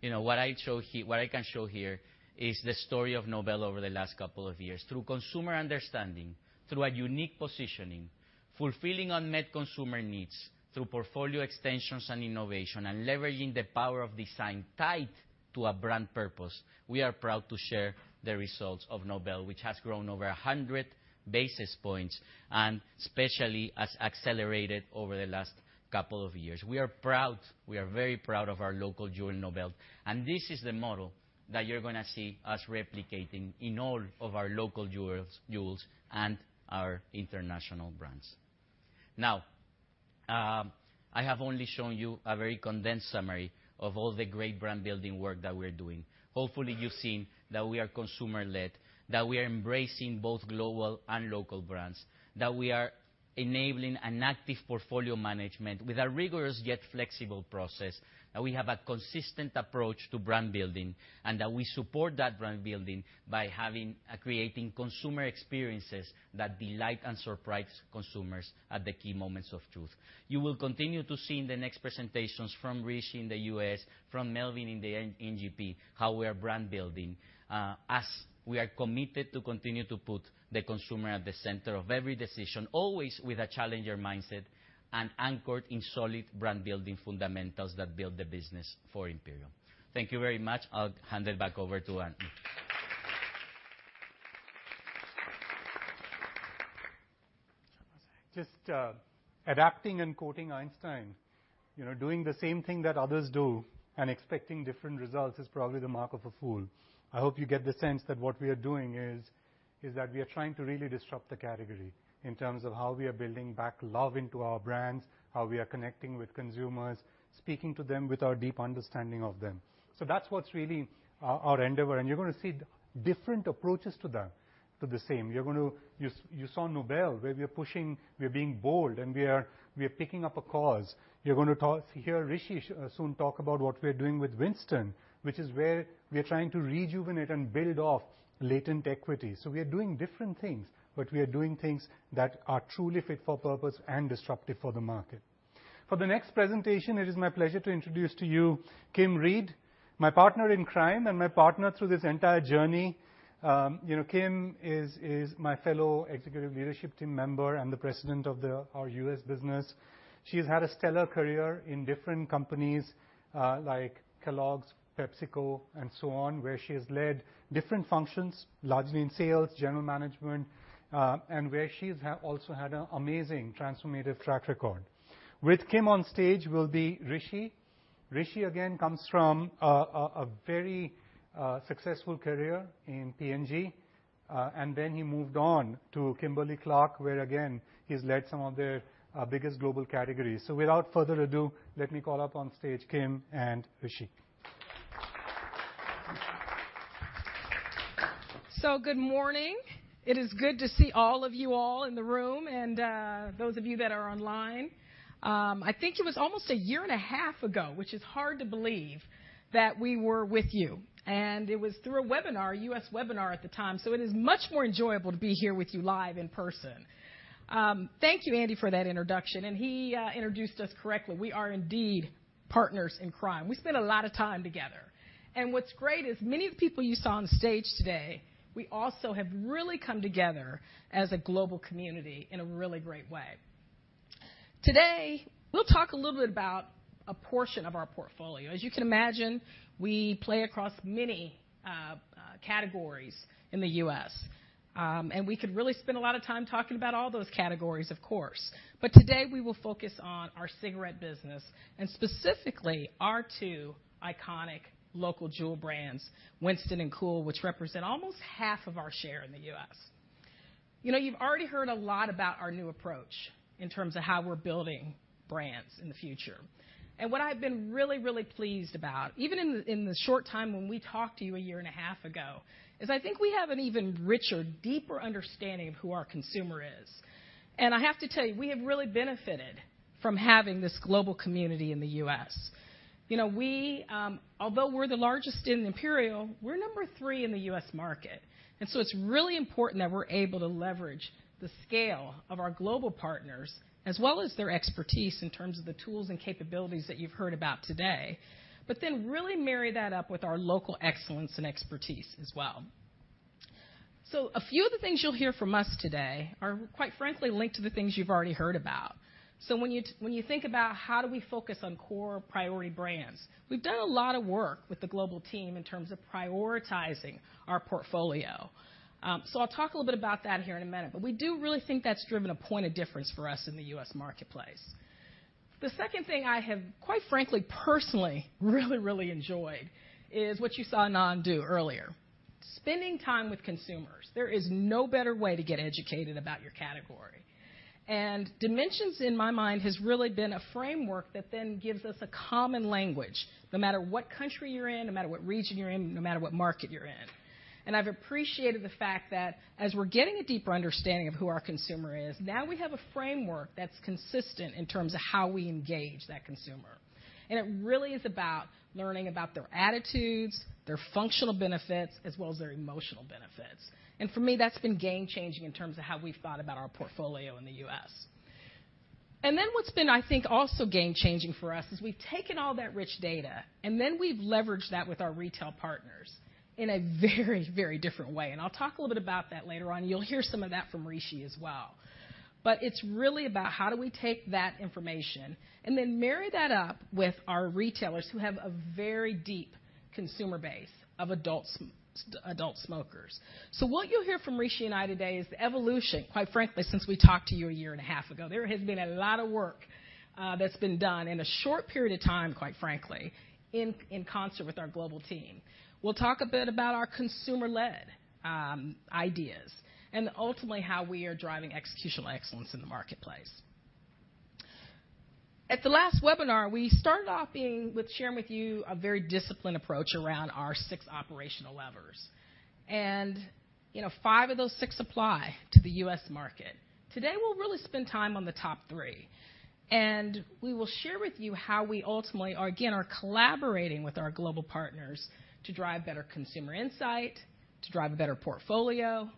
S11: You know, what I can show here is the story of Nobel over the last couple of years. Through consumer understanding, through a unique positioning, fulfilling unmet consumer needs, through portfolio extensions and innovation, and leveraging the power of design tied to a brand purpose, we are proud to share the results of Nobel, which has grown over 100 basis points and especially has accelerated over the last couple of years. We are proud. We are very proud of our local jewel, Nobel, and this is the model that you're gonna see us replicating in all of our local jewels and our international brands. I have only shown you a very condensed summary of all the great brand-building work that we're doing. Hopefully, you've seen that we are consumer-led, that we are embracing both global and local brands, that we are enabling an active portfolio management with a rigorous, yet flexible process, that we have a consistent approach to brand building, and that we support that brand building by having and creating consumer experiences that delight and surprise consumers at the key moments of truth. You will continue to see in the next presentations from Rishi in the U.S., from Melvin in the NGP, how we are brand building, as we are committed to continue to put the consumer at the center of every decision, always with a challenger mindset and anchored in solid brand-building fundamentals that build the business for Imperial. Thank you very much. I'll hand it back over to Andy.
S3: Just adapting and quoting Einstein, you know, doing the same thing that others do and expecting different results is probably the mark of a fool. I hope you get the sense that what we are doing is that we are trying to really disrupt the category in terms of how we are building back love into our brands, how we are connecting with consumers, speaking to them with our deep understanding of them. That's what's really our endeavor, and you're going to see different approaches to the same. You saw Nobel, where we are pushing, we are being bold, and we are picking up a cause. You're going to hear Rishi soon talk about what we're doing with Winston, which is where we are trying to rejuvenate and build off latent equity. We are doing different things, but we are doing things that are truly fit for purpose and disruptive for the market. For the next presentation, it is my pleasure to introduce to you Kim Reid, my partner in crime and my partner through this entire journey. You know, Kim is my fellow executive leadership team member and the president of the, our U.S. business. She's had a stellar career in different companies, like Kellogg's, PepsiCo, and so on, where she has led different functions, largely in sales, general management, and where she's also had an amazing transformative track record. With Kim on stage will be Rishi. Rishi, again, comes from a very successful career in P&G, and then he moved on to Kimberly-Clark, where again, he's led some of their biggest global categories. Without further ado, let me call up on stage Kim and Rishi.
S12: Good morning. It is good to see all of you all in the room, and those of you that are online. I think it was almost a year and a half ago, which is hard to believe, that we were with you, and it was through a webinar, a U.S. webinar at the time. It is much more enjoyable to be here with you live in person. Thank you, Andy, for that introduction, and he introduced us correctly. We are indeed partners in crime. We spend a lot of time together, and what's great is many of the people you saw on stage today, we also have really come together as a global community in a really great way. Today, we'll talk a little bit about a portion of our portfolio. As you can imagine, we play across many categories in the U.S., and we could really spend a lot of time talking about all those categories, of course. Today, we will focus on our cigarette business and specifically our two iconic local jewel brands, Winston and KOOL, which represent almost half of our share in the U.S. You know, you've already heard a lot about our new approach in terms of how we're building brands in the future. What I've been really, really pleased about, even in the short time when we talked to you a year and a half ago, is I think we have an even richer, deeper understanding of who our consumer is. I have to tell you, we have really benefited from having this global community in the U.S. You know, we, although we're the largest in Imperial, we're number three in the U.S. market. It's really important that we're able to leverage the scale of our global partners, as well as their expertise in terms of the tools and capabilities that you've heard about today. Really marry that up with our local excellence and expertise as well. A few of the things you'll hear from us today are, quite frankly, linked to the things you've already heard about. When you think about how do we focus on core priority brands, we've done a lot of work with the global team in terms of prioritizing our portfolio. I'll talk a little bit about that here in a minute. We do really think that's driven a point of difference for us in the U.S. marketplace. The second thing I have, quite frankly, personally, really, really enjoyed is what you saw Anand do earlier. Spending time with consumers. There is no better way to get educated about your category. Dimensions, in my mind, has really been a framework that then gives us a common language. No matter what country you're in, no matter what region you're in, no matter what market you're in. I've appreciated the fact that as we're getting a deeper understanding of who our consumer is, now we have a framework that's consistent in terms of how we engage that consumer. It really is about learning about their attitudes, their functional benefits, as well as their emotional benefits. For me, that's been game-changing in terms of how we've thought about our portfolio in the U.S. What's been, I think, also game-changing for us is we've taken all that rich data, and then we've leveraged that with our retail partners in a very, very different way. I'll talk a little bit about that later on. You'll hear some of that from Rishi as well. It's really about how do we take that information and then marry that up with our retailers, who have a very deep consumer base of adults, adult smokers. What you'll hear from Rishi and I today is the evolution. Quite frankly, since we talked to you a year and a half ago, there has been a lot of work that's been done in a short period of time, quite frankly, in concert with our global team. We'll talk a bit about our consumer-led ideas and ultimately, how we are driving executional excellence in the marketplace. At the last webinar, we started off with sharing with you a very disciplined approach around our six operational levers. You know, five of those six apply to the U.S. market. Today, we'll really spend time on the top three. We will share with you how we ultimately are collaborating with our global partners to drive better consumer insight, to drive a better portfolio.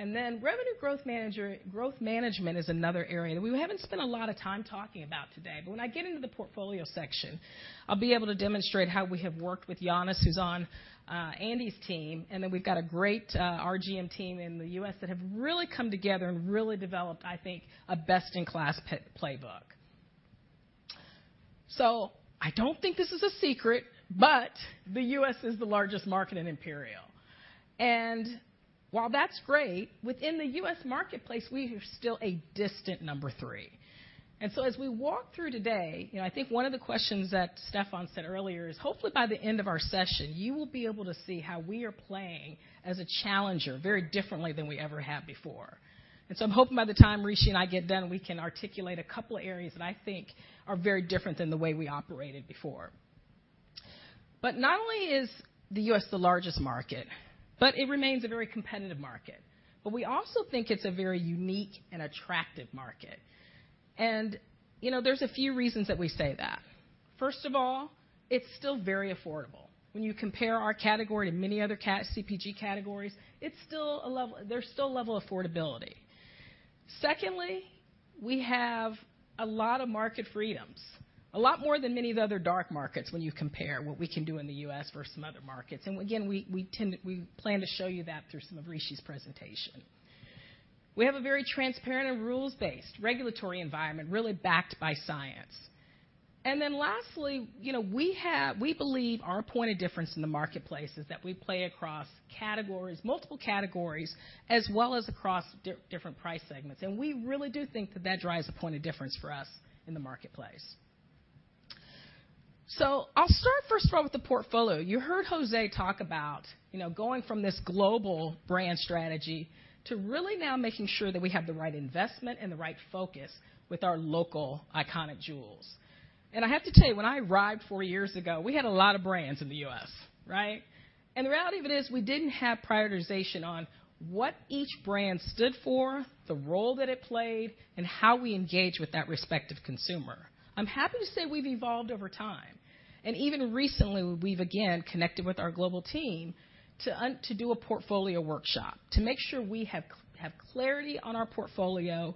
S12: Revenue growth management is another area, and we haven't spent a lot of time talking about today, but when I get into the portfolio section, I'll be able to demonstrate how we have worked with Janice, who's on Andy's team, and then we've got a great RGM team in the U.S. that have really come together and really developed, I think, a best-in-class playbook. I don't think this is a secret, but the U.S. is the largest market in Imperial, and while that's great, within the U.S. marketplace, we are still a distant number three. As we walk through today, you know, I think one of the questions that Stefan said earlier is: Hopefully, by the end of our session, you will be able to see how we are playing as a challenger, very differently than we ever have before. I'm hoping by the time Rishi and I get done, we can articulate a couple of areas that I think are very different than the way we operated before. Not only is the U.S. the largest market, but it remains a very competitive market. We also think it's a very unique and attractive market. You know, there's a few reasons that we say that. First of all, it's still very affordable. When you compare our category to many other CPG categories, there's still a level of affordability. Secondly, we have a lot of market freedoms, a lot more than many of the other dark markets when you compare what we can do in the U.S. versus some other markets. Again, we plan to show you that through some of Rishi's presentation. We have a very transparent and rules-based regulatory environment, really backed by science. Lastly, you know, we believe our point of difference in the marketplace is that we play across categories, multiple categories, as well as across different price segments. We really do think that that drives a point of difference for us in the marketplace. I'll start first with the portfolio. You heard Jose talk about, you know, going from this global brand strategy to really now making sure that we have the right investment and the right focus with our local iconic jewels. I have to tell you, when I arrived 4 years ago, we had a lot of brands in the U.S., right? The reality of it is we didn't have prioritization on what each brand stood for, the role that it played, and how we engage with that respective consumer. I'm happy to say we've evolved over time, and even recently, we've again connected with our global team to do a portfolio workshop to make sure we have clarity on our portfolio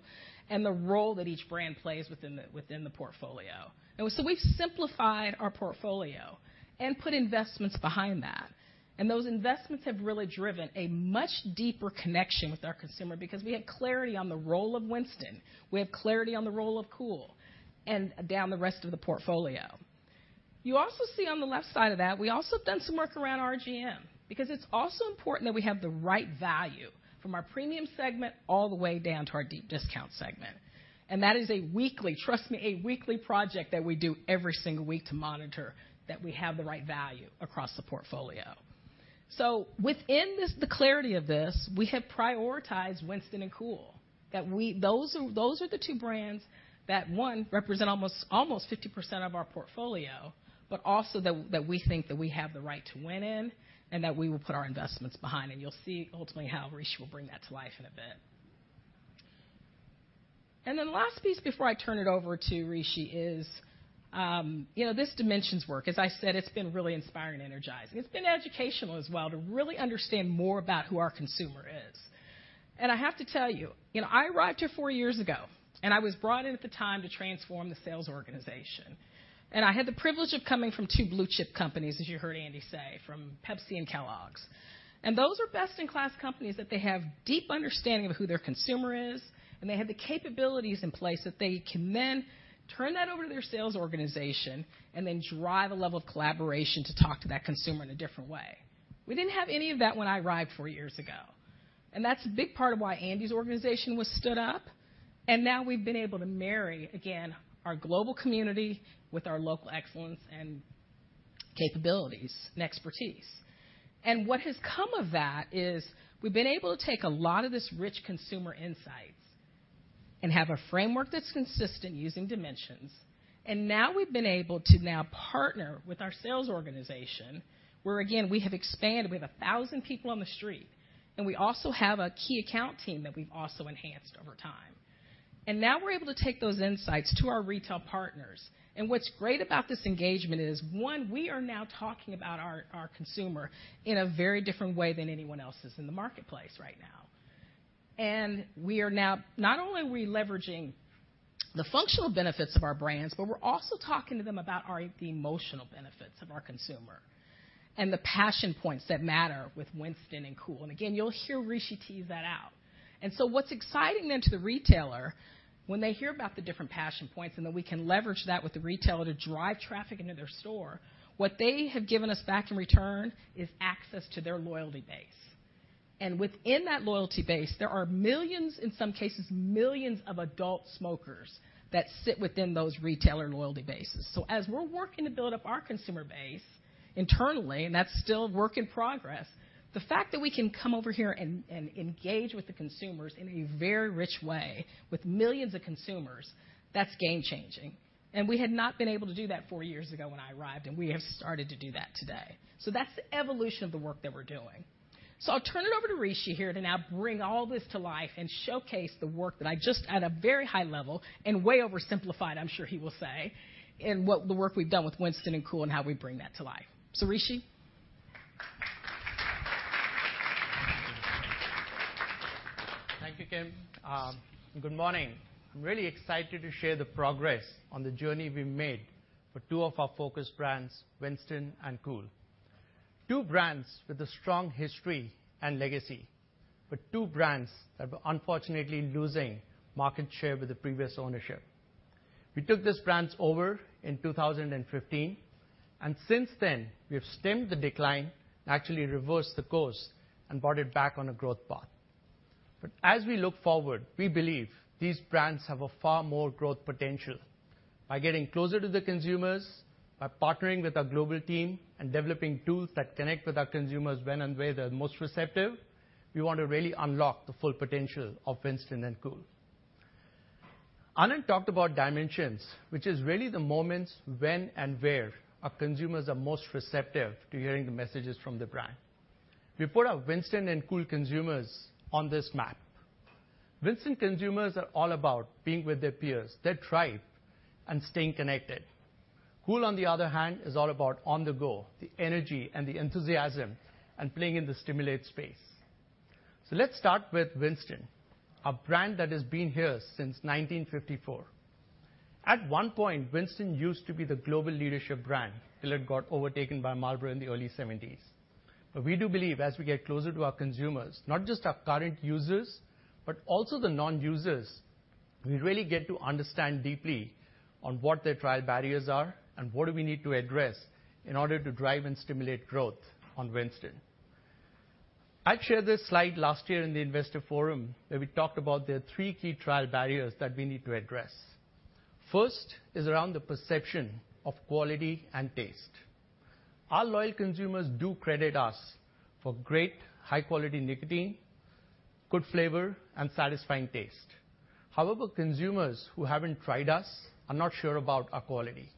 S12: and the role that each brand plays within the portfolio. We've simplified our portfolio and put investments behind that. Those investments have really driven a much deeper connection with our consumer because we have clarity on the role of Winston, we have clarity on the role of KOOL, and down the rest of the portfolio. You also see on the left side of that, we also have done some work around RGM because it's also important that we have the right value from our premium segment all the way down to our deep discount segment. That is a weekly project that we do every single week to monitor that we have the right value across the portfolio. The clarity of this, we have prioritized Winston and KOOL, those are the two brands that, one, represent almost 50% of our portfolio, but also that we think that we have the right to win in, and that we will put our investments behind, and you'll see ultimately how Rishi will bring that to life in a bit. The last piece before I turn it over to Rishi is, you know, this Dimensions work. As I said, it's been really inspiring and energizing. It's been educational as well to really understand more about who our consumer is. I have to tell you know, I arrived here four years ago, and I was brought in at the time to transform the sales organization. I had the privilege of coming from two blue-chip companies, as you heard Andy say, from Pepsi and Kellogg's. Those are best-in-class companies that they have deep understanding of who their consumer is, and they have the capabilities in place that they can then turn that over to their sales organization and then drive a level of collaboration to talk to that consumer in a different way. We didn't have any of that when I arrived four years ago. That's a big part of why Andy's organization was stood up. Now we've been able to marry, again, our global community with our local excellence and capabilities and expertise. What has come of that is we've been able to take a lot of this rich consumer insights and have a framework that's consistent using dimensions. Now we've been able to now partner with our sales organization, where, again, we have expanded. We have 1,000 people on the street, and we also have a key account team that we've also enhanced over time. Now we're able to take those insights to our retail partners. What's great about this engagement is, one, we are now talking about our consumer in a very different way than anyone else's in the marketplace right now. We are not only leveraging the functional benefits of our brands, but we're also talking to them about the emotional benefits of our consumer and the passion points that matter with Winston and KOOL. Again, you'll hear Rishi tease that out. What's exciting then to the retailer, when they hear about the different passion points, then we can leverage that with the retailer to drive traffic into their store, what they have given us back in return is access to their loyalty base. Within that loyalty base, there are millions, in some cases, millions of adult smokers that sit within those retailer loyalty bases. As we're working to build up our consumer base internally, and that's still a work in progress, the fact that we can come over here and engage with the consumers in a very rich way, with millions of consumers, that's game changing. We had not been able to do that four years ago when I arrived, and we have started to do that today. That's the evolution of the work that we're doing. I'll turn it over to Rishi here to now bring all this to life and showcase the work that I just, at a very high level, and way oversimplified, I'm sure he will say, in what the work we've done with Winston and KOOL and how we bring that to life. Rishi?
S13: Thank you, Kim. Good morning. I'm really excited to share the progress on the journey we made for two of our focus brands, Winston and KOOL. Two brands with a strong history and legacy, two brands that were unfortunately losing market share with the previous ownership. We took these brands over in 2015, since then, we have stemmed the decline and actually reversed the course and brought it back on a growth path. As we look forward, we believe these brands have a far more growth potential. By getting closer to the consumers, by partnering with our global team, and developing tools that connect with our consumers when and where they're most receptive, we want to really unlock the full potential of Winston and KOOL. Anand talked about Dimensions, which is really the moments when and where our consumers are most receptive to hearing the messages from the brand. We put our Winston and KOOL consumers on this map. Winston consumers are all about being with their peers, their tribe, and staying connected. Kool, on the other hand, is all about on the go, the energy and the enthusiasm, and playing in the stimulate space. Let's start with Winston, a brand that has been here since 1954. At one point, Winston used to be the global leadership brand until it got overtaken by Marlboro in the early 1970s. We do believe as we get closer to our consumers, not just our current users, but also the non-users, we really get to understand deeply on what their trial barriers are and what do we need to address in order to drive and stimulate growth on Winston. I shared this slide last year in the investor forum, where we talked about the three key trial barriers that we need to address. First is around the perception of quality and taste. Our loyal consumers do credit us for great high-quality nicotine, good flavor, and satisfying taste. However, consumers who haven't tried us are not sure about our quality.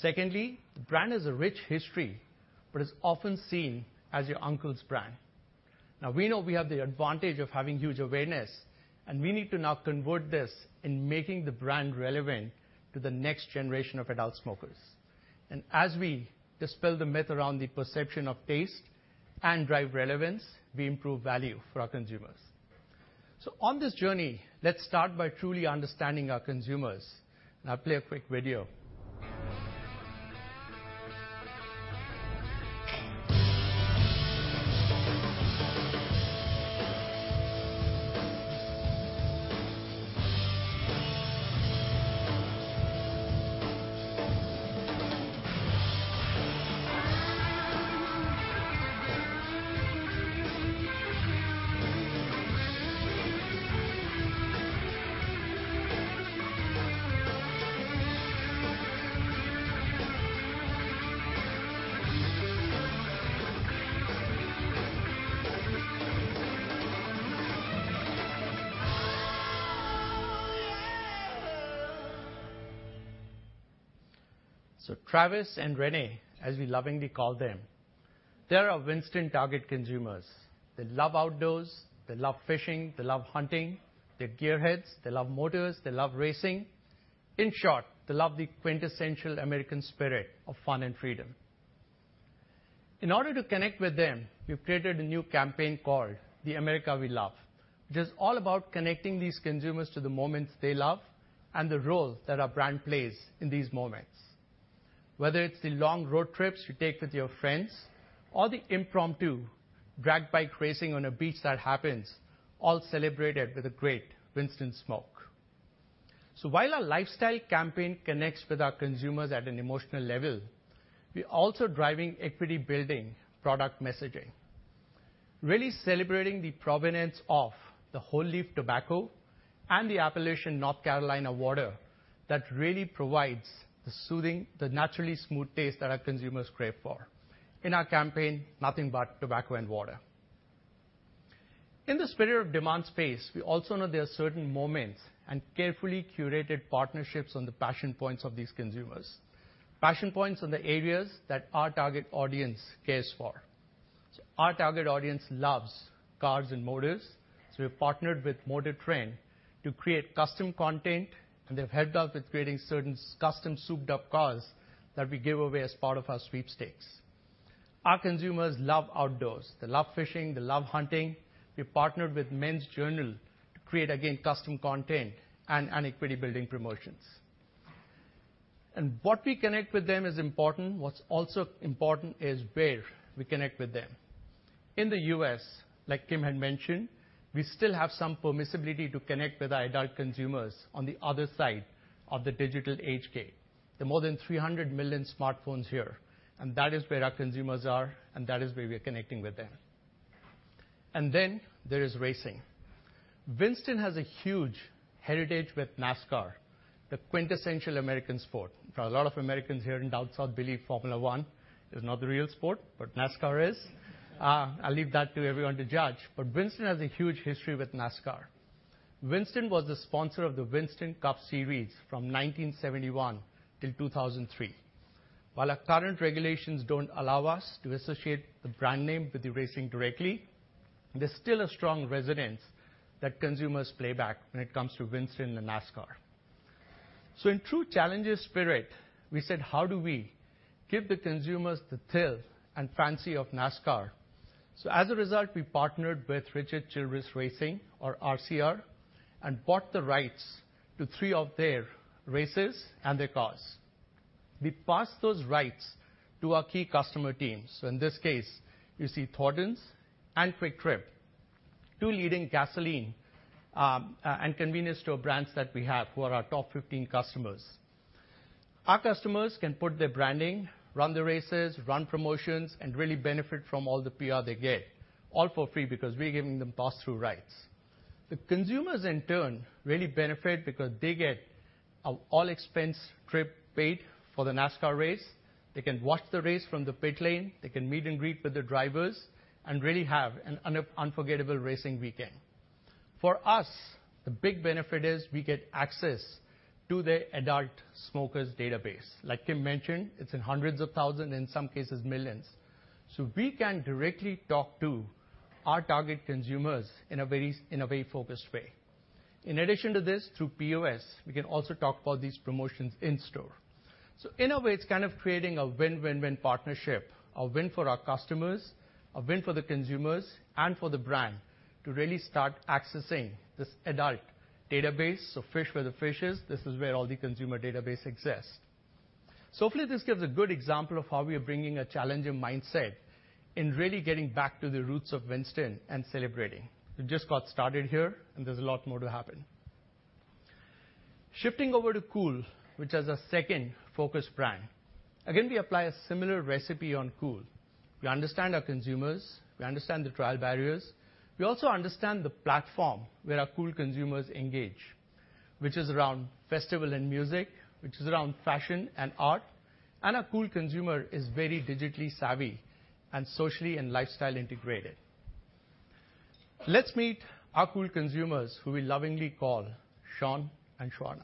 S13: Secondly, the brand has a rich history, but it's often seen as your uncle's brand. Now, we know we have the advantage of having huge awareness, we need to now convert this in making the brand relevant to the next generation of adult smokers. As we dispel the myth around the perception of taste and drive relevance, we improve value for our consumers. On this journey, let's start by truly understanding our consumers. I'll play a quick video. Travis and Renee, as we lovingly call them, they are our Winston target consumers. They love outdoors, they love fishing, they love hunting, they're gearheads, they love motors, they love racing. In short, they love the quintessential American spirit of fun and freedom. In order to connect with them, we've created a new campaign called The America We Love. It is all about connecting these consumers to the moments they love and the role that our brand plays in these moments. Whether it's the long road trips you take with your friends or the impromptu drag bike racing on a beach that happens, all celebrated with a great Winston smoke. While our lifestyle campaign connects with our consumers at an emotional level, we're also driving equity building product messaging, really celebrating the provenance of the whole leaf tobacco and the Appalachian North Carolina water that really provides the soothing, the naturally smooth taste that our consumers crave for. In our campaign, nothing but tobacco and water. In the spirit of demand space, we also know there are certain moments and carefully curated partnerships on the passion points of these consumers. Passion points are the areas that our target audience cares for. Our target audience loves cars and motors, we've partnered with MotorTrend to create custom content, and they've helped us with creating certain custom souped-up cars that we give away as part of our sweepstakes. Our consumers love outdoors. They love fishing, they love hunting. We've partnered with Men's Journal to create, again, custom content and equity building promotions. What we connect with them is important. What's also important is where we connect with them. In the U.S., like Kim had mentioned, we still have some permissibility to connect with our adult consumers on the other side of the digital age gate. There are more than 300 million smartphones here, and that is where our consumers are, and that is where we are connecting with them. There is racing. Winston has a huge heritage with NASCAR, the quintessential American sport. There are a lot of Americans here in Down South believe Formula One is not the real sport, NASCAR is. I'll leave that to everyone to judge. Winston has a huge history with NASCAR. Winston was the sponsor of the Winston Cup Series from 1971 till 2003. While our current regulations don't allow us to associate the brand name with the racing directly, there's still a strong resonance that consumers play back when it comes to Winston and NASCAR. In true challenges spirit, we said: How do we give the consumers the thrill and fancy of NASCAR? As a result, we partnered with Richard Childress Racing, or RCR, and bought the rights to three of their races and their cars. We passed those rights to our key customer teams. In this case, you see Thorntons and Kwik Trip, two leading gasoline and convenience store brands that we have, who are our top 15 customers. Our customers can put their branding, run the races, run promotions, and really benefit from all the PR they get, all for free, because we're giving them pass-through rights. The consumers, in turn, really benefit because they get an all-expense trip paid for the NASCAR race. They can watch the race from the pit lane, they can meet and greet with the drivers and really have an unforgettable racing weekend. For us, the big benefit is we get access to the adult smokers database. Like Kim mentioned, it's in hundreds of thousands, in some cases, millions. We can directly talk to our target consumers in a very focused way. In addition to this, through POS, we can also talk about these promotions in store. In a way, it's kind of creating a win-win-win partnership, a win for our customers, a win for the consumers, and for the brand to really start accessing this adult database. Fish where the fish is. This is where all the consumer database exists. Hopefully, this gives a good example of how we are bringing a challenger mindset in really getting back to the roots of Winston and celebrating. We just got started here, and there's a lot more to happen. Shifting over to KOOL, which is our second focus brand. Again, we apply a similar recipe on KOOL. We understand our consumers, we understand the trial barriers. We also understand the platform where our Kool consumers engage, which is around festival and music, which is around fashion and art, and our KOOL consumer is very digitally savvy and socially and lifestyle-integrated. Let's meet our KOOL consumers, who we lovingly call Sean and Shauna.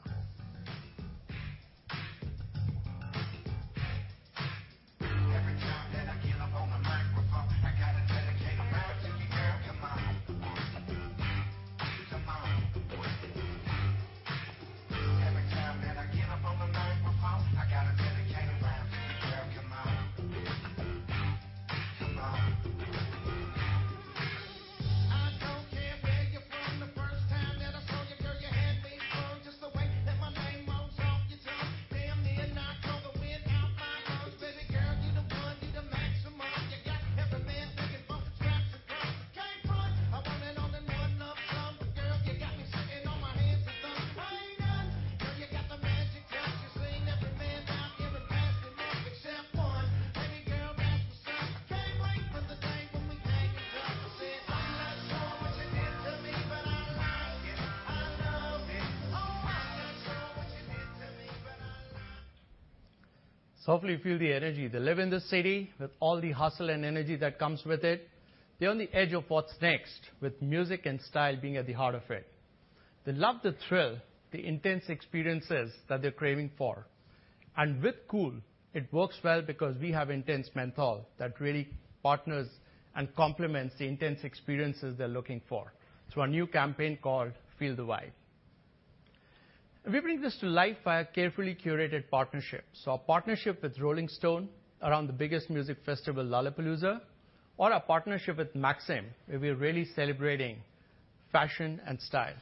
S13: Vibe. We bring this to life by our carefully curated partnerships. Our partnership with Rolling Stone around the biggest music festival, Lollapalooza, or our partnership with Maxim, where we are really celebrating fashion and style.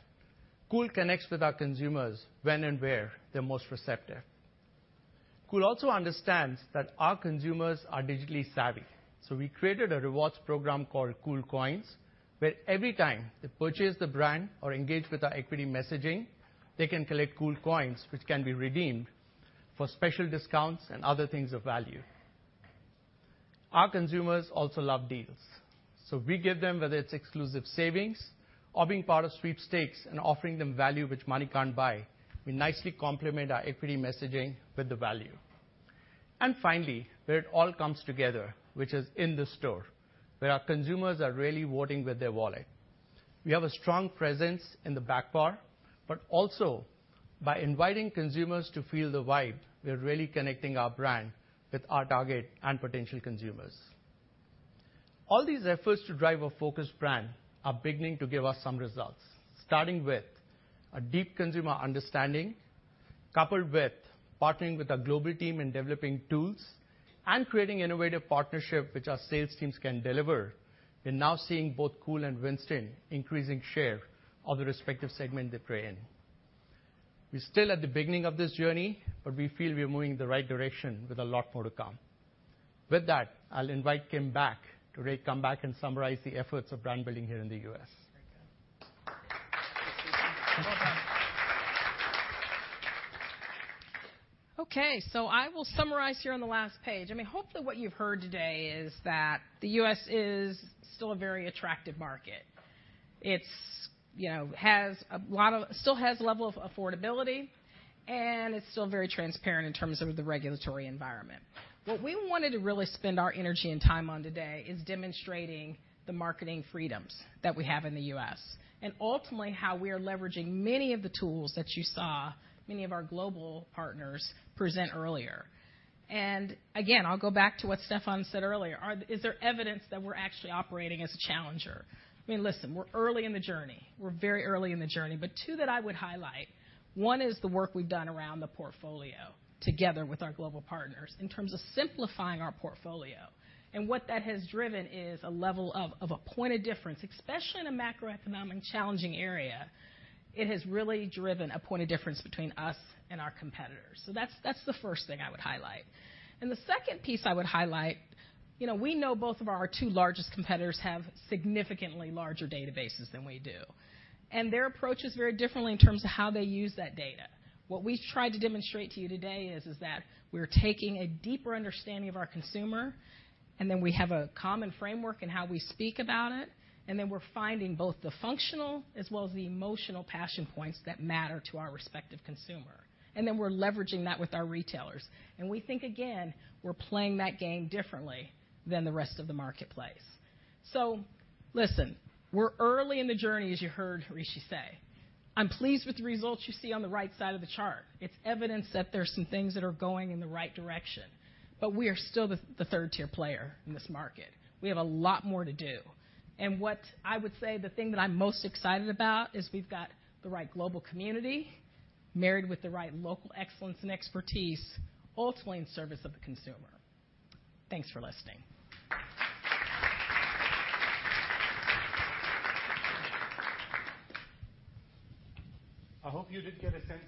S13: KOOL connects with our consumers when and where they're most receptive. Kool also understands that our consumers are digitally savvy. We created a rewards program called KOOL Koins, where every time they purchase the brand or engage with our equity messaging, they can collect KOOL Koins, which can be redeemed for special discounts and other things of value. Our consumers also love deals. We give them, whether it's exclusive savings or being part of sweepstakes and offering them value which money can't buy. We nicely complement our equity messaging with the value. Finally, where it all comes together, which is in the store, where our consumers are really voting with their wallet. We have a strong presence in the back bar, also by inviting consumers to feel the vibe, we are really connecting our brand with our target and potential consumers. All these efforts to drive a focused brand are beginning to give us some results, starting with a deep consumer understanding, coupled with partnering with our global team in developing tools and creating innovative partnership which our sales teams can deliver. We're now seeing both KOOL and Winston increasing share of the respective segment they play in. We're still at the beginning of this journey, but we feel we are moving in the right direction with a lot more to come. With that, I'll invite Kim back to really come back and summarize the efforts of brand building here in the U.S.
S12: Okay, I will summarize here on the last page. I mean, hopefully, what you've heard today is that the U.S. is still a very attractive market. It's, you know, still has a level of affordability, and it's still very transparent in terms of the regulatory environment. What we wanted to really spend our energy and time on today is demonstrating the marketing freedoms that we have in the U.S., and ultimately, how we are leveraging many of the tools that you saw many of our global partners present earlier. Again, I'll go back to what Stefan said earlier. Is there evidence that we're actually operating as a challenger? I mean, listen, we're early in the journey. We're very early in the journey, two that I would highlight: One is the work we've done around the portfolio together with our global partners in terms of simplifying our portfolio. What that has driven is a level of a point of difference, especially in a macroeconomic challenging area, it has really driven a point of difference between us and our competitors. That's the first thing I would highlight. The second piece I would highlight, you know, we know both of our two largest competitors have significantly larger databases than we do, and their approach is very differently in terms of how they use that data. What we've tried to demonstrate to you today is that we're taking a deeper understanding of our consumer, and then we have a common framework in how we speak about it, and then we're finding both the functional as well as the emotional passion points that matter to our respective consumer. Then we're leveraging that with our retailers. We think, again, we're playing that game differently than the rest of the marketplace. Listen, we're early in the journey, as you heard Rishi say. I'm pleased with the results you see on the right side of the chart. It's evidence that there are some things that are going in the right direction, but we are still the third-tier player in this market. We have a lot more to do. What I would say, the thing that I'm most excited about, is we've got the right global community married with the right local excellence and expertise, ultimately in service of the consumer. Thanks for listening.
S3: I hope you did get a sense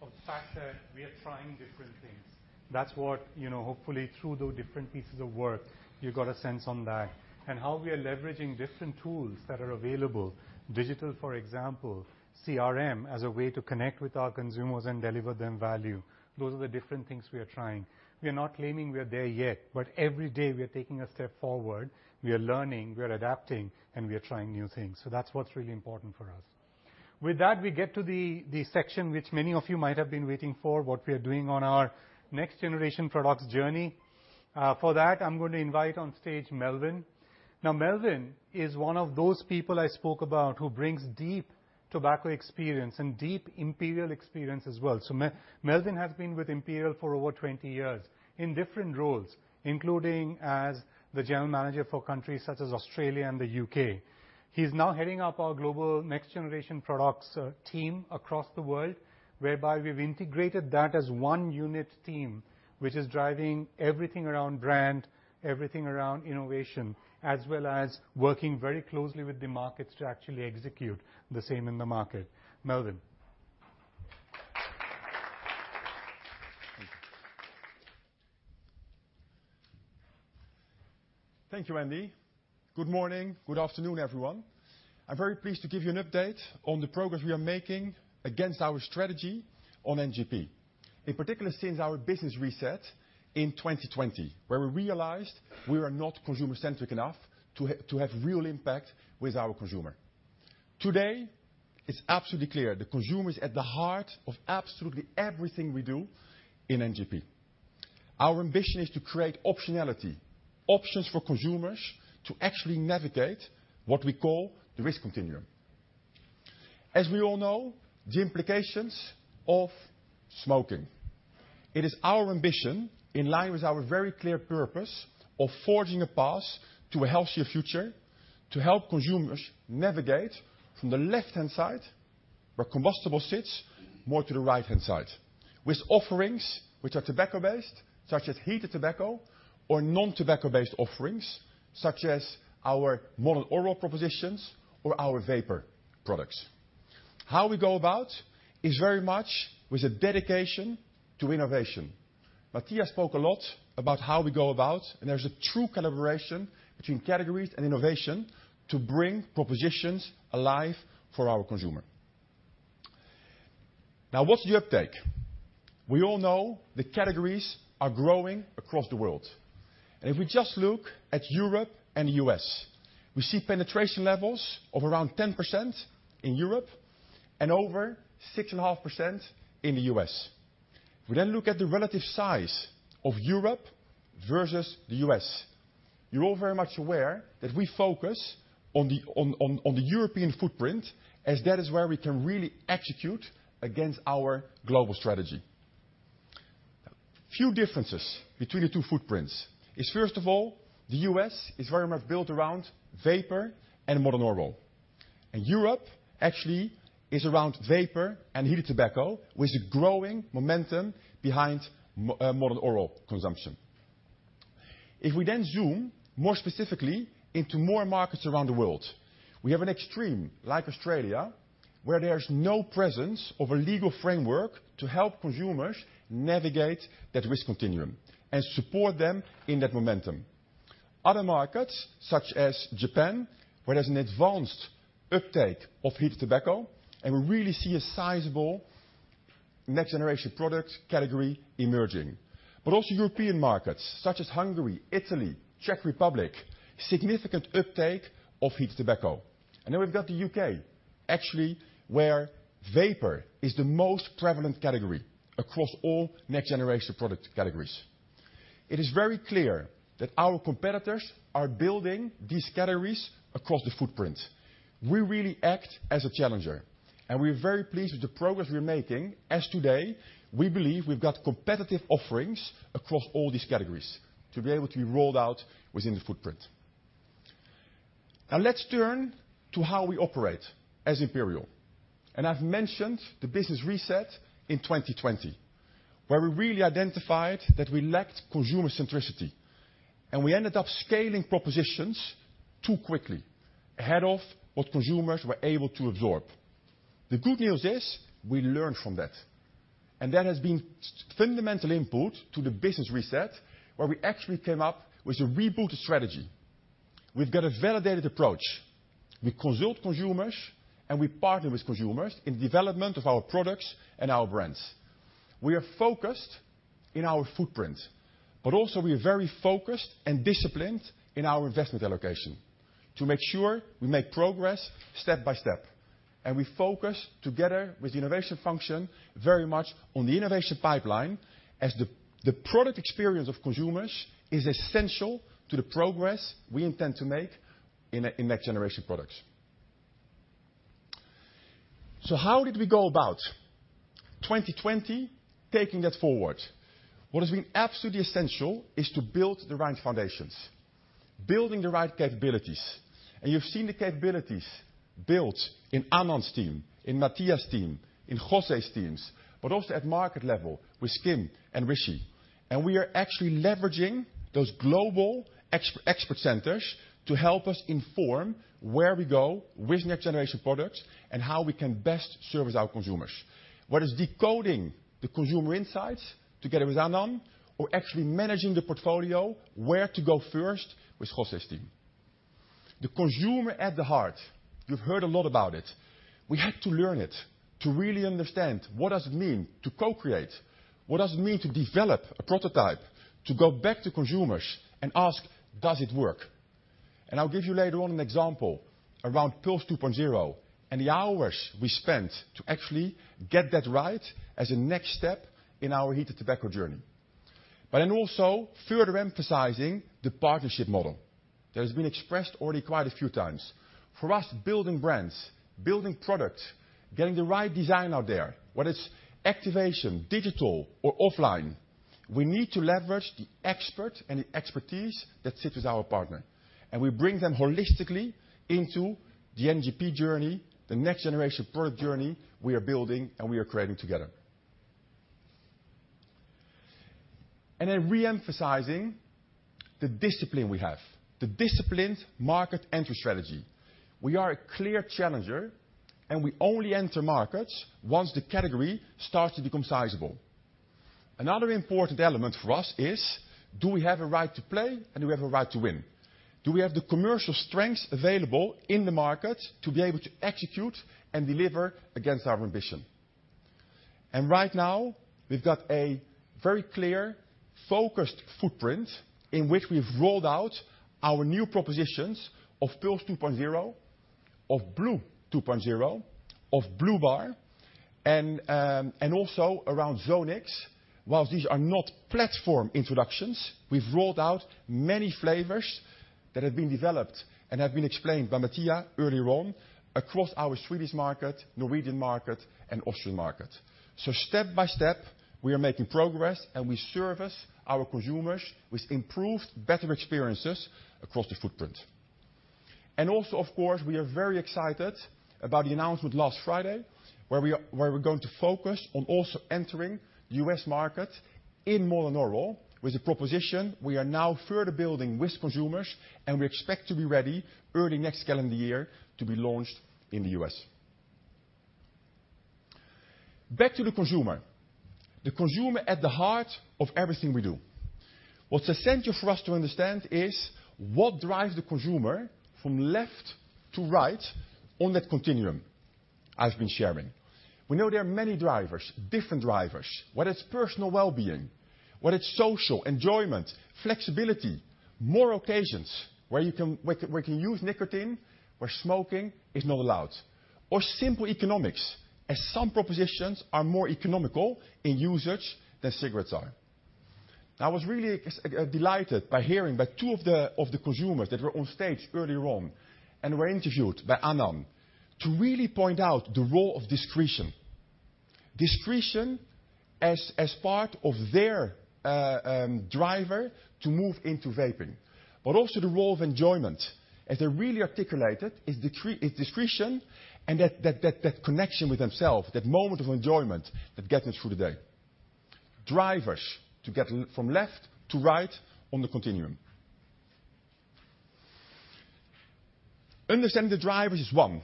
S3: of the fact that we are trying different things. That's what, you know, hopefully, through those different pieces of work, you got a sense on that. How we are leveraging different tools that are available, digital, for example, CRM, as a way to connect with our consumers and deliver them value. Those are the different things we are trying. We are not claiming we are there yet, but every day, we are taking a step forward. We are learning, we are adapting, and we are trying new things. That's what's really important for us. With that, we get to the section which many of you might have been waiting for, what we are doing on our next generation products journey. For that, I'm going to invite on stage Melvin. Melvin is one of those people I spoke about who brings deep tobacco experience and deep Imperial experience as well. Melvin has been with Imperial for over 20 years in different roles, including as the general manager for countries such as Australia and the U.K. He's now heading up our global next generation products team across the world, whereby we've integrated that as one unit team, which is driving everything around brand, everything around innovation, as well as working very closely with the markets to actually execute the same in the market. Melvin?
S14: Thank you, Andy. Good morning. Good afternoon, everyone. I'm very pleased to give you an update on the progress we are making against our strategy on NGP. In particular, since our business reset in 2020, where we realized we were not consumer-centric enough to have real impact with our consumer. Today, it's absolutely clear the consumer is at the heart of absolutely everything we do in NGP. Our ambition is to create optionality, options for consumers to actually navigate what we call the risk continuum. As we all know, the implications of smoking-... It is our ambition, in line with our very clear purpose of forging a path to a healthier future, to help consumers navigate from the left-hand side, where combustible sits, more to the right-hand side. With offerings which are tobacco-based, such as heated tobacco, or non-tobacco-based offerings, such as our modern oral propositions or our vapor products. How we go about is very much with a dedication to innovation. Matthias spoke a lot about how we go about, and there's a true collaboration between categories and innovation to bring propositions alive for our consumer. Now, what's the uptake? We all know the categories are growing across the world, and if we just look at Europe and the U.S., we see penetration levels of around 10% in Europe and over 6.5% in the U.S. We look at the relative size of Europe versus the U.S. You're all very much aware that we focus on the European footprint, as that is where we can really execute against our global strategy. A few differences between the two footprints is, first of all, the U.S. is very much built around vapor and modern oral. Europe actually is around vapor and heated tobacco, with a growing momentum behind modern oral consumption. If we then zoom more specifically into more markets around the world, we have an extreme, like Australia, where there is no presence of a legal framework to help consumers navigate that risk continuum and support them in that momentum. Other markets, such as Japan, where there's an advanced uptake of heated tobacco, and we really see a sizable next-generation product category emerging. Also European markets, such as Hungary, Italy, Czech Republic, significant uptake of heated tobacco. Then we've got the U.K., actually, where vapor is the most prevalent category across all next-generation product categories. It is very clear that our competitors are building these categories across the footprint. We really act as a challenger, and we are very pleased with the progress we're making, as today, we believe we've got competitive offerings across all these categories to be able to be rolled out within the footprint. Now let's turn to how we operate as Imperial. I've mentioned the business reset in 2020, where we really identified that we lacked consumer centricity, and we ended up scaling propositions too quickly, ahead of what consumers were able to absorb. The good news is, we learned from that, and that has been fundamental input to the business reset, where we actually came up with a rebooted strategy. We've got a validated approach. We consult consumers, and we partner with consumers in the development of our products and our brands. We are focused in our footprint, but also we are very focused and disciplined in our investment allocation to make sure we make progress step by step. We focus, together with the innovation function, very much on the innovation pipeline, as the product experience of consumers is essential to the progress we intend to make in next-generation products. How did we go about 2020, taking that forward? What has been absolutely essential is to build the right foundations, building the right capabilities, and you've seen the capabilities built in Anand's team, in Matthias' team, in José's teams, but also at market level with Kim and Rishi. We are actually leveraging those global expert centers to help us inform where we go with next-generation products and how we can best service our consumers. What is decoding the consumer insights together with Anand or actually managing the portfolio, where to go first, with Jose's team. The consumer at the heart. You've heard a lot about it. We had to learn it, to really understand what does it mean to co-create? What does it mean to develop a prototype, to go back to consumers and ask: Does it work? I'll give you later on an example around Pulze 2.0 and the hours we spent to actually get that right as a next step in our heated tobacco journey. also further emphasizing the partnership model that has been expressed already quite a few times. For us, building brands, building products, getting the right design out there, whether it's activation, digital or offline, we need to leverage the expert and the expertise that sits with our partner. We bring them holistically into the NGP journey, the next generation product journey we are building and we are creating together. Re-emphasizing the discipline we have, the disciplined market entry strategy. We are a clear challenger. We only enter markets once the category starts to become sizable. Another important element for us is: Do we have a right to play, and do we have a right to win? Do we have the commercial strength available in the market to be able to execute and deliver against our ambition? Right now, we've got a very clear, focused footprint in which we've rolled out our new propositions of Pulze 2.0-... of blu 2.0, of blu bar, and also around Zonnic. Whilst these are not platform introductions, we've rolled out many flavors that have been developed and have been explained by Mattia earlier on, across our Swedish market, Norwegian market, and Austrian market. Step by step, we are making progress, and we service our consumers with improved, better experiences across the footprint. Of course, we are very excited about the announcement last Friday, where we're going to focus on also entering the U.S. market in more than oral. With the proposition, we are now further building with consumers, and we expect to be ready early next calendar year to be launched in the U.S. Back to the consumer. The consumer at the heart of everything we do. What's essential for us to understand is what drives the consumer from left to right on that continuum I've been sharing? We know there are many drivers, different drivers, whether it's personal well-being, whether it's social, enjoyment, flexibility, more occasions where you can use nicotine, where smoking is not allowed, or simple economics, as some propositions are more economical in usage than cigarettes are. I was really delighted by hearing two of the consumers that were on stage earlier on and were interviewed by Anand, to really point out the role of discretion. Discretion as part of their driver to move into vaping, but also the role of enjoyment, as they really articulated, is discretion, and that connection with themselves, that moment of enjoyment that gets them through the day. Drivers to get from left to right on the continuum. Understanding the drivers is one.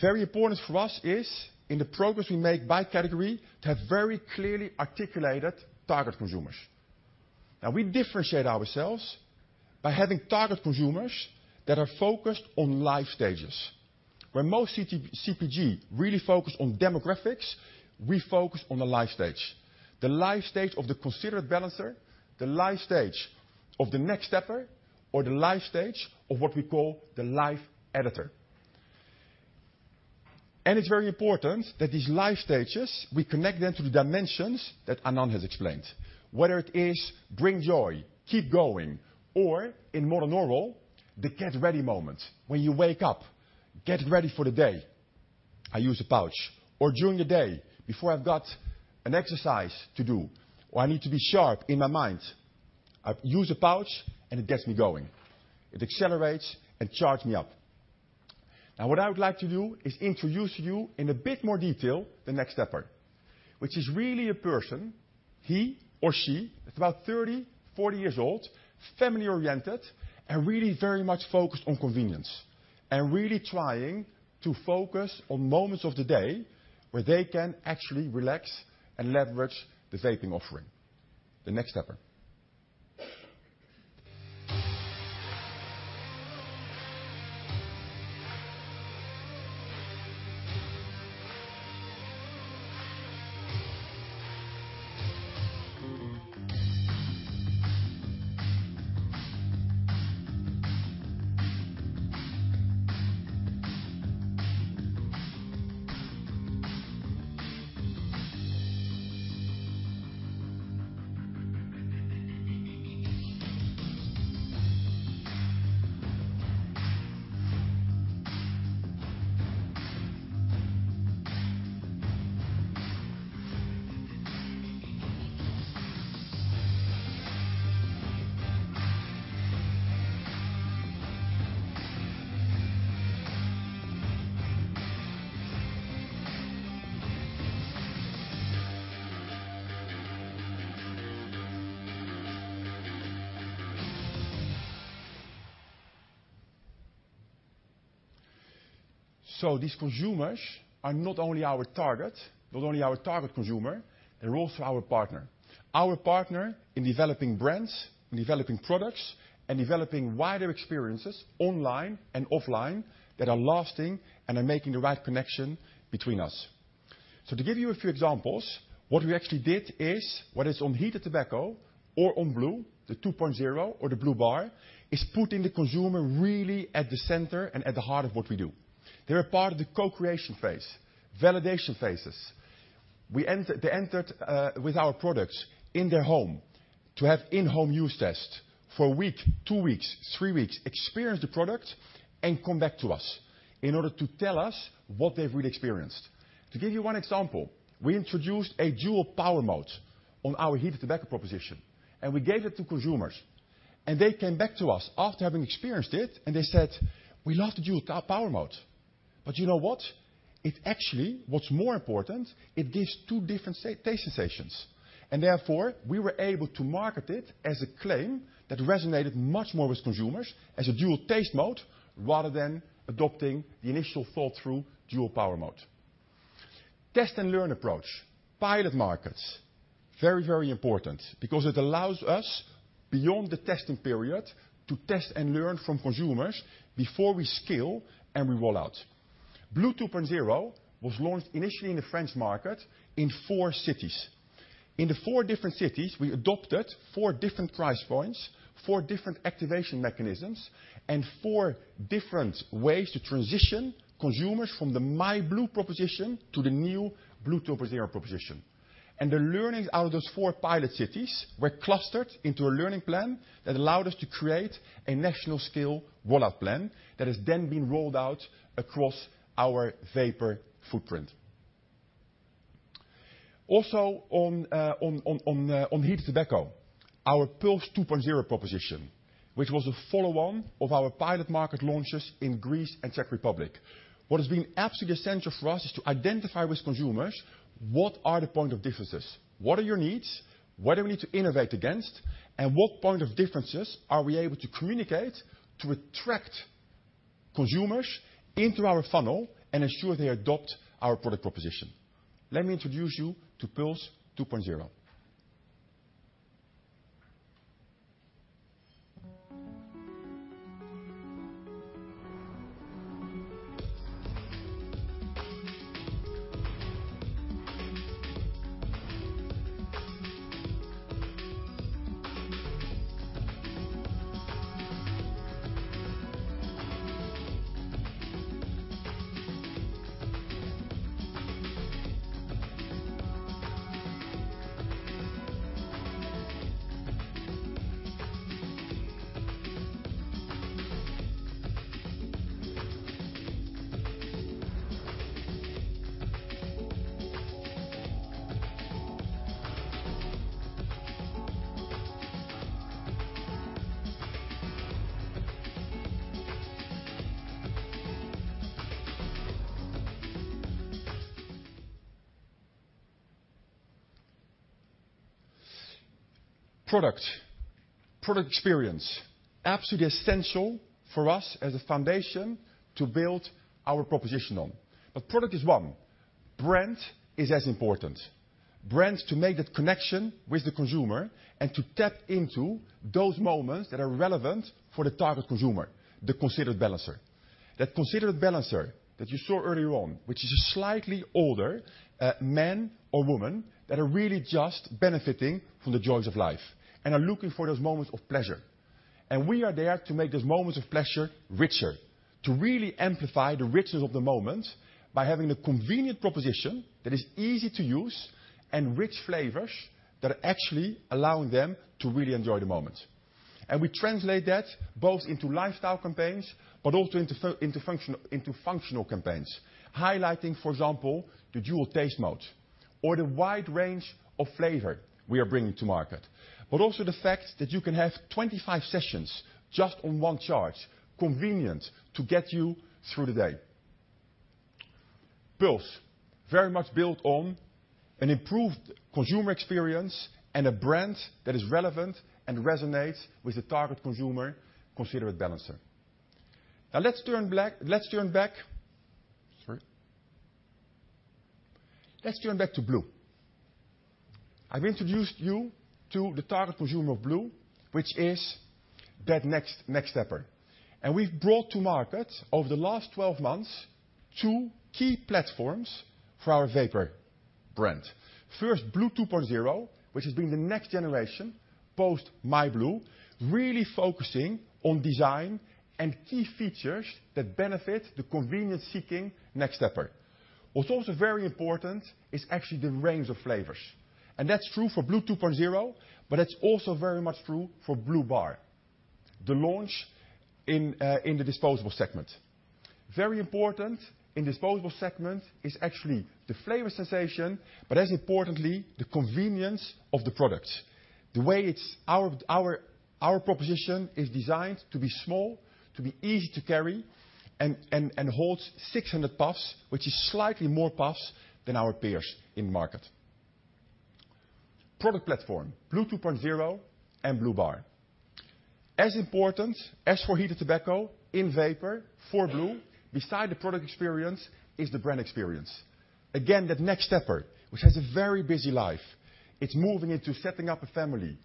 S14: Very important for us is, in the progress we make by category, to have very clearly articulated target consumers. Now, we differentiate ourselves by having target consumers that are focused on life stages. Where most CPG really focus on demographics, we focus on the life stage. The life stage of the considerate balancer, the life stage of the next stepper, or the life stage of what we call the life editor. It's very important that these life stages, we connect them to the dimensions that Anand has explained, whether it is Bring Joy, Keep Going, or in more than normal, the Get Ready Moment. When you wake up, get ready for the day, I use a pouch, or during the day, before I've got an exercise to do, or I need to be sharp in my mind, I use a pouch, and it gets me going. It accelerates and charge me up. Now, what I would like to do is introduce you in a bit more detail, the next stepper, which is really a person, he or she, is about 30, 40 years old, family-oriented, and really very much focused on convenience, and really trying to focus on moments of the day where they can actually relax and leverage the vaping offering. The next stepper. These consumers are not only our target consumer, they're also our partner. Our partner in developing brands, in developing products, and developing wider experiences online and offline that are lasting and are making the right connection between us. To give you a few examples, what we actually did is, what is on heated tobacco or on blu, the blu 2.0 or the blu bar, is putting the consumer really at the center and at the heart of what we do. They're a part of the co-creation phase, validation phases. They entered with our products in their home to have in-home use test for one week, two weeks, three weeks, experience the product, and come back to us in order to tell us what they've really experienced. To give you one example, we introduced a dual power mode on our heated tobacco proposition, and we gave it to consumers, and they came back to us after having experienced it, and they said, "We love the dual power mode, but you know what? It actually, what's more important, it gives two different taste sensations." Therefore, we were able to market it as a claim that resonated much more with consumers as a dual taste mode, rather than adopting the initial thought through dual power mode. Test and learn approach. Pilot markets, very, very important because it allows us, beyond the testing period, to test and learn from consumers before we scale and we roll out. blu 2.0 was launched initially in the French market in four cities. In the four different cities, we adopted four different price points, four different activation mechanisms, and four different ways to transition consumers from the myblu proposition to the new blu 2.0 proposition. The learnings out of those four pilot cities were clustered into a learning plan that allowed us to create a national scale rollout plan that has then been rolled out across our vapor footprint. Also, on heated tobacco, our Pulze 2.0 proposition, which was a follow-on of our pilot market launches in Greece and Czech Republic. What has been absolutely essential for us is to identify with consumers, what are the point of differences? What are your needs? What do we need to innovate against? What point of differences are we able to communicate to attract consumers into our funnel and ensure they adopt our product proposition? Let me introduce you to Pulze 2.0. Product. Product experience, absolutely essential for us as a foundation to build our proposition on. Product is one. Brand is as important. Brand, to make that connection with the consumer and to tap into those moments that are relevant for the target consumer, the considerate balancer. That considerate balancer that you saw earlier on, which is a slightly older man or woman, that are really just benefiting from the joys of life and are looking for those moments of pleasure. We are there to make those moments of pleasure richer, to really amplify the richness of the moment by having a convenient proposition that is easy to use, and rich flavors that are actually allowing them to really enjoy the moment. We translate that both into lifestyle campaigns, but also into function, into functional campaigns. Highlighting, for example, the dual taste mode or the wide range of flavor we are bringing to market, also the fact that you can have 25 sessions just on one charge. Convenient to get you through the day. Pulze, very much built on an improved consumer experience and a brand that is relevant and resonates with the target consumer, considerate balancer. Let's turn back... Sorry. Let's turn back to blu. I've introduced you to the target consumer of blu, which is that next stepper. We've brought to market, over the last 12 months, two key platforms for our vapor brand. First, blu 2.0, which has been the next generation, post myblu, really focusing on design and key features that benefit the convenience-seeking next stepper. What's also very important is actually the range of flavors, and that's true for blu 2.0, but it's also very much true for blu bar, the launch in the disposable segment. Very important in disposable segment is actually the flavor sensation, but as importantly, the convenience of the product. The way it's our proposition is designed to be small, to be easy to carry, and holds 600 puffs, which is slightly more puffs than our peers in the market. Product platform, blu 2.0 and blu bar. As important as for heated tobacco in vapor, for blu, beside the product experience is the brand experience. That next stepper, which has a very busy life, it's moving into setting up a family,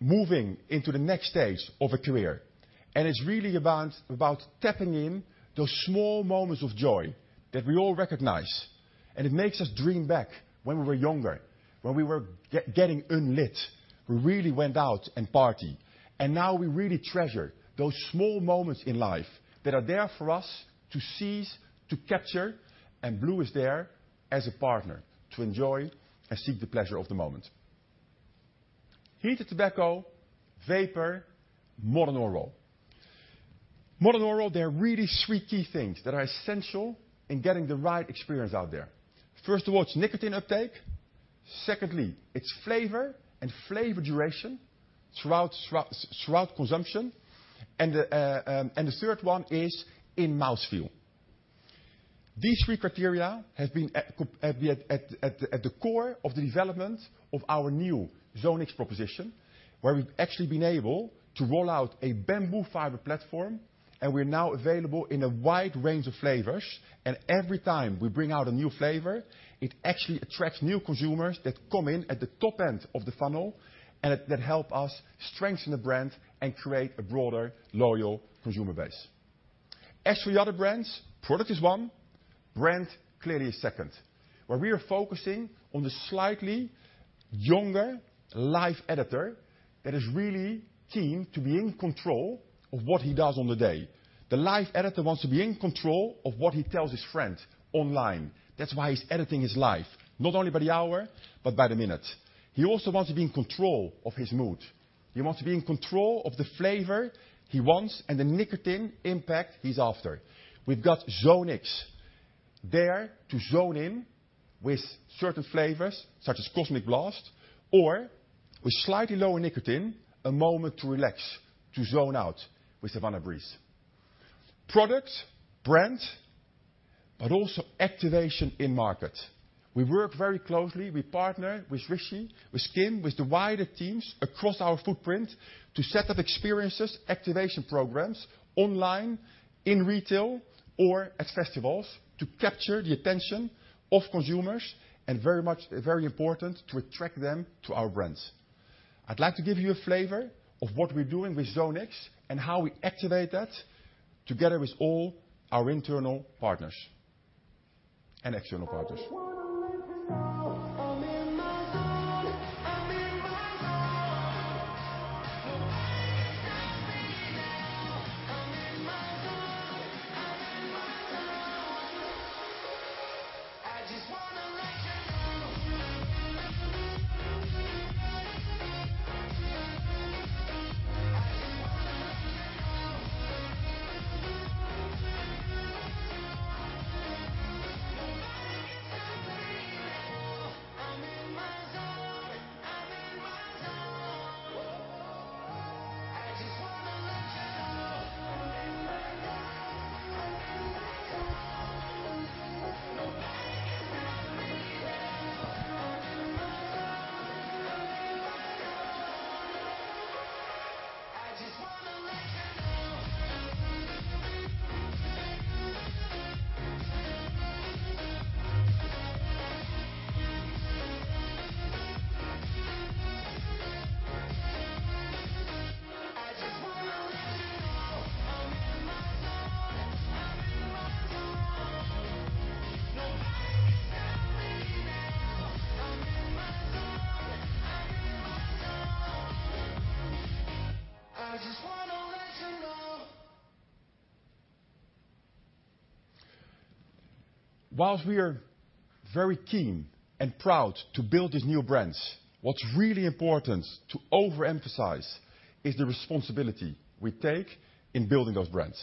S14: moving into the next stage of a career, it's really about tapping in those small moments of joy that we all recognize, it makes us dream back when we were younger, when we were getting unlit, we really went out and party. Now we really treasure those small moments in life that are there for us to seize, to capture, and blu is there as a partner to enjoy and seek the pleasure of the moment. Heated tobacco, vapor, modern oral. Modern oral, there are really three key things that are essential in getting the right experience out there. First of all, it's nicotine uptake. Secondly, it's flavor and flavor duration throughout consumption. The third one is in mouthfeel. These three criteria have been at the core of the development of our new Zonnic proposition, where we've actually been able to roll out a bamboo fiber platform, and we're now available in a wide range of flavors. Every time we bring out a new flavor, it actually attracts new consumers that come in at the top end of the funnel, and that help us strengthen the brand and create a broader, loyal consumer base. As for the other brands, product is one, brand clearly is second. Where we are focusing on the slightly younger live editor that is really keen to be in control of what he does on the day. The live editor wants to be in control of what he tells his friend online. That's why he's editing his life, not only by the hour, but by the minute. He also wants to be in control of his mood. He wants to be in control of the flavor he wants, and the nicotine impact he's after. We've got Zonnic there to zone in with certain flavors, such as Cosmic Blast, or with slightly lower nicotine, a moment to relax, to zone out with Havana Breeze. Product, brand. Also activation in market. We work very closely, we partner with Rishi, with Kim, with the wider teams across our footprint to set up experiences, activation programs, online, in retail or at festivals, to capture the attention of consumers and very important, to attract them to our brands. I'd like to give you a flavor of what we're doing with Zonnic, and how we activate that together with all our internal partners and external partners.
S6: I just wanna let you know I'm in my zone, I'm in my zone. Nobody can stop me now, I'm in my zone, I'm in my zone. I just wanna let you know. I just wanna let you know. Nobody can stop me now, I'm in my zone, I'm in my zone. Whoa, I just wanna let you know. I'm in my zone, I'm in my zone. Nobody can stop me now. I'm in my zone, I'm in my zone. I just wanna let you know. I just wanna let you know I'm in my zone, I'm in my zone. Nobody can stop me now, I'm in my zone, I'm in my zone. I just wanna let you know.
S14: Whilst we are very keen and proud to build these new brands, what's really important to overemphasize is the responsibility we take in building those brands.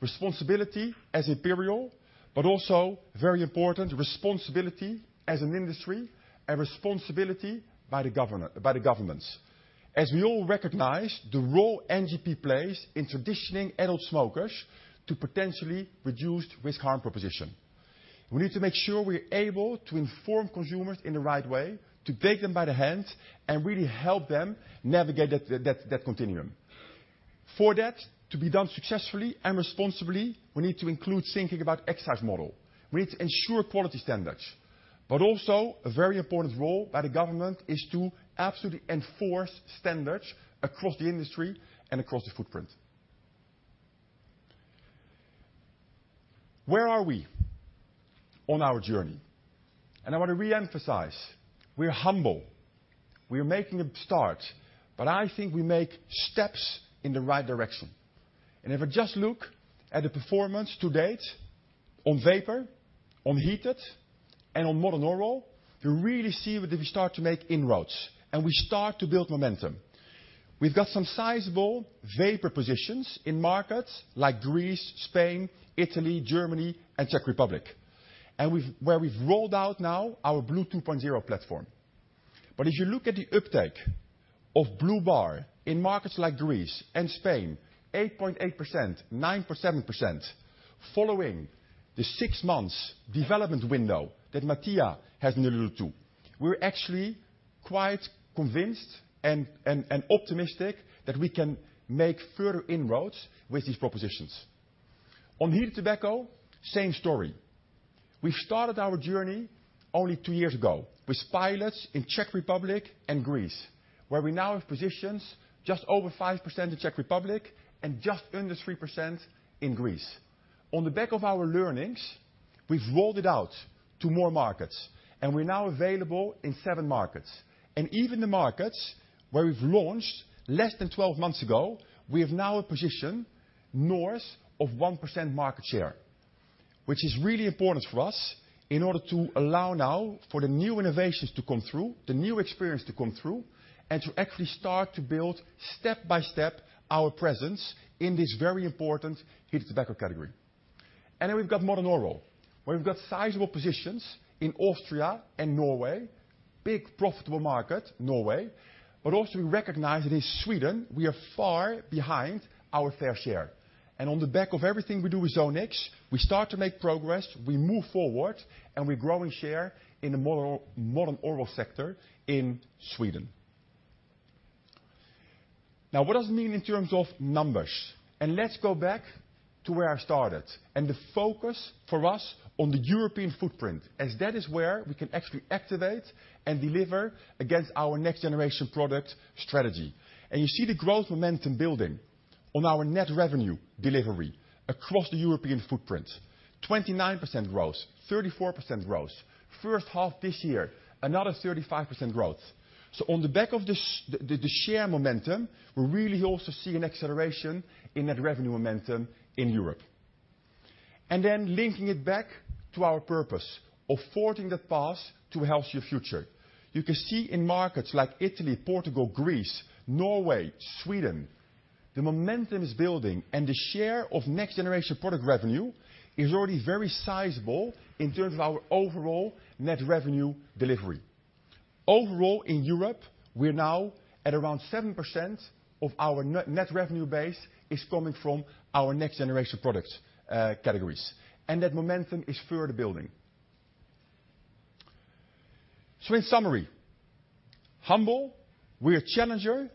S14: Responsibility as Imperial, but also very important, responsibility as an industry and responsibility by the governments. As we all recognize, the role NGP plays in transitioning adult smokers to potentially reduced risk harm proposition. We need to make sure we're able to inform consumers in the right way, to take them by the hand, and really help them navigate that continuum. For that to be done successfully and responsibly, we need to include thinking about excise model. We need to ensure quality standards, but also a very important role by the government is to absolutely enforce standards across the industry and across the footprint. Where are we on our journey? I want to reemphasize, we're humble. We are making a start, I think we make steps in the right direction. If I just look at the performance to date on vapor, on heated, and on modern oral, you really see that we start to make inroads, and we start to build momentum. We've got some sizable vapor positions in markets like Greece, Spain, Italy, Germany and Czech Republic, where we've rolled out now our blu 2.0 platform. As you look at the uptake of blu bar in markets like Greece and Spain, 8.8%, 9.7%, following the six months development window that Mattia has alluded to, we're actually quite convinced and optimistic that we can make further inroads with these propositions. On heated tobacco, same story. We started our journey only two years ago with pilots in Czech Republic and Greece, where we now have positions just over 5% in Czech Republic and just under 3% in Greece. On the back of our learnings, we've rolled it out to more markets, we're now available in seven markets. Even the markets where we've launched less than 12 months ago, we have now a position north of 1% market share, which is really important for us in order to allow now for the new innovations to come through, the new experience to come through, and to actually start to build, step by step, our presence in this very important heated tobacco category. We've got modern oral, where we've got sizable positions in Austria and Norway. Big, profitable market, Norway. Also, we recognize that in Sweden, we are far behind our fair share. On the back of everything we do with Zone X, we start to make progress, we move forward, and we grow in share in the modern oral sector in Sweden. Now, what does it mean in terms of numbers? Let's go back to where I started, and the focus for us on the European footprint, as that is where we can actually activate and deliver against our next generation product strategy. You see the growth momentum building on our net revenue delivery across the European footprint, 29% growth, 34% growth. First half this year, another 35% growth. On the back of the share momentum, we're really also seeing an acceleration in net revenue momentum in Europe. Linking it back to our purpose of forging the path to a healthier future, you can see in markets like Italy, Portugal, Greece, Norway, Sweden, the momentum is building, and the share of next-generation product revenue is already very sizable in terms of our overall net revenue delivery. Overall, in Europe, we are now at around 7% of our net revenue base is coming from our next-generation products categories, and that momentum is further building. In summary, humble, we are challenger.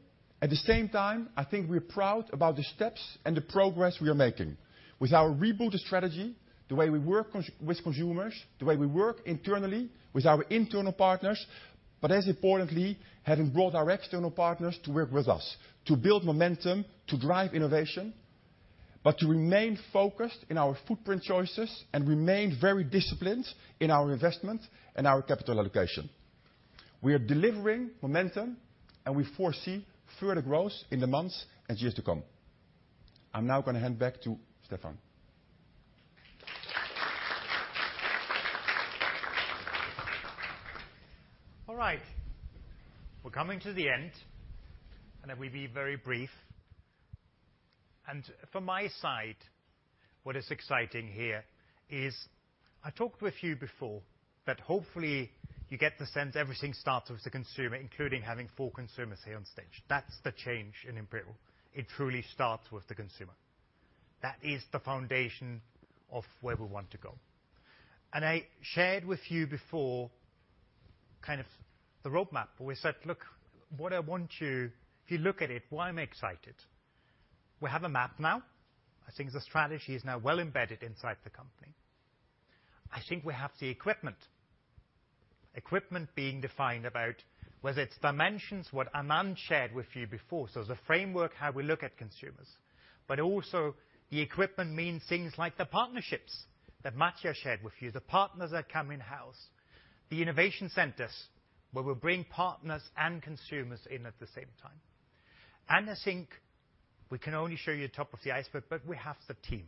S14: At the same time, I think we're proud about the steps and the progress we are making with our reboot strategy, the way we work with consumers, the way we work internally with our internal partners, as importantly, having brought our external partners to work with us to build momentum, to drive innovation, but to remain focused in our footprint choices and remain very disciplined in our investment and our capital allocation. We are delivering momentum. We foresee further growth in the months and years to come. I'm now gonna hand back to Stefan.
S2: All right. We're coming to the end. I will be very brief. From my side, what is exciting here is I talked with you before that hopefully you get the sense everything starts with the consumer, including having four consumers here on stage. That's the change in Imperial. It truly starts with the consumer. That is the foundation of where we want to go. I shared with you before kind of the roadmap, but we said, "Look, if you look at it, why am I excited? We have a map now. I think the strategy is now well embedded inside the company. I think we have the equipment being defined about whether it's dimensions, what Anand shared with you before, so the framework, how we look at consumers, but also the equipment means things like the partnerships that Mattia shared with you, the partners that come in-house, the innovation centers, where we bring partners and consumers in at the same time. I think we can only show you the top of the iceberg, but we have the team.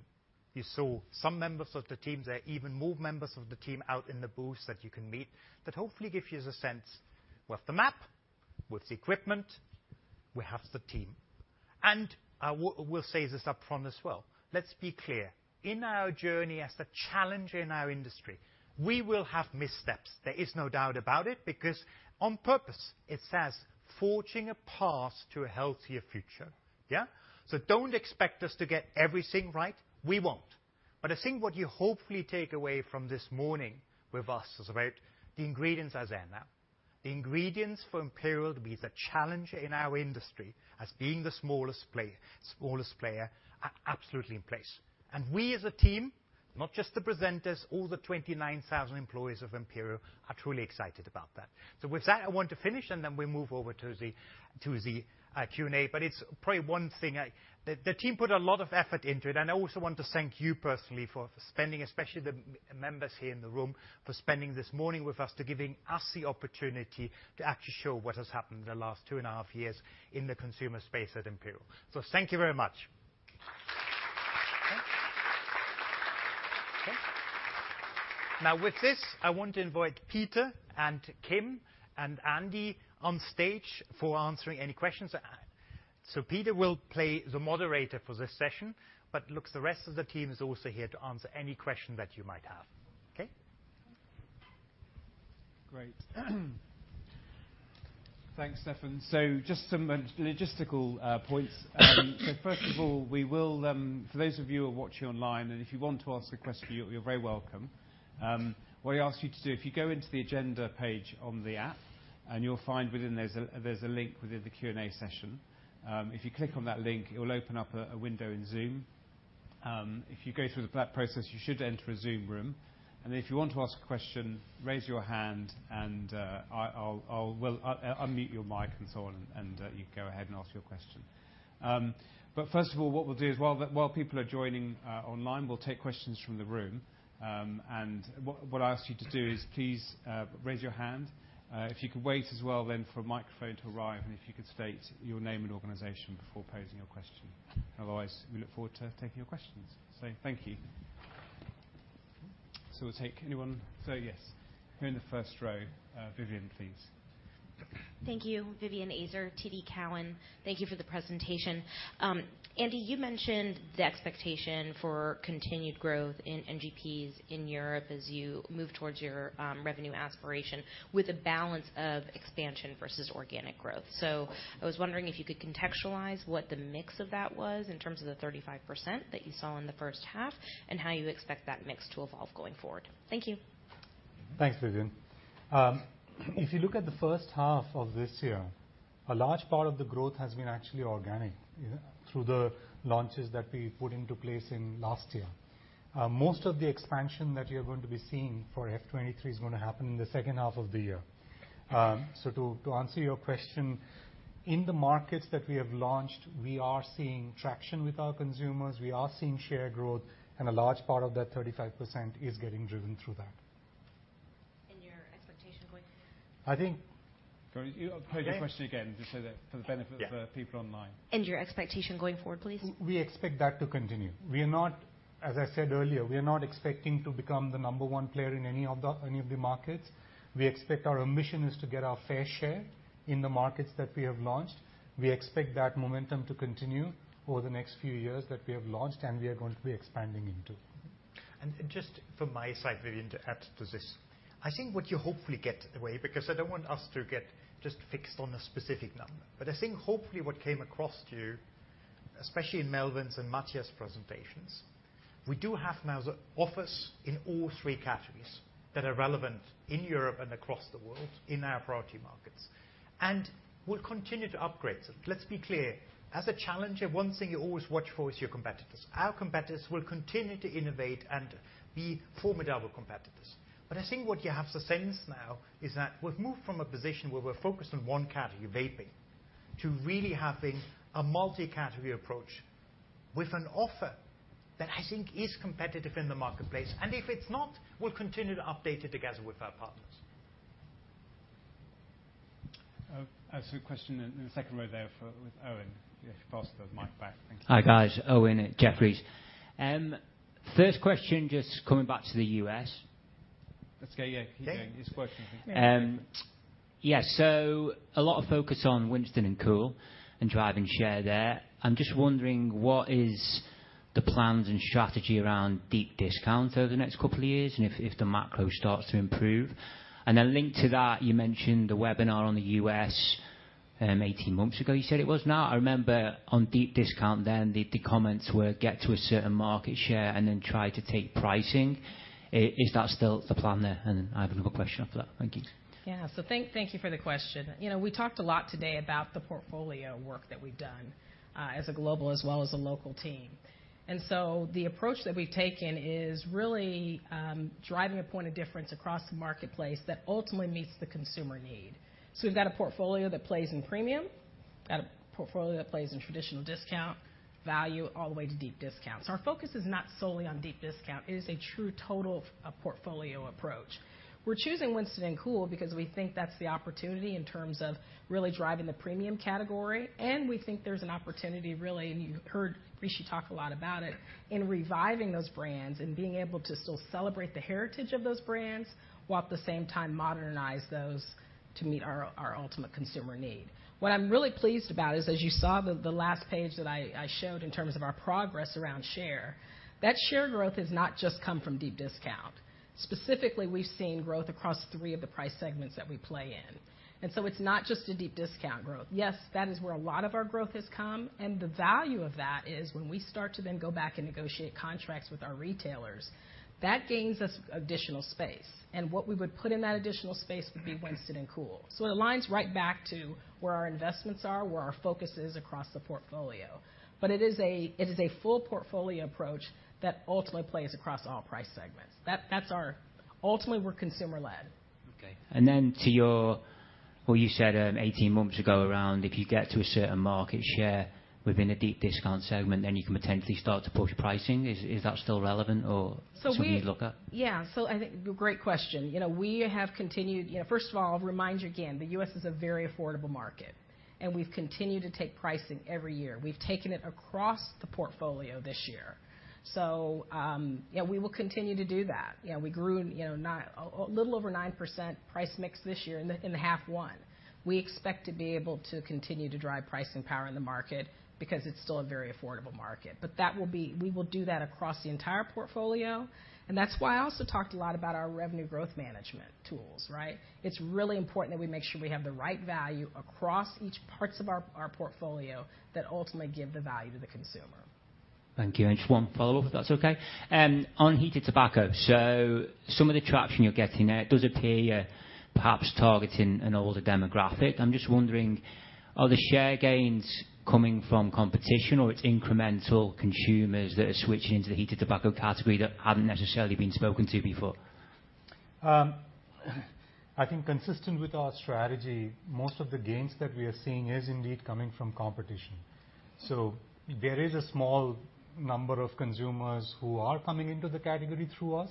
S2: You saw some members of the team. There are even more members of the team out in the booth that you can meet, that hopefully gives you the sense, we have the map, we have the equipment, we have the team. We'll say this up front as well. Let's be clear. In our journey as the challenger in our industry, we will have missteps. There is no doubt about it, because on purpose, it says, "Forging a path to a healthier future." Yeah? Don't expect us to get everything right. We won't. I think what you hopefully take away from this morning with us is about the ingredients are there now. The ingredients for Imperial to be the challenger in our industry as being the smallest player, are absolutely in place. We as a team, not just the presenters, all the 29,000 employees of Imperial, are truly excited about that. With that, I want to finish, and then we move over to the Q&A. It's probably one thing. The team put a lot of effort into it, and I also want to thank you personally for spending, especially the members here in the room, for spending this morning with us, to giving us the opportunity to actually show what has happened in the last two and a half years in the consumer space at Imperial. Thank you very much. Okay. With this, I want to invite Peter and Kim and Andy on stage for answering any questions. Peter will play the moderator for this session, but, look, the rest of the team is also here to answer any question that you might have. Okay?
S1: Great. Thanks, Stefan. Just some logistical points. First of all, we will, for those of you who are watching online, and if you want to ask a question, you're very welcome. What I ask you to do, if you go into the Agenda page on the app, and you'll find within there's a link within the Q&A session. If you click on that link, it will open up a window in Zoom. If you go through that process, you should enter a Zoom room, and if you want to ask a question, raise your hand, and I'll unmute your mic and so on, and you can go ahead and ask your question. First of all, what we'll do is, while the, while people are joining online, we'll take questions from the room. What I ask you to do is please raise your hand. If you could wait as well then for a microphone to arrive, and if you could state your name and organization before posing your question. Otherwise, we look forward to taking your questions. Thank you. We'll take anyone. Yes, here in the first row, Vivien Azer, please.
S15: Thank you. Vivien Azer, TD Cowen. Thank you for the presentation. Andy, you mentioned the expectation for continued growth in NGPs in Europe as you move towards your revenue aspiration with a balance of expansion versus organic growth. I was wondering if you could contextualize what the mix of that was in terms of the 35% that you saw in the first half and how you expect that mix to evolve going forward. Thank you.
S3: Thanks, Vivien. If you look at the first half of this year, a large part of the growth has been actually organic, yeah, through the launches that we put into place in last year. Most of the expansion that you're going to be seeing for F 2023 is going to happen in the second half of the year. To answer your question, in the markets that we have launched, we are seeing traction with our consumers, we are seeing share growth, and a large part of that 35% is getting driven through that.
S15: Your expectation going forward?
S3: I think-
S1: Can you repeat the question again, just so that for the benefit of the people online?
S15: Your expectation going forward, please.
S3: We expect that to continue. As I said earlier, we are not expecting to become the number one player in any of the markets. We expect our mission is to get our fair share in the markets that we have launched. We expect that momentum to continue over the next few years that we have launched, and we are going to be expanding into.
S2: Just from my side, Vivien, to add to this. I think what you hopefully get away, because I don't want us to get just fixed on a specific number, but I think hopefully what came across to you, especially in Melvin's and Mattia's presentations, we do have now the office in all three categories that are relevant in Europe and across the world, in our priority markets, and we'll continue to upgrade. Let's be clear, as a challenger, one thing you always watch for is your competitors. Our competitors will continue to innovate and be formidable competitors. I think what you have to sense now is that we've moved from a position where we're focused on one category, vaping, to really having a multi-category approach with an offer that I think is competitive in the marketplace. If it's not, we'll continue to update it together with our partners.
S1: I see a question in the second row there with Owen. If you pass the mic back. Thank you.
S16: Hi, guys. Owen at Jefferies. First question, just coming back to the U.S.
S1: Let's go. Yeah, keep going. It's working.
S16: Yeah, a lot of focus on Winston and KOOL and driving share there. I'm just wondering, what is the plans and strategy around deep discount over the next couple of years, and if the macro starts to improve? Linked to that, you mentioned the webinar on the U.S., 18 months ago, you said it was now. I remember on deep discount then, the comments were get to a certain market share and then try to take pricing. Is that still the plan there? I have another question after that. Thank you.
S12: Thank you for the question. You know, we talked a lot today about the portfolio work that we've done as a global as well as a local team. The approach that we've taken is really driving a point of difference across the marketplace that ultimately meets the consumer need. We've got a portfolio that plays in premium, got a portfolio that plays in traditional discount, value, all the way to deep discount. Our focus is not solely on deep discount. It is a true total of portfolio approach. We're choosing Winston and KOOL because we think that's the opportunity in terms of really driving the premium category, and we think there's an opportunity, really, and you heard Rishi talk a lot about it, in reviving those brands and being able to still celebrate the heritage of those brands, while at the same time modernize those to meet our ultimate consumer need. What I'm really pleased about is, as you saw, the last page that I showed in terms of our progress around share, that share growth has not just come from deep discount. Specifically, we've seen growth across three of the price segments that we play in. It's not just a deep discount growth. Yes, that is where a lot of our growth has come. The value of that is when we start to then go back and negotiate contracts with our retailers, that gains us additional space, and what we would put in that additional space would be Winston and KOOL. It aligns right back to where our investments are, where our focus is across the portfolio. It is a full portfolio approach that ultimately plays across all price segments. Ultimately, we're consumer-led.
S16: Okay. To your, what you said, 18 months ago, around, if you get to a certain market share within a deep discount segment, then you can potentially start to push pricing. Is that still relevant?
S12: So we-
S16: something you'd look at?
S12: I think great question. You know, first of all, I'll remind you again, the U.S. is a very affordable market, we've continued to take pricing every year. We've taken it across the portfolio this year. We will continue to do that. You know, we grew, you know, a little over 9% price mix this year in the half one. We expect to be able to continue to drive pricing power in the market because it's still a very affordable market. That we will do that across the entire portfolio, that's why I also talked a lot about our RGM tools, right? It's really important that we make sure we have the right value across each parts of our portfolio that ultimately give the value to the consumer.
S16: Thank you. Just one follow-up, if that's okay. On heated tobacco, some of the traction you're getting there, it does appear you're perhaps targeting an older demographic. I'm just wondering, are the share gains coming from competition, or it's incremental consumers that are switching to the heated tobacco category that haven't necessarily been spoken to before?
S3: I think consistent with our strategy, most of the gains that we are seeing is indeed coming from competition. There is a small number of consumers who are coming into the category through us.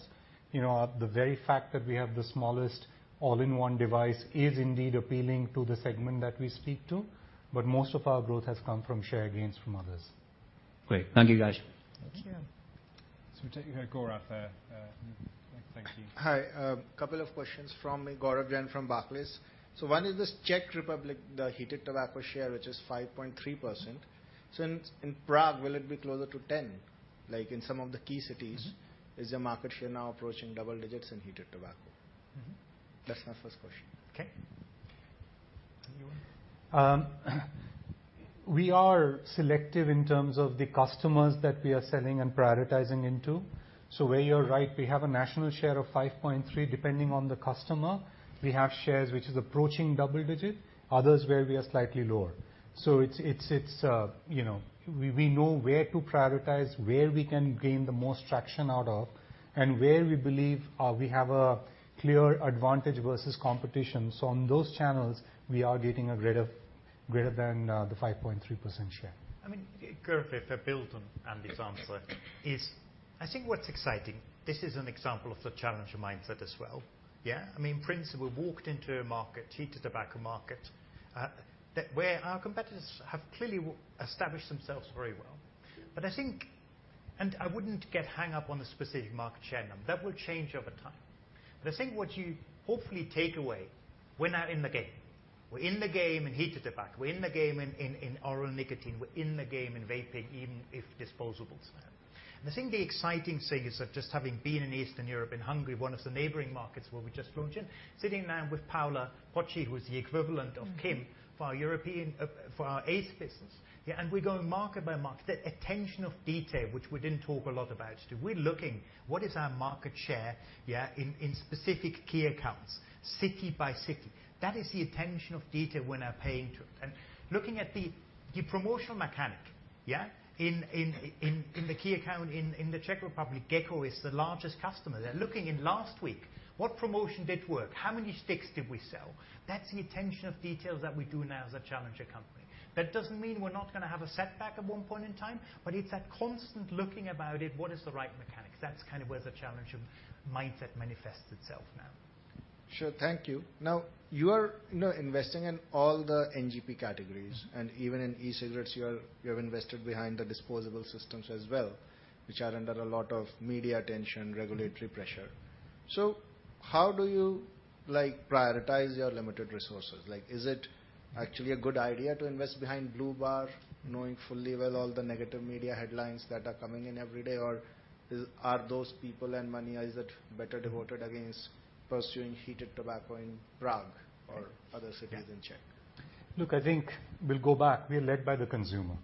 S3: You know, the very fact that we have the smallest all-in-one device is indeed appealing to the segment that we speak to, but most of our growth has come from share gains from others.
S16: Great. Thank you, guys.
S1: Thank you. We'll take Gaurav there. Thank you.
S17: Hi. A couple of questions from Gaurav Jain from Barclays. One is this Czech Republic, the heated tobacco share, which is 5.3%. In Prague, will it be closer to 10, like in some of the key cities?
S2: Mm-hmm.
S17: Is the market share now approaching double digits in heated tobacco?
S2: Mm-hmm.
S17: That's my first question.
S3: Okay.... We are selective in terms of the customers that we are selling and prioritizing into. Where you're right, we have a national share of 5.3. Depending on the customer, we have shares which is approaching double digit, others where we are slightly lower. It's, you know, we know where to prioritize, where we can gain the most traction out of, and where we believe we have a clear advantage versus competition. On those channels, we are getting a greater than the 5.3% share.
S2: I mean, Gaurav, if I build on Andy's answer, is I think what's exciting, this is an example of the challenger mindset as well, yeah? I mean, Prince, we walked into a market, heated tobacco market, that where our competitors have clearly established themselves very well. I think I wouldn't get hang up on the specific market share number. That will change over time. I think what you hopefully take away, we're now in the game. We're in the game in heated tobacco. We're in the game in oral nicotine. We're in the game in vaping, even if disposables now. I think the exciting thing is that just having been in Eastern Europe, in Hungary, one of the neighboring markets where we just launched in, sitting down with Paola Pocci, who is the equivalent of.
S7: Mm-hmm.
S2: For our European, for our eighth business, we're going market by market. The attention of detail, which we didn't talk a lot about. We're looking, what is our market share in specific key accounts, city by city? That is the attention of detail we're now paying to it. Looking at the promotional mechanic in the key account in the Czech Republic, GECO is the largest customer there. Looking in last week, what promotion did work? How many sticks did we sell? That's the attention of details that we do now as a challenger company. That doesn't mean we're not gonna have a setback at one point in time, but it's that constant looking about it. What is the right mechanics? That's kind of where the challenger mindset manifests itself now.
S17: Sure. Thank you. You are, you know, investing in all the NGP categories, and even in e-cigarettes, you have invested behind the disposable systems as well, which are under a lot of media attention, regulatory pressure. How do you, like, prioritize your limited resources? Like, is it actually a good idea to invest behind blu bar, knowing fully well all the negative media headlines that are coming in every day, or Are those people and money, is it better devoted against pursuing heated tobacco in Prague or other cities in Czech?
S3: Look, I think we'll go back. We are led by the consumer.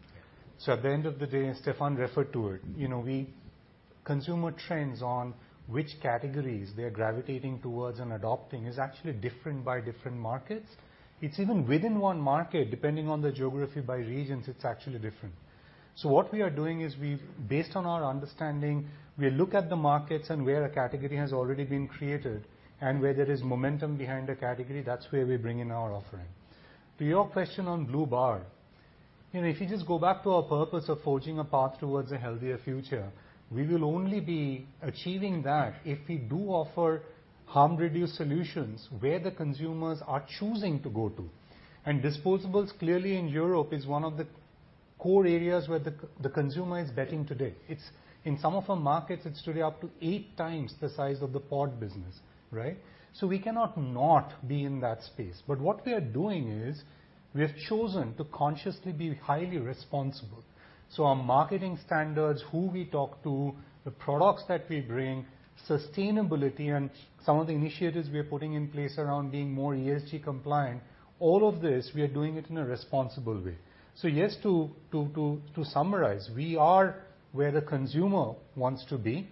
S17: Yeah.
S3: At the end of the day, Stefan referred to it, you know, Consumer trends on which categories they are gravitating towards and adopting is actually different by different markets. It's even within one market, depending on the geography by regions, it's actually different. What we are doing is, based on our understanding, we look at the markets and where a category has already been created and where there is momentum behind a category, that's where we bring in our offering. To your question on blu bar, you know, if you just go back to our purpose of forging a path towards a healthier future, we will only be achieving that if we do offer harm-reduced solutions where the consumers are choosing to go to. Disposables, clearly, in Europe, is one of the core areas where the consumer is betting today. It's, in some of our markets, it's today up to 8x the size of the pod business, right? We cannot not be in that space. What we are doing is we have chosen to consciously be highly responsible. Our marketing standards, who we talk to, the products that we bring, sustainability and some of the initiatives we are putting in place around being more ESG compliant, all of this, we are doing it in a responsible way. Yes, to summarize, we are where the consumer wants to be.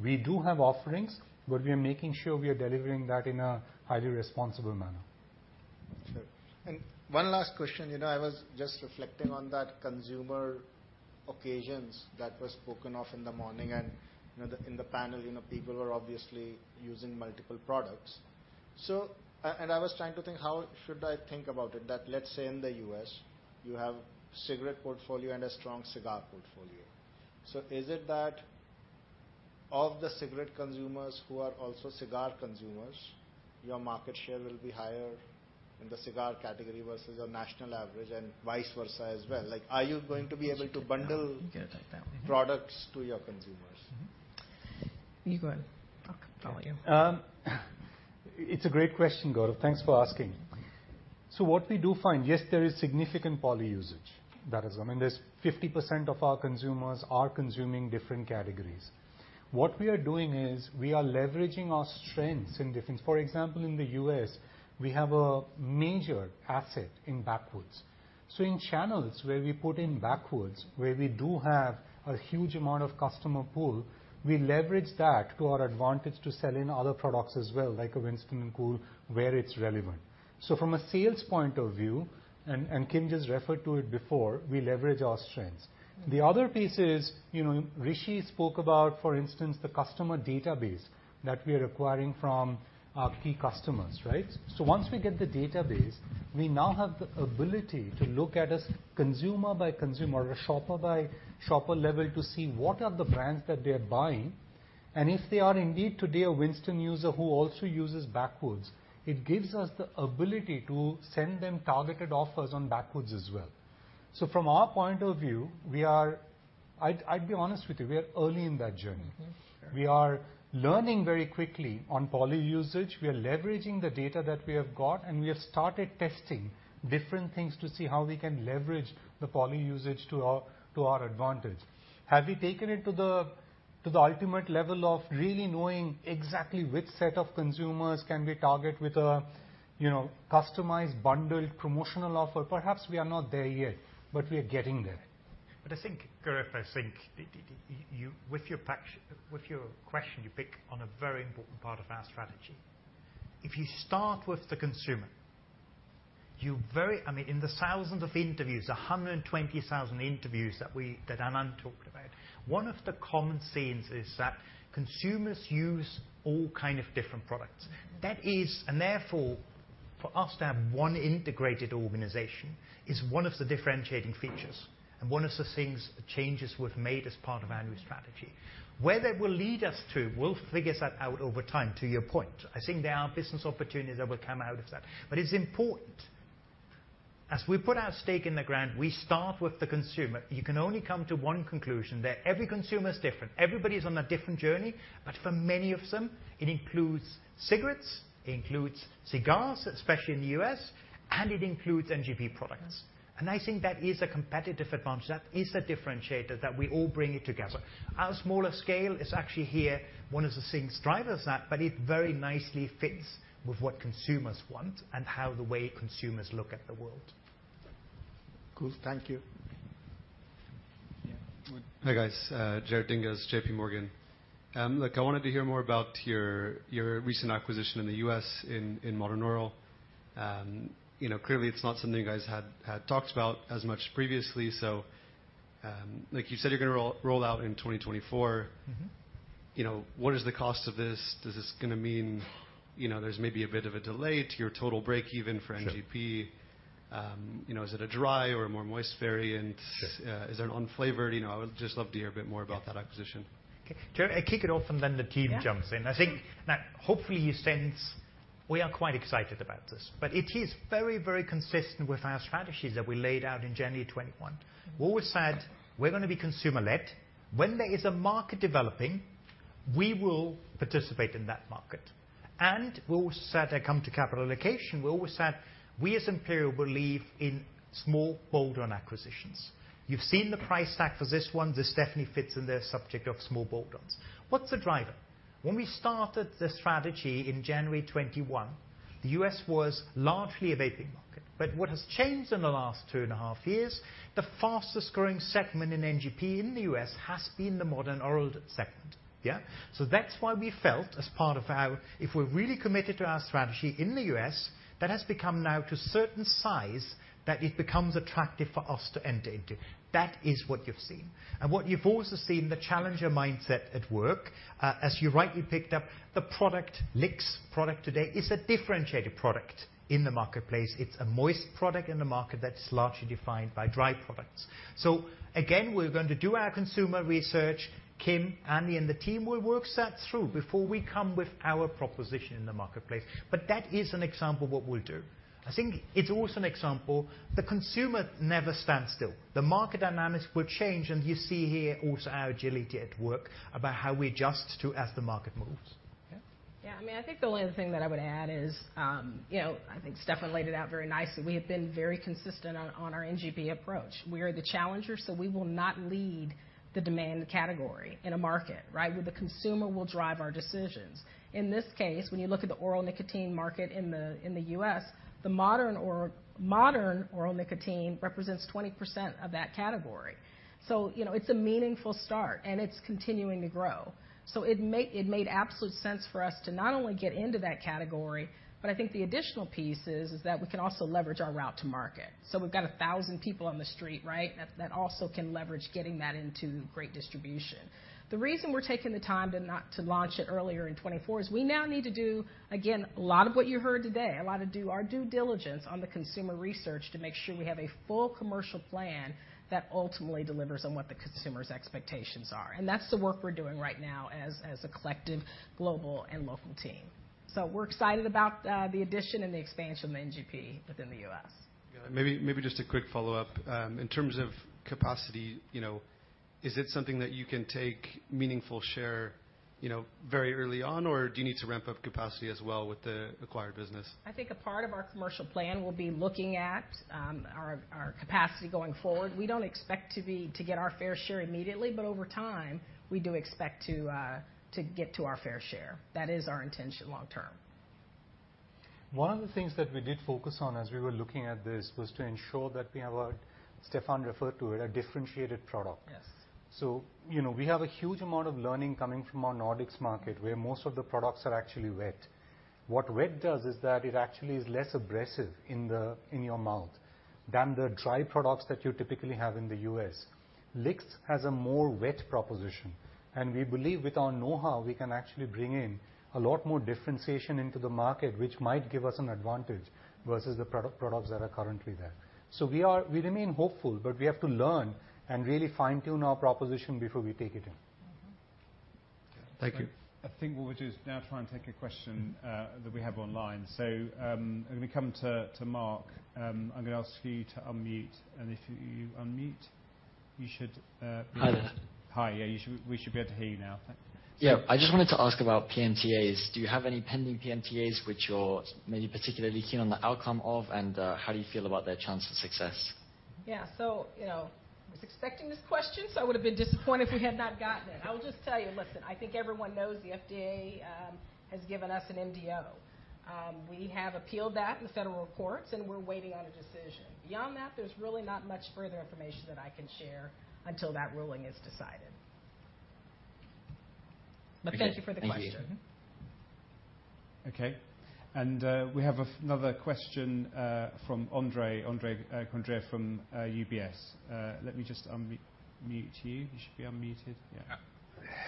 S3: We do have offerings, but we are making sure we are delivering that in a highly responsible manner.
S17: Sure. One last question. You know, I was just reflecting on that consumer occasions that was spoken of in the morning, and, you know, the, in the panel, you know, people were obviously using multiple products. I was trying to think, how should I think about it, that, let's say, in the U.S., you have cigarette portfolio and a strong cigar portfolio. Is it that of the cigarette consumers who are also cigar consumers, your market share will be higher in the cigar category versus your national average and vice versa as well? Like, are you going to be able to bundle-
S2: You get it like that.
S17: products to your consumers?
S7: Mm-hmm. You go ahead. I'll follow you.
S3: It's a great question, Gaurav. Thanks for asking. What we do find, yes, there is significant poly usage. That is, there's 50% of our consumers are consuming different categories. What we are doing is we are leveraging our strengths in different. For example, in the U.S., we have a major asset in Backwoods. In channels where we put in Backwoods, where we do have a huge amount of customer pool, we leverage that to our advantage to sell in other products as well, like a Winston KOOL, where it's relevant. From a sales point of view, and Kim just referred to it before, we leverage our strengths.
S7: Mm-hmm.
S3: The other piece is, you know, Rishi spoke about, for instance, the customer database that we are acquiring from our key customers, right? Once we get the database, we now have the ability to look at a consumer by consumer or shopper by shopper level to see what are the brands that they are buying, and if they are indeed today a Winston user who also uses Backwoods, it gives us the ability to send them targeted offers on Backwoods as well. From our point of view, I'd be honest with you, we are early in that journey.
S7: Mm-hmm.
S17: Sure.
S3: We are learning very quickly on poly usage. We are leveraging the data that we have got. We have started testing different things to see how we can leverage the poly usage to our advantage. Have we taken it to the ultimate level of really knowing exactly which set of consumers can we target with a, you know, customized, bundled promotional offer? Perhaps we are not there yet. We are getting there.
S2: I think, Gaurav, I think, you, with your question, you pick on a very important part of our strategy. If you start with the consumer, I mean, in the thousands of interviews, 120,000 interviews that Anand talked about, one of the common themes is that consumers use all kind of different products. That is, and therefore, for us to have one integrated organization, is one of the differentiating features and one of the things, changes we've made as part of our new strategy. Where that will lead us to, we'll figure that out over time, to your point. I think there are business opportunities that will come out of that. It's important, as we put our stake in the ground, we start with the consumer. You can only come to one conclusion, that every consumer is different. Everybody's on a different journey, but for many of them, it includes cigarettes, it includes cigars, especially in the U.S., and it includes NGP products. I think that is a competitive advantage. That is a differentiator, that we all bring it together. Our smaller scale is actually here, one of the things drives that, but it very nicely fits with what consumers want and how the way consumers look at the world.
S17: Cool. Thank you.
S18: Hi, guys. Jared Dinges, J.P. Morgan. look, I wanted to hear more about your recent acquisition in the U.S. in Modern Oral. you know, clearly, it's not something you guys had talked about as much previously. Like you said, you're going to roll out in 2024.
S2: Mm-hmm.
S18: You know, what is the cost of this? Does this going to mean, you know, there's maybe a bit of a delay to your total break even for NGP?
S2: Sure.
S18: you know, is it a dry or a more moist variant?
S2: Sure.
S18: Is it unflavored? You know, I would just love to hear a bit more about that acquisition.
S2: Okay. Jared, I'll kick it off, and then the team jumps in.
S12: Yeah.
S2: I think that hopefully, you sense we are quite excited about this, but it is very, very consistent with our strategies that we laid out in January 2021. We always said, we're going to be consumer-led. When there is a market developing, we will participate in that market. We always said, I come to capital allocation, we always said, we, as Imperial, believe in small, bold on acquisitions. You've seen the price tag for this one. This definitely fits in the subject of small, bold ons. What's the driver? When we started the strategy in January 2021, the U.S. was largely a vaping market, but what has changed in the last 2.5 years, the fastest-growing segment in NGP in the U.S. has been the modern oral segment. Yeah? That's why we felt, as part of our... If we're really committed to our strategy in the U.S., that has become now to a certain size, that it becomes attractive for us to enter into. That is what you've seen. What you've also seen, the challenger mindset at work. As you rightly picked up, the product, L!X product today is a differentiated product in the marketplace. It's a moist product in the market that's largely defined by dry products. Again, we're going to do our consumer research. Kim, Anand, and the team will work that through before we come with our proposition in the marketplace. That is an example of what we'll do. I think it's also an example, the consumer never stands still. The market dynamics will change. You see here also our agility at work, about how we adjust to as the market moves.
S12: I mean, I think the only other thing that I would add is, you know, I think Stefan laid it out very nicely. We have been very consistent on our NGP approach. We are the challenger, we will not lead the demand category in a market, right? Where the consumer will drive our decisions. In this case, when you look at the oral nicotine market in the U.S., the modern oral nicotine represents 20% of that category. You know, it's a meaningful start, and it's continuing to grow. It made absolute sense for us to not only get into that category, but I think the additional piece is that we can also leverage our route to market. We've got 1,000 people on the street, right? That also can leverage getting that into great distribution. The reason we're taking the time not to launch it earlier in 2024 is we now need to do, again, a lot of what you heard today, a lot to do our due diligence on the consumer research to make sure we have a full commercial plan that ultimately delivers on what the consumer's expectations are. That's the work we're doing right now as a collective, global, and local team. We're excited about the addition and the expansion of NGP within the U.S.
S18: Maybe just a quick follow-up. In terms of capacity, you know, is it something that you can take meaningful share, you know, very early on, or do you need to ramp up capacity as well with the acquired business?
S12: I think a part of our commercial plan will be looking at our capacity going forward. We don't expect to get our fair share immediately, but over time, we do expect to get to our fair share. That is our intention long term.
S3: One of the things that we did focus on as we were looking at this was to ensure that we have Stefan referred to it, a differentiated product.
S12: Yes.
S3: You know, we have a huge amount of learning coming from our Nordics market, where most of the products are actually wet. What wet does is that it actually is less abrasive in your mouth than the dry products that you typically have in the U.S. L!X has a more wet proposition, and we believe with our know-how, we can actually bring in a lot more differentiation into the market, which might give us an advantage versus the products that are currently there. We remain hopeful, but we have to learn and really fine-tune our proposition before we take it in.
S18: Thank you.
S2: I think what we'll do is now try and take a question, that we have online. We come to Mark. I'm going to ask you to unmute, and if you unmute, you should.
S19: Hi there.
S2: Hi. Yeah, we should be able to hear you now.
S19: Yeah. I just wanted to ask about PMTAs. Do you have any pending PMTAs which you're maybe particularly keen on the outcome of, how do you feel about their chance of success?
S12: Yeah. You know, I was expecting this question, so I would have been disappointed if we had not gotten it. I will just tell you, listen, I think everyone knows the FDA has given us an MDO. We have appealed that in federal courts, and we're waiting on a decision. Beyond that, there's really not much further information that I can share until that ruling is decided. Thank you for the question.
S3: Thank you.
S1: Okay, we have another question from Andre. Andre from UBS. Let me just unmute you. You should be unmuted. Yeah.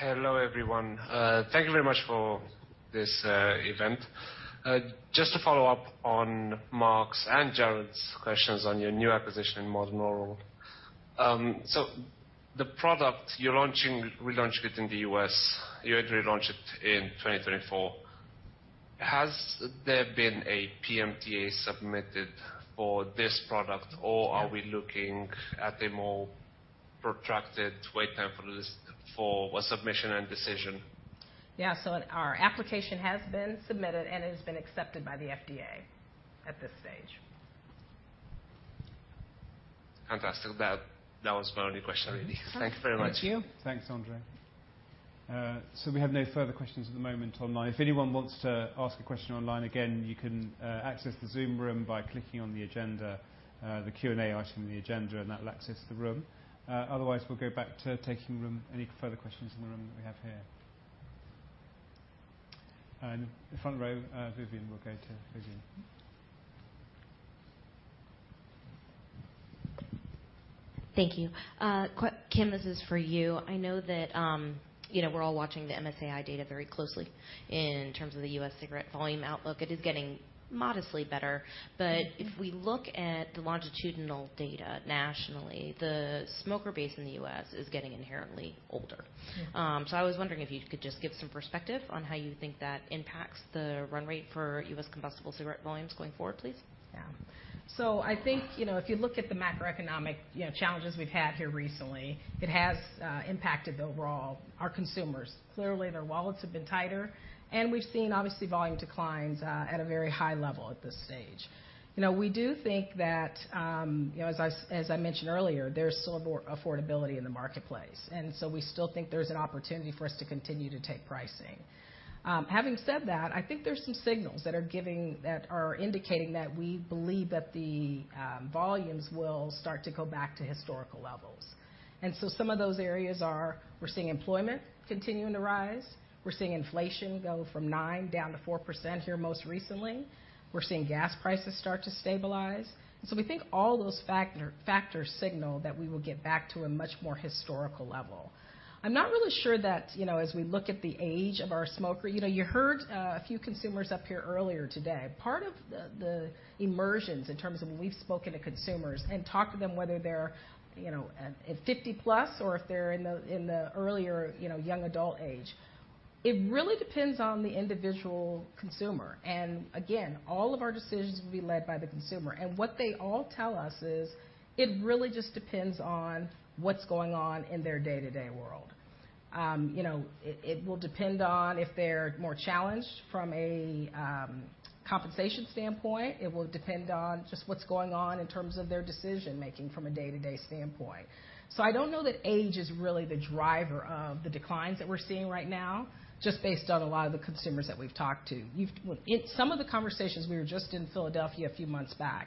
S20: Hello, everyone. Thank you very much for this event. Just to follow up on Mark's and Jared's questions on your new acquisition in Modern Oral. The product you're launching, will launch it in the U.S. You had to relaunch it in 2024. Has there been a PMTA submitted for this product, or are we looking at a more protracted wait time for this, for a submission and decision?
S12: Yeah. Our application has been submitted, and it has been accepted by the FDA at this stage.
S20: Fantastic. That was my only question, really. Thank you very much.
S12: Thank you.
S1: Thanks, Andre. We have no further questions at the moment online. If anyone wants to ask a question online, again, you can access the Zoom room by clicking on the agenda, the Q&A item on the agenda, and that will access the room. We'll go back to taking any further questions in the room that we have here. In the front row, Vivien, we'll go to Vivien.
S15: Thank you. Kim, this is for you. I know that, you know, we're all watching the MSAi data very closely in terms of the U.S. cigarette volume outlook. It is getting modestly better. If we look at the longitudinal data nationally, the smoker base in the U.S. is getting inherently older.
S12: Mm-hmm.
S15: I was wondering if you could just give some perspective on how you think that impacts the run rate for U.S. combustible cigarette volumes going forward, please?
S12: I think, you know, if you look at the macroeconomic, you know, challenges we've had here recently, it has impacted the overall, our consumers. Clearly, their wallets have been tighter, and we've seen, obviously, volume declines at a very high level at this stage. You know, we do think that, you know, as I mentioned earlier, there's still affordability in the marketplace, and so we still think there's an opportunity for us to continue to take pricing. Having said that, I think there's some signals that are indicating that we believe that the volumes will start to go back to historical levels. Some of those areas are, we're seeing employment continuing to rise, we're seeing inflation go from 9% down to 4% here, most recently. We're seeing gas prices start to stabilize. We think all those factors signal that we will get back to a much more historical level. I'm not really sure that, you know, as we look at the age of our smoker. You know, you heard a few consumers up here earlier today. Part of the immersions in terms of we've spoken to consumers and talked to them, whether they're, you know, 50+ or if they're in the, in the earlier, you know, young adult age, it really depends on the individual consumer. Again, all of our decisions will be led by the consumer, and what they all tell us is it really just depends on what's going on in their day-to-day world. You know, it will depend on if they're more challenged from a compensation standpoint. It will depend on just what's going on in terms of their decision-making from a day-to-day standpoint. I don't know that age is really the driver of the declines that we're seeing right now, just based on a lot of the consumers that we've talked to. In some of the conversations, we were just in Philadelphia a few months back,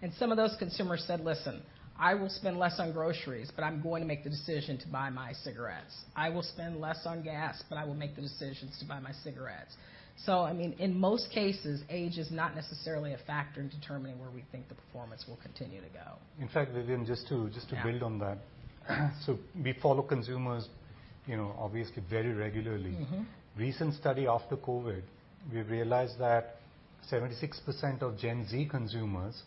S12: and some of those consumers said: "Listen, I will spend less on groceries, but I'm going to make the decision to buy my cigarettes. I will spend less on gas, but I will make the decisions to buy my cigarettes." I mean, in most cases, age is not necessarily a factor in determining where we think the performance will continue to go.
S3: In fact, Vivien, just to build on that. We follow consumers, you know, obviously, very regularly.
S12: Mm-hmm.
S3: Recent study after COVID, we realized that 76% of Gen Z consumers,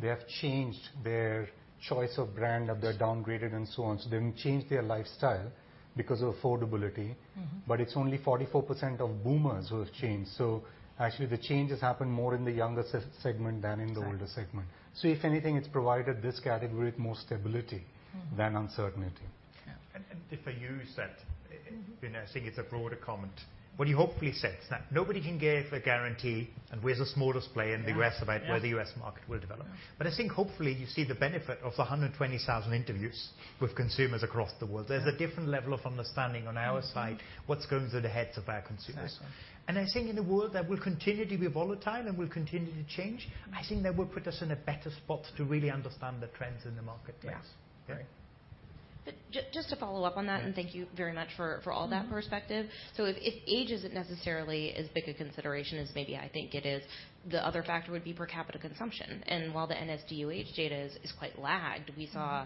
S3: they have changed their choice of brand, or they're downgraded and so on. They've changed their lifestyle because of affordability.
S12: Mm-hmm.
S3: It's only 44% of boomers who have changed. Actually, the change has happened more in the younger segment than in the...
S12: Exactly.
S3: -older segment. If anything, it's provided this category with more stability-
S12: Mm.
S3: -than uncertainty.
S1: Yeah.
S2: if I use.
S12: Mm-hmm.
S2: I think it's a broader comment. What you hopefully said is that nobody can give a guarantee, and we're the smallest player in the U.S.
S12: Yeah.
S2: -about where the U.S. market will develop.
S12: Yeah.
S2: I think hopefully, you see the benefit of the 120,000 interviews with consumers across the world.
S12: Yeah.
S2: There's a different level of understanding on our side.
S12: Mm-hmm.
S2: what's going through the heads of our consumers.
S12: Exactly.
S2: I think in a world that will continue to be volatile and will continue to change, I think that will put us in a better spot to really understand the trends in the marketplace.
S12: Yeah. Great.
S15: Just to follow up on that, and thank you very much for all that perspective.
S12: Mm-hmm.
S15: If age isn't necessarily as big a consideration as maybe I think it is, the other factor would be per capita consumption, while the NSDUH data is quite lagged.
S12: Mm.
S15: We saw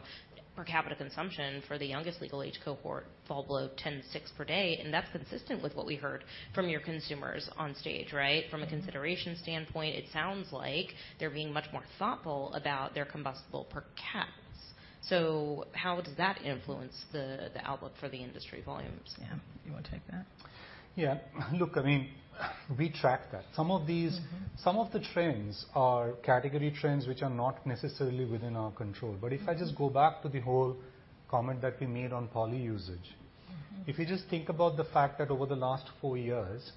S15: per capita consumption for the youngest legal age cohort fall below 10 to 6 per day, and that's consistent with what we heard from your consumers on stage, right?
S12: Mm.
S15: From a consideration standpoint, it sounds like they're being much more thoughtful about their combustible per caps. How does that influence the outlook for the industry volumes?
S12: Yeah. You want to take that?
S3: Yeah. Look, I mean, we track that.
S12: Mm-hmm.
S3: Some of these-
S12: Mm-hmm.
S3: Some of the trends are category trends, which are not necessarily within our control.
S12: Mm-hmm.
S3: If I just go back to the whole comment that we made on poly usage.
S12: Mm-hmm.
S3: If you just think about the fact that over the last four years,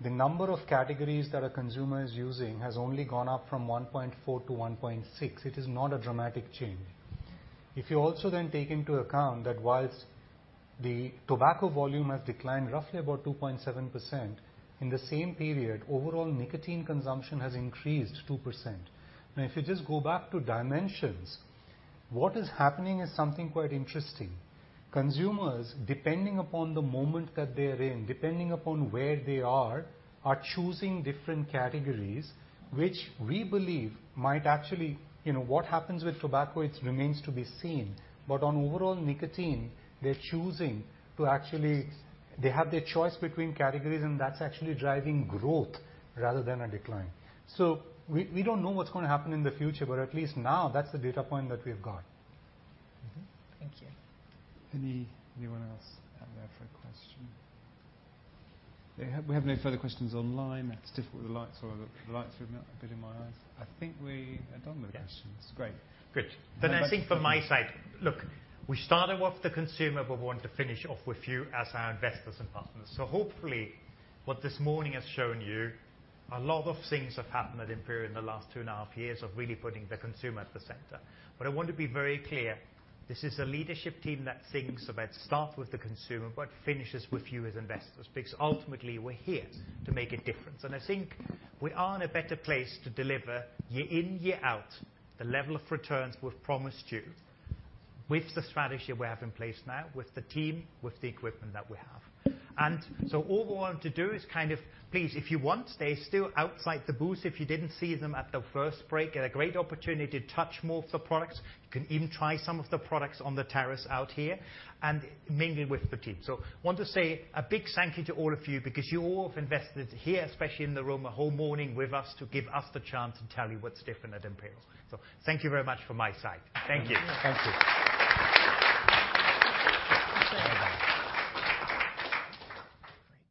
S3: the number of categories that a consumer is using has only gone up from 1.4 -1.6, it is not a dramatic change. If you also then take into account that whilst the tobacco volume has declined roughly about 2.7%, in the same period, overall nicotine consumption has increased 2%. Now, if you just go back to Dimensions, what is happening is something quite interesting. Consumers, depending upon the moment that they're in, depending upon where they are choosing different categories, which we believe might actually. You know, what happens with tobacco, it remains to be seen, but on overall nicotine. They have their choice between categories, and that's actually driving growth rather than a decline. We don't know what's going to happen in the future, but at least now, that's the data point that we've got.
S15: Mm-hmm. Thank you.
S1: Anyone else out there for a question? We have no further questions online. It's difficult with the lights or the lights are a bit in my eyes. I think we are done with the questions.
S2: Yeah.
S1: Great.
S2: Good. I think from my side, look, we started off the consumer, but we want to finish off with you as our investors and partners. Hopefully, what this morning has shown you, a lot of things have happened at Imperial in the last two and a half years of really putting the consumer at the center. I want to be very clear, this is a leadership team that thinks about start with the consumer, but finishes with you as investors, because ultimately, we're here to make a difference. I think we are in a better place to deliver year in, year out, the level of returns we've promised you with the strategy we have in place now, with the team, with the equipment that we have. All we want to do is kind of, please, if you want, stay still outside the booth. If you didn't see them at the first break, get a great opportunity to touch more of the products. You can even try some of the products on the terrace out here and mingle with the team. I want to say a big thank you to all of you, because you all have invested here, especially in the room, the whole morning with us, to give us the chance to tell you what's different at Imperial. Thank you very much from my side. Thank you.
S3: Thank you.
S12: Thank you.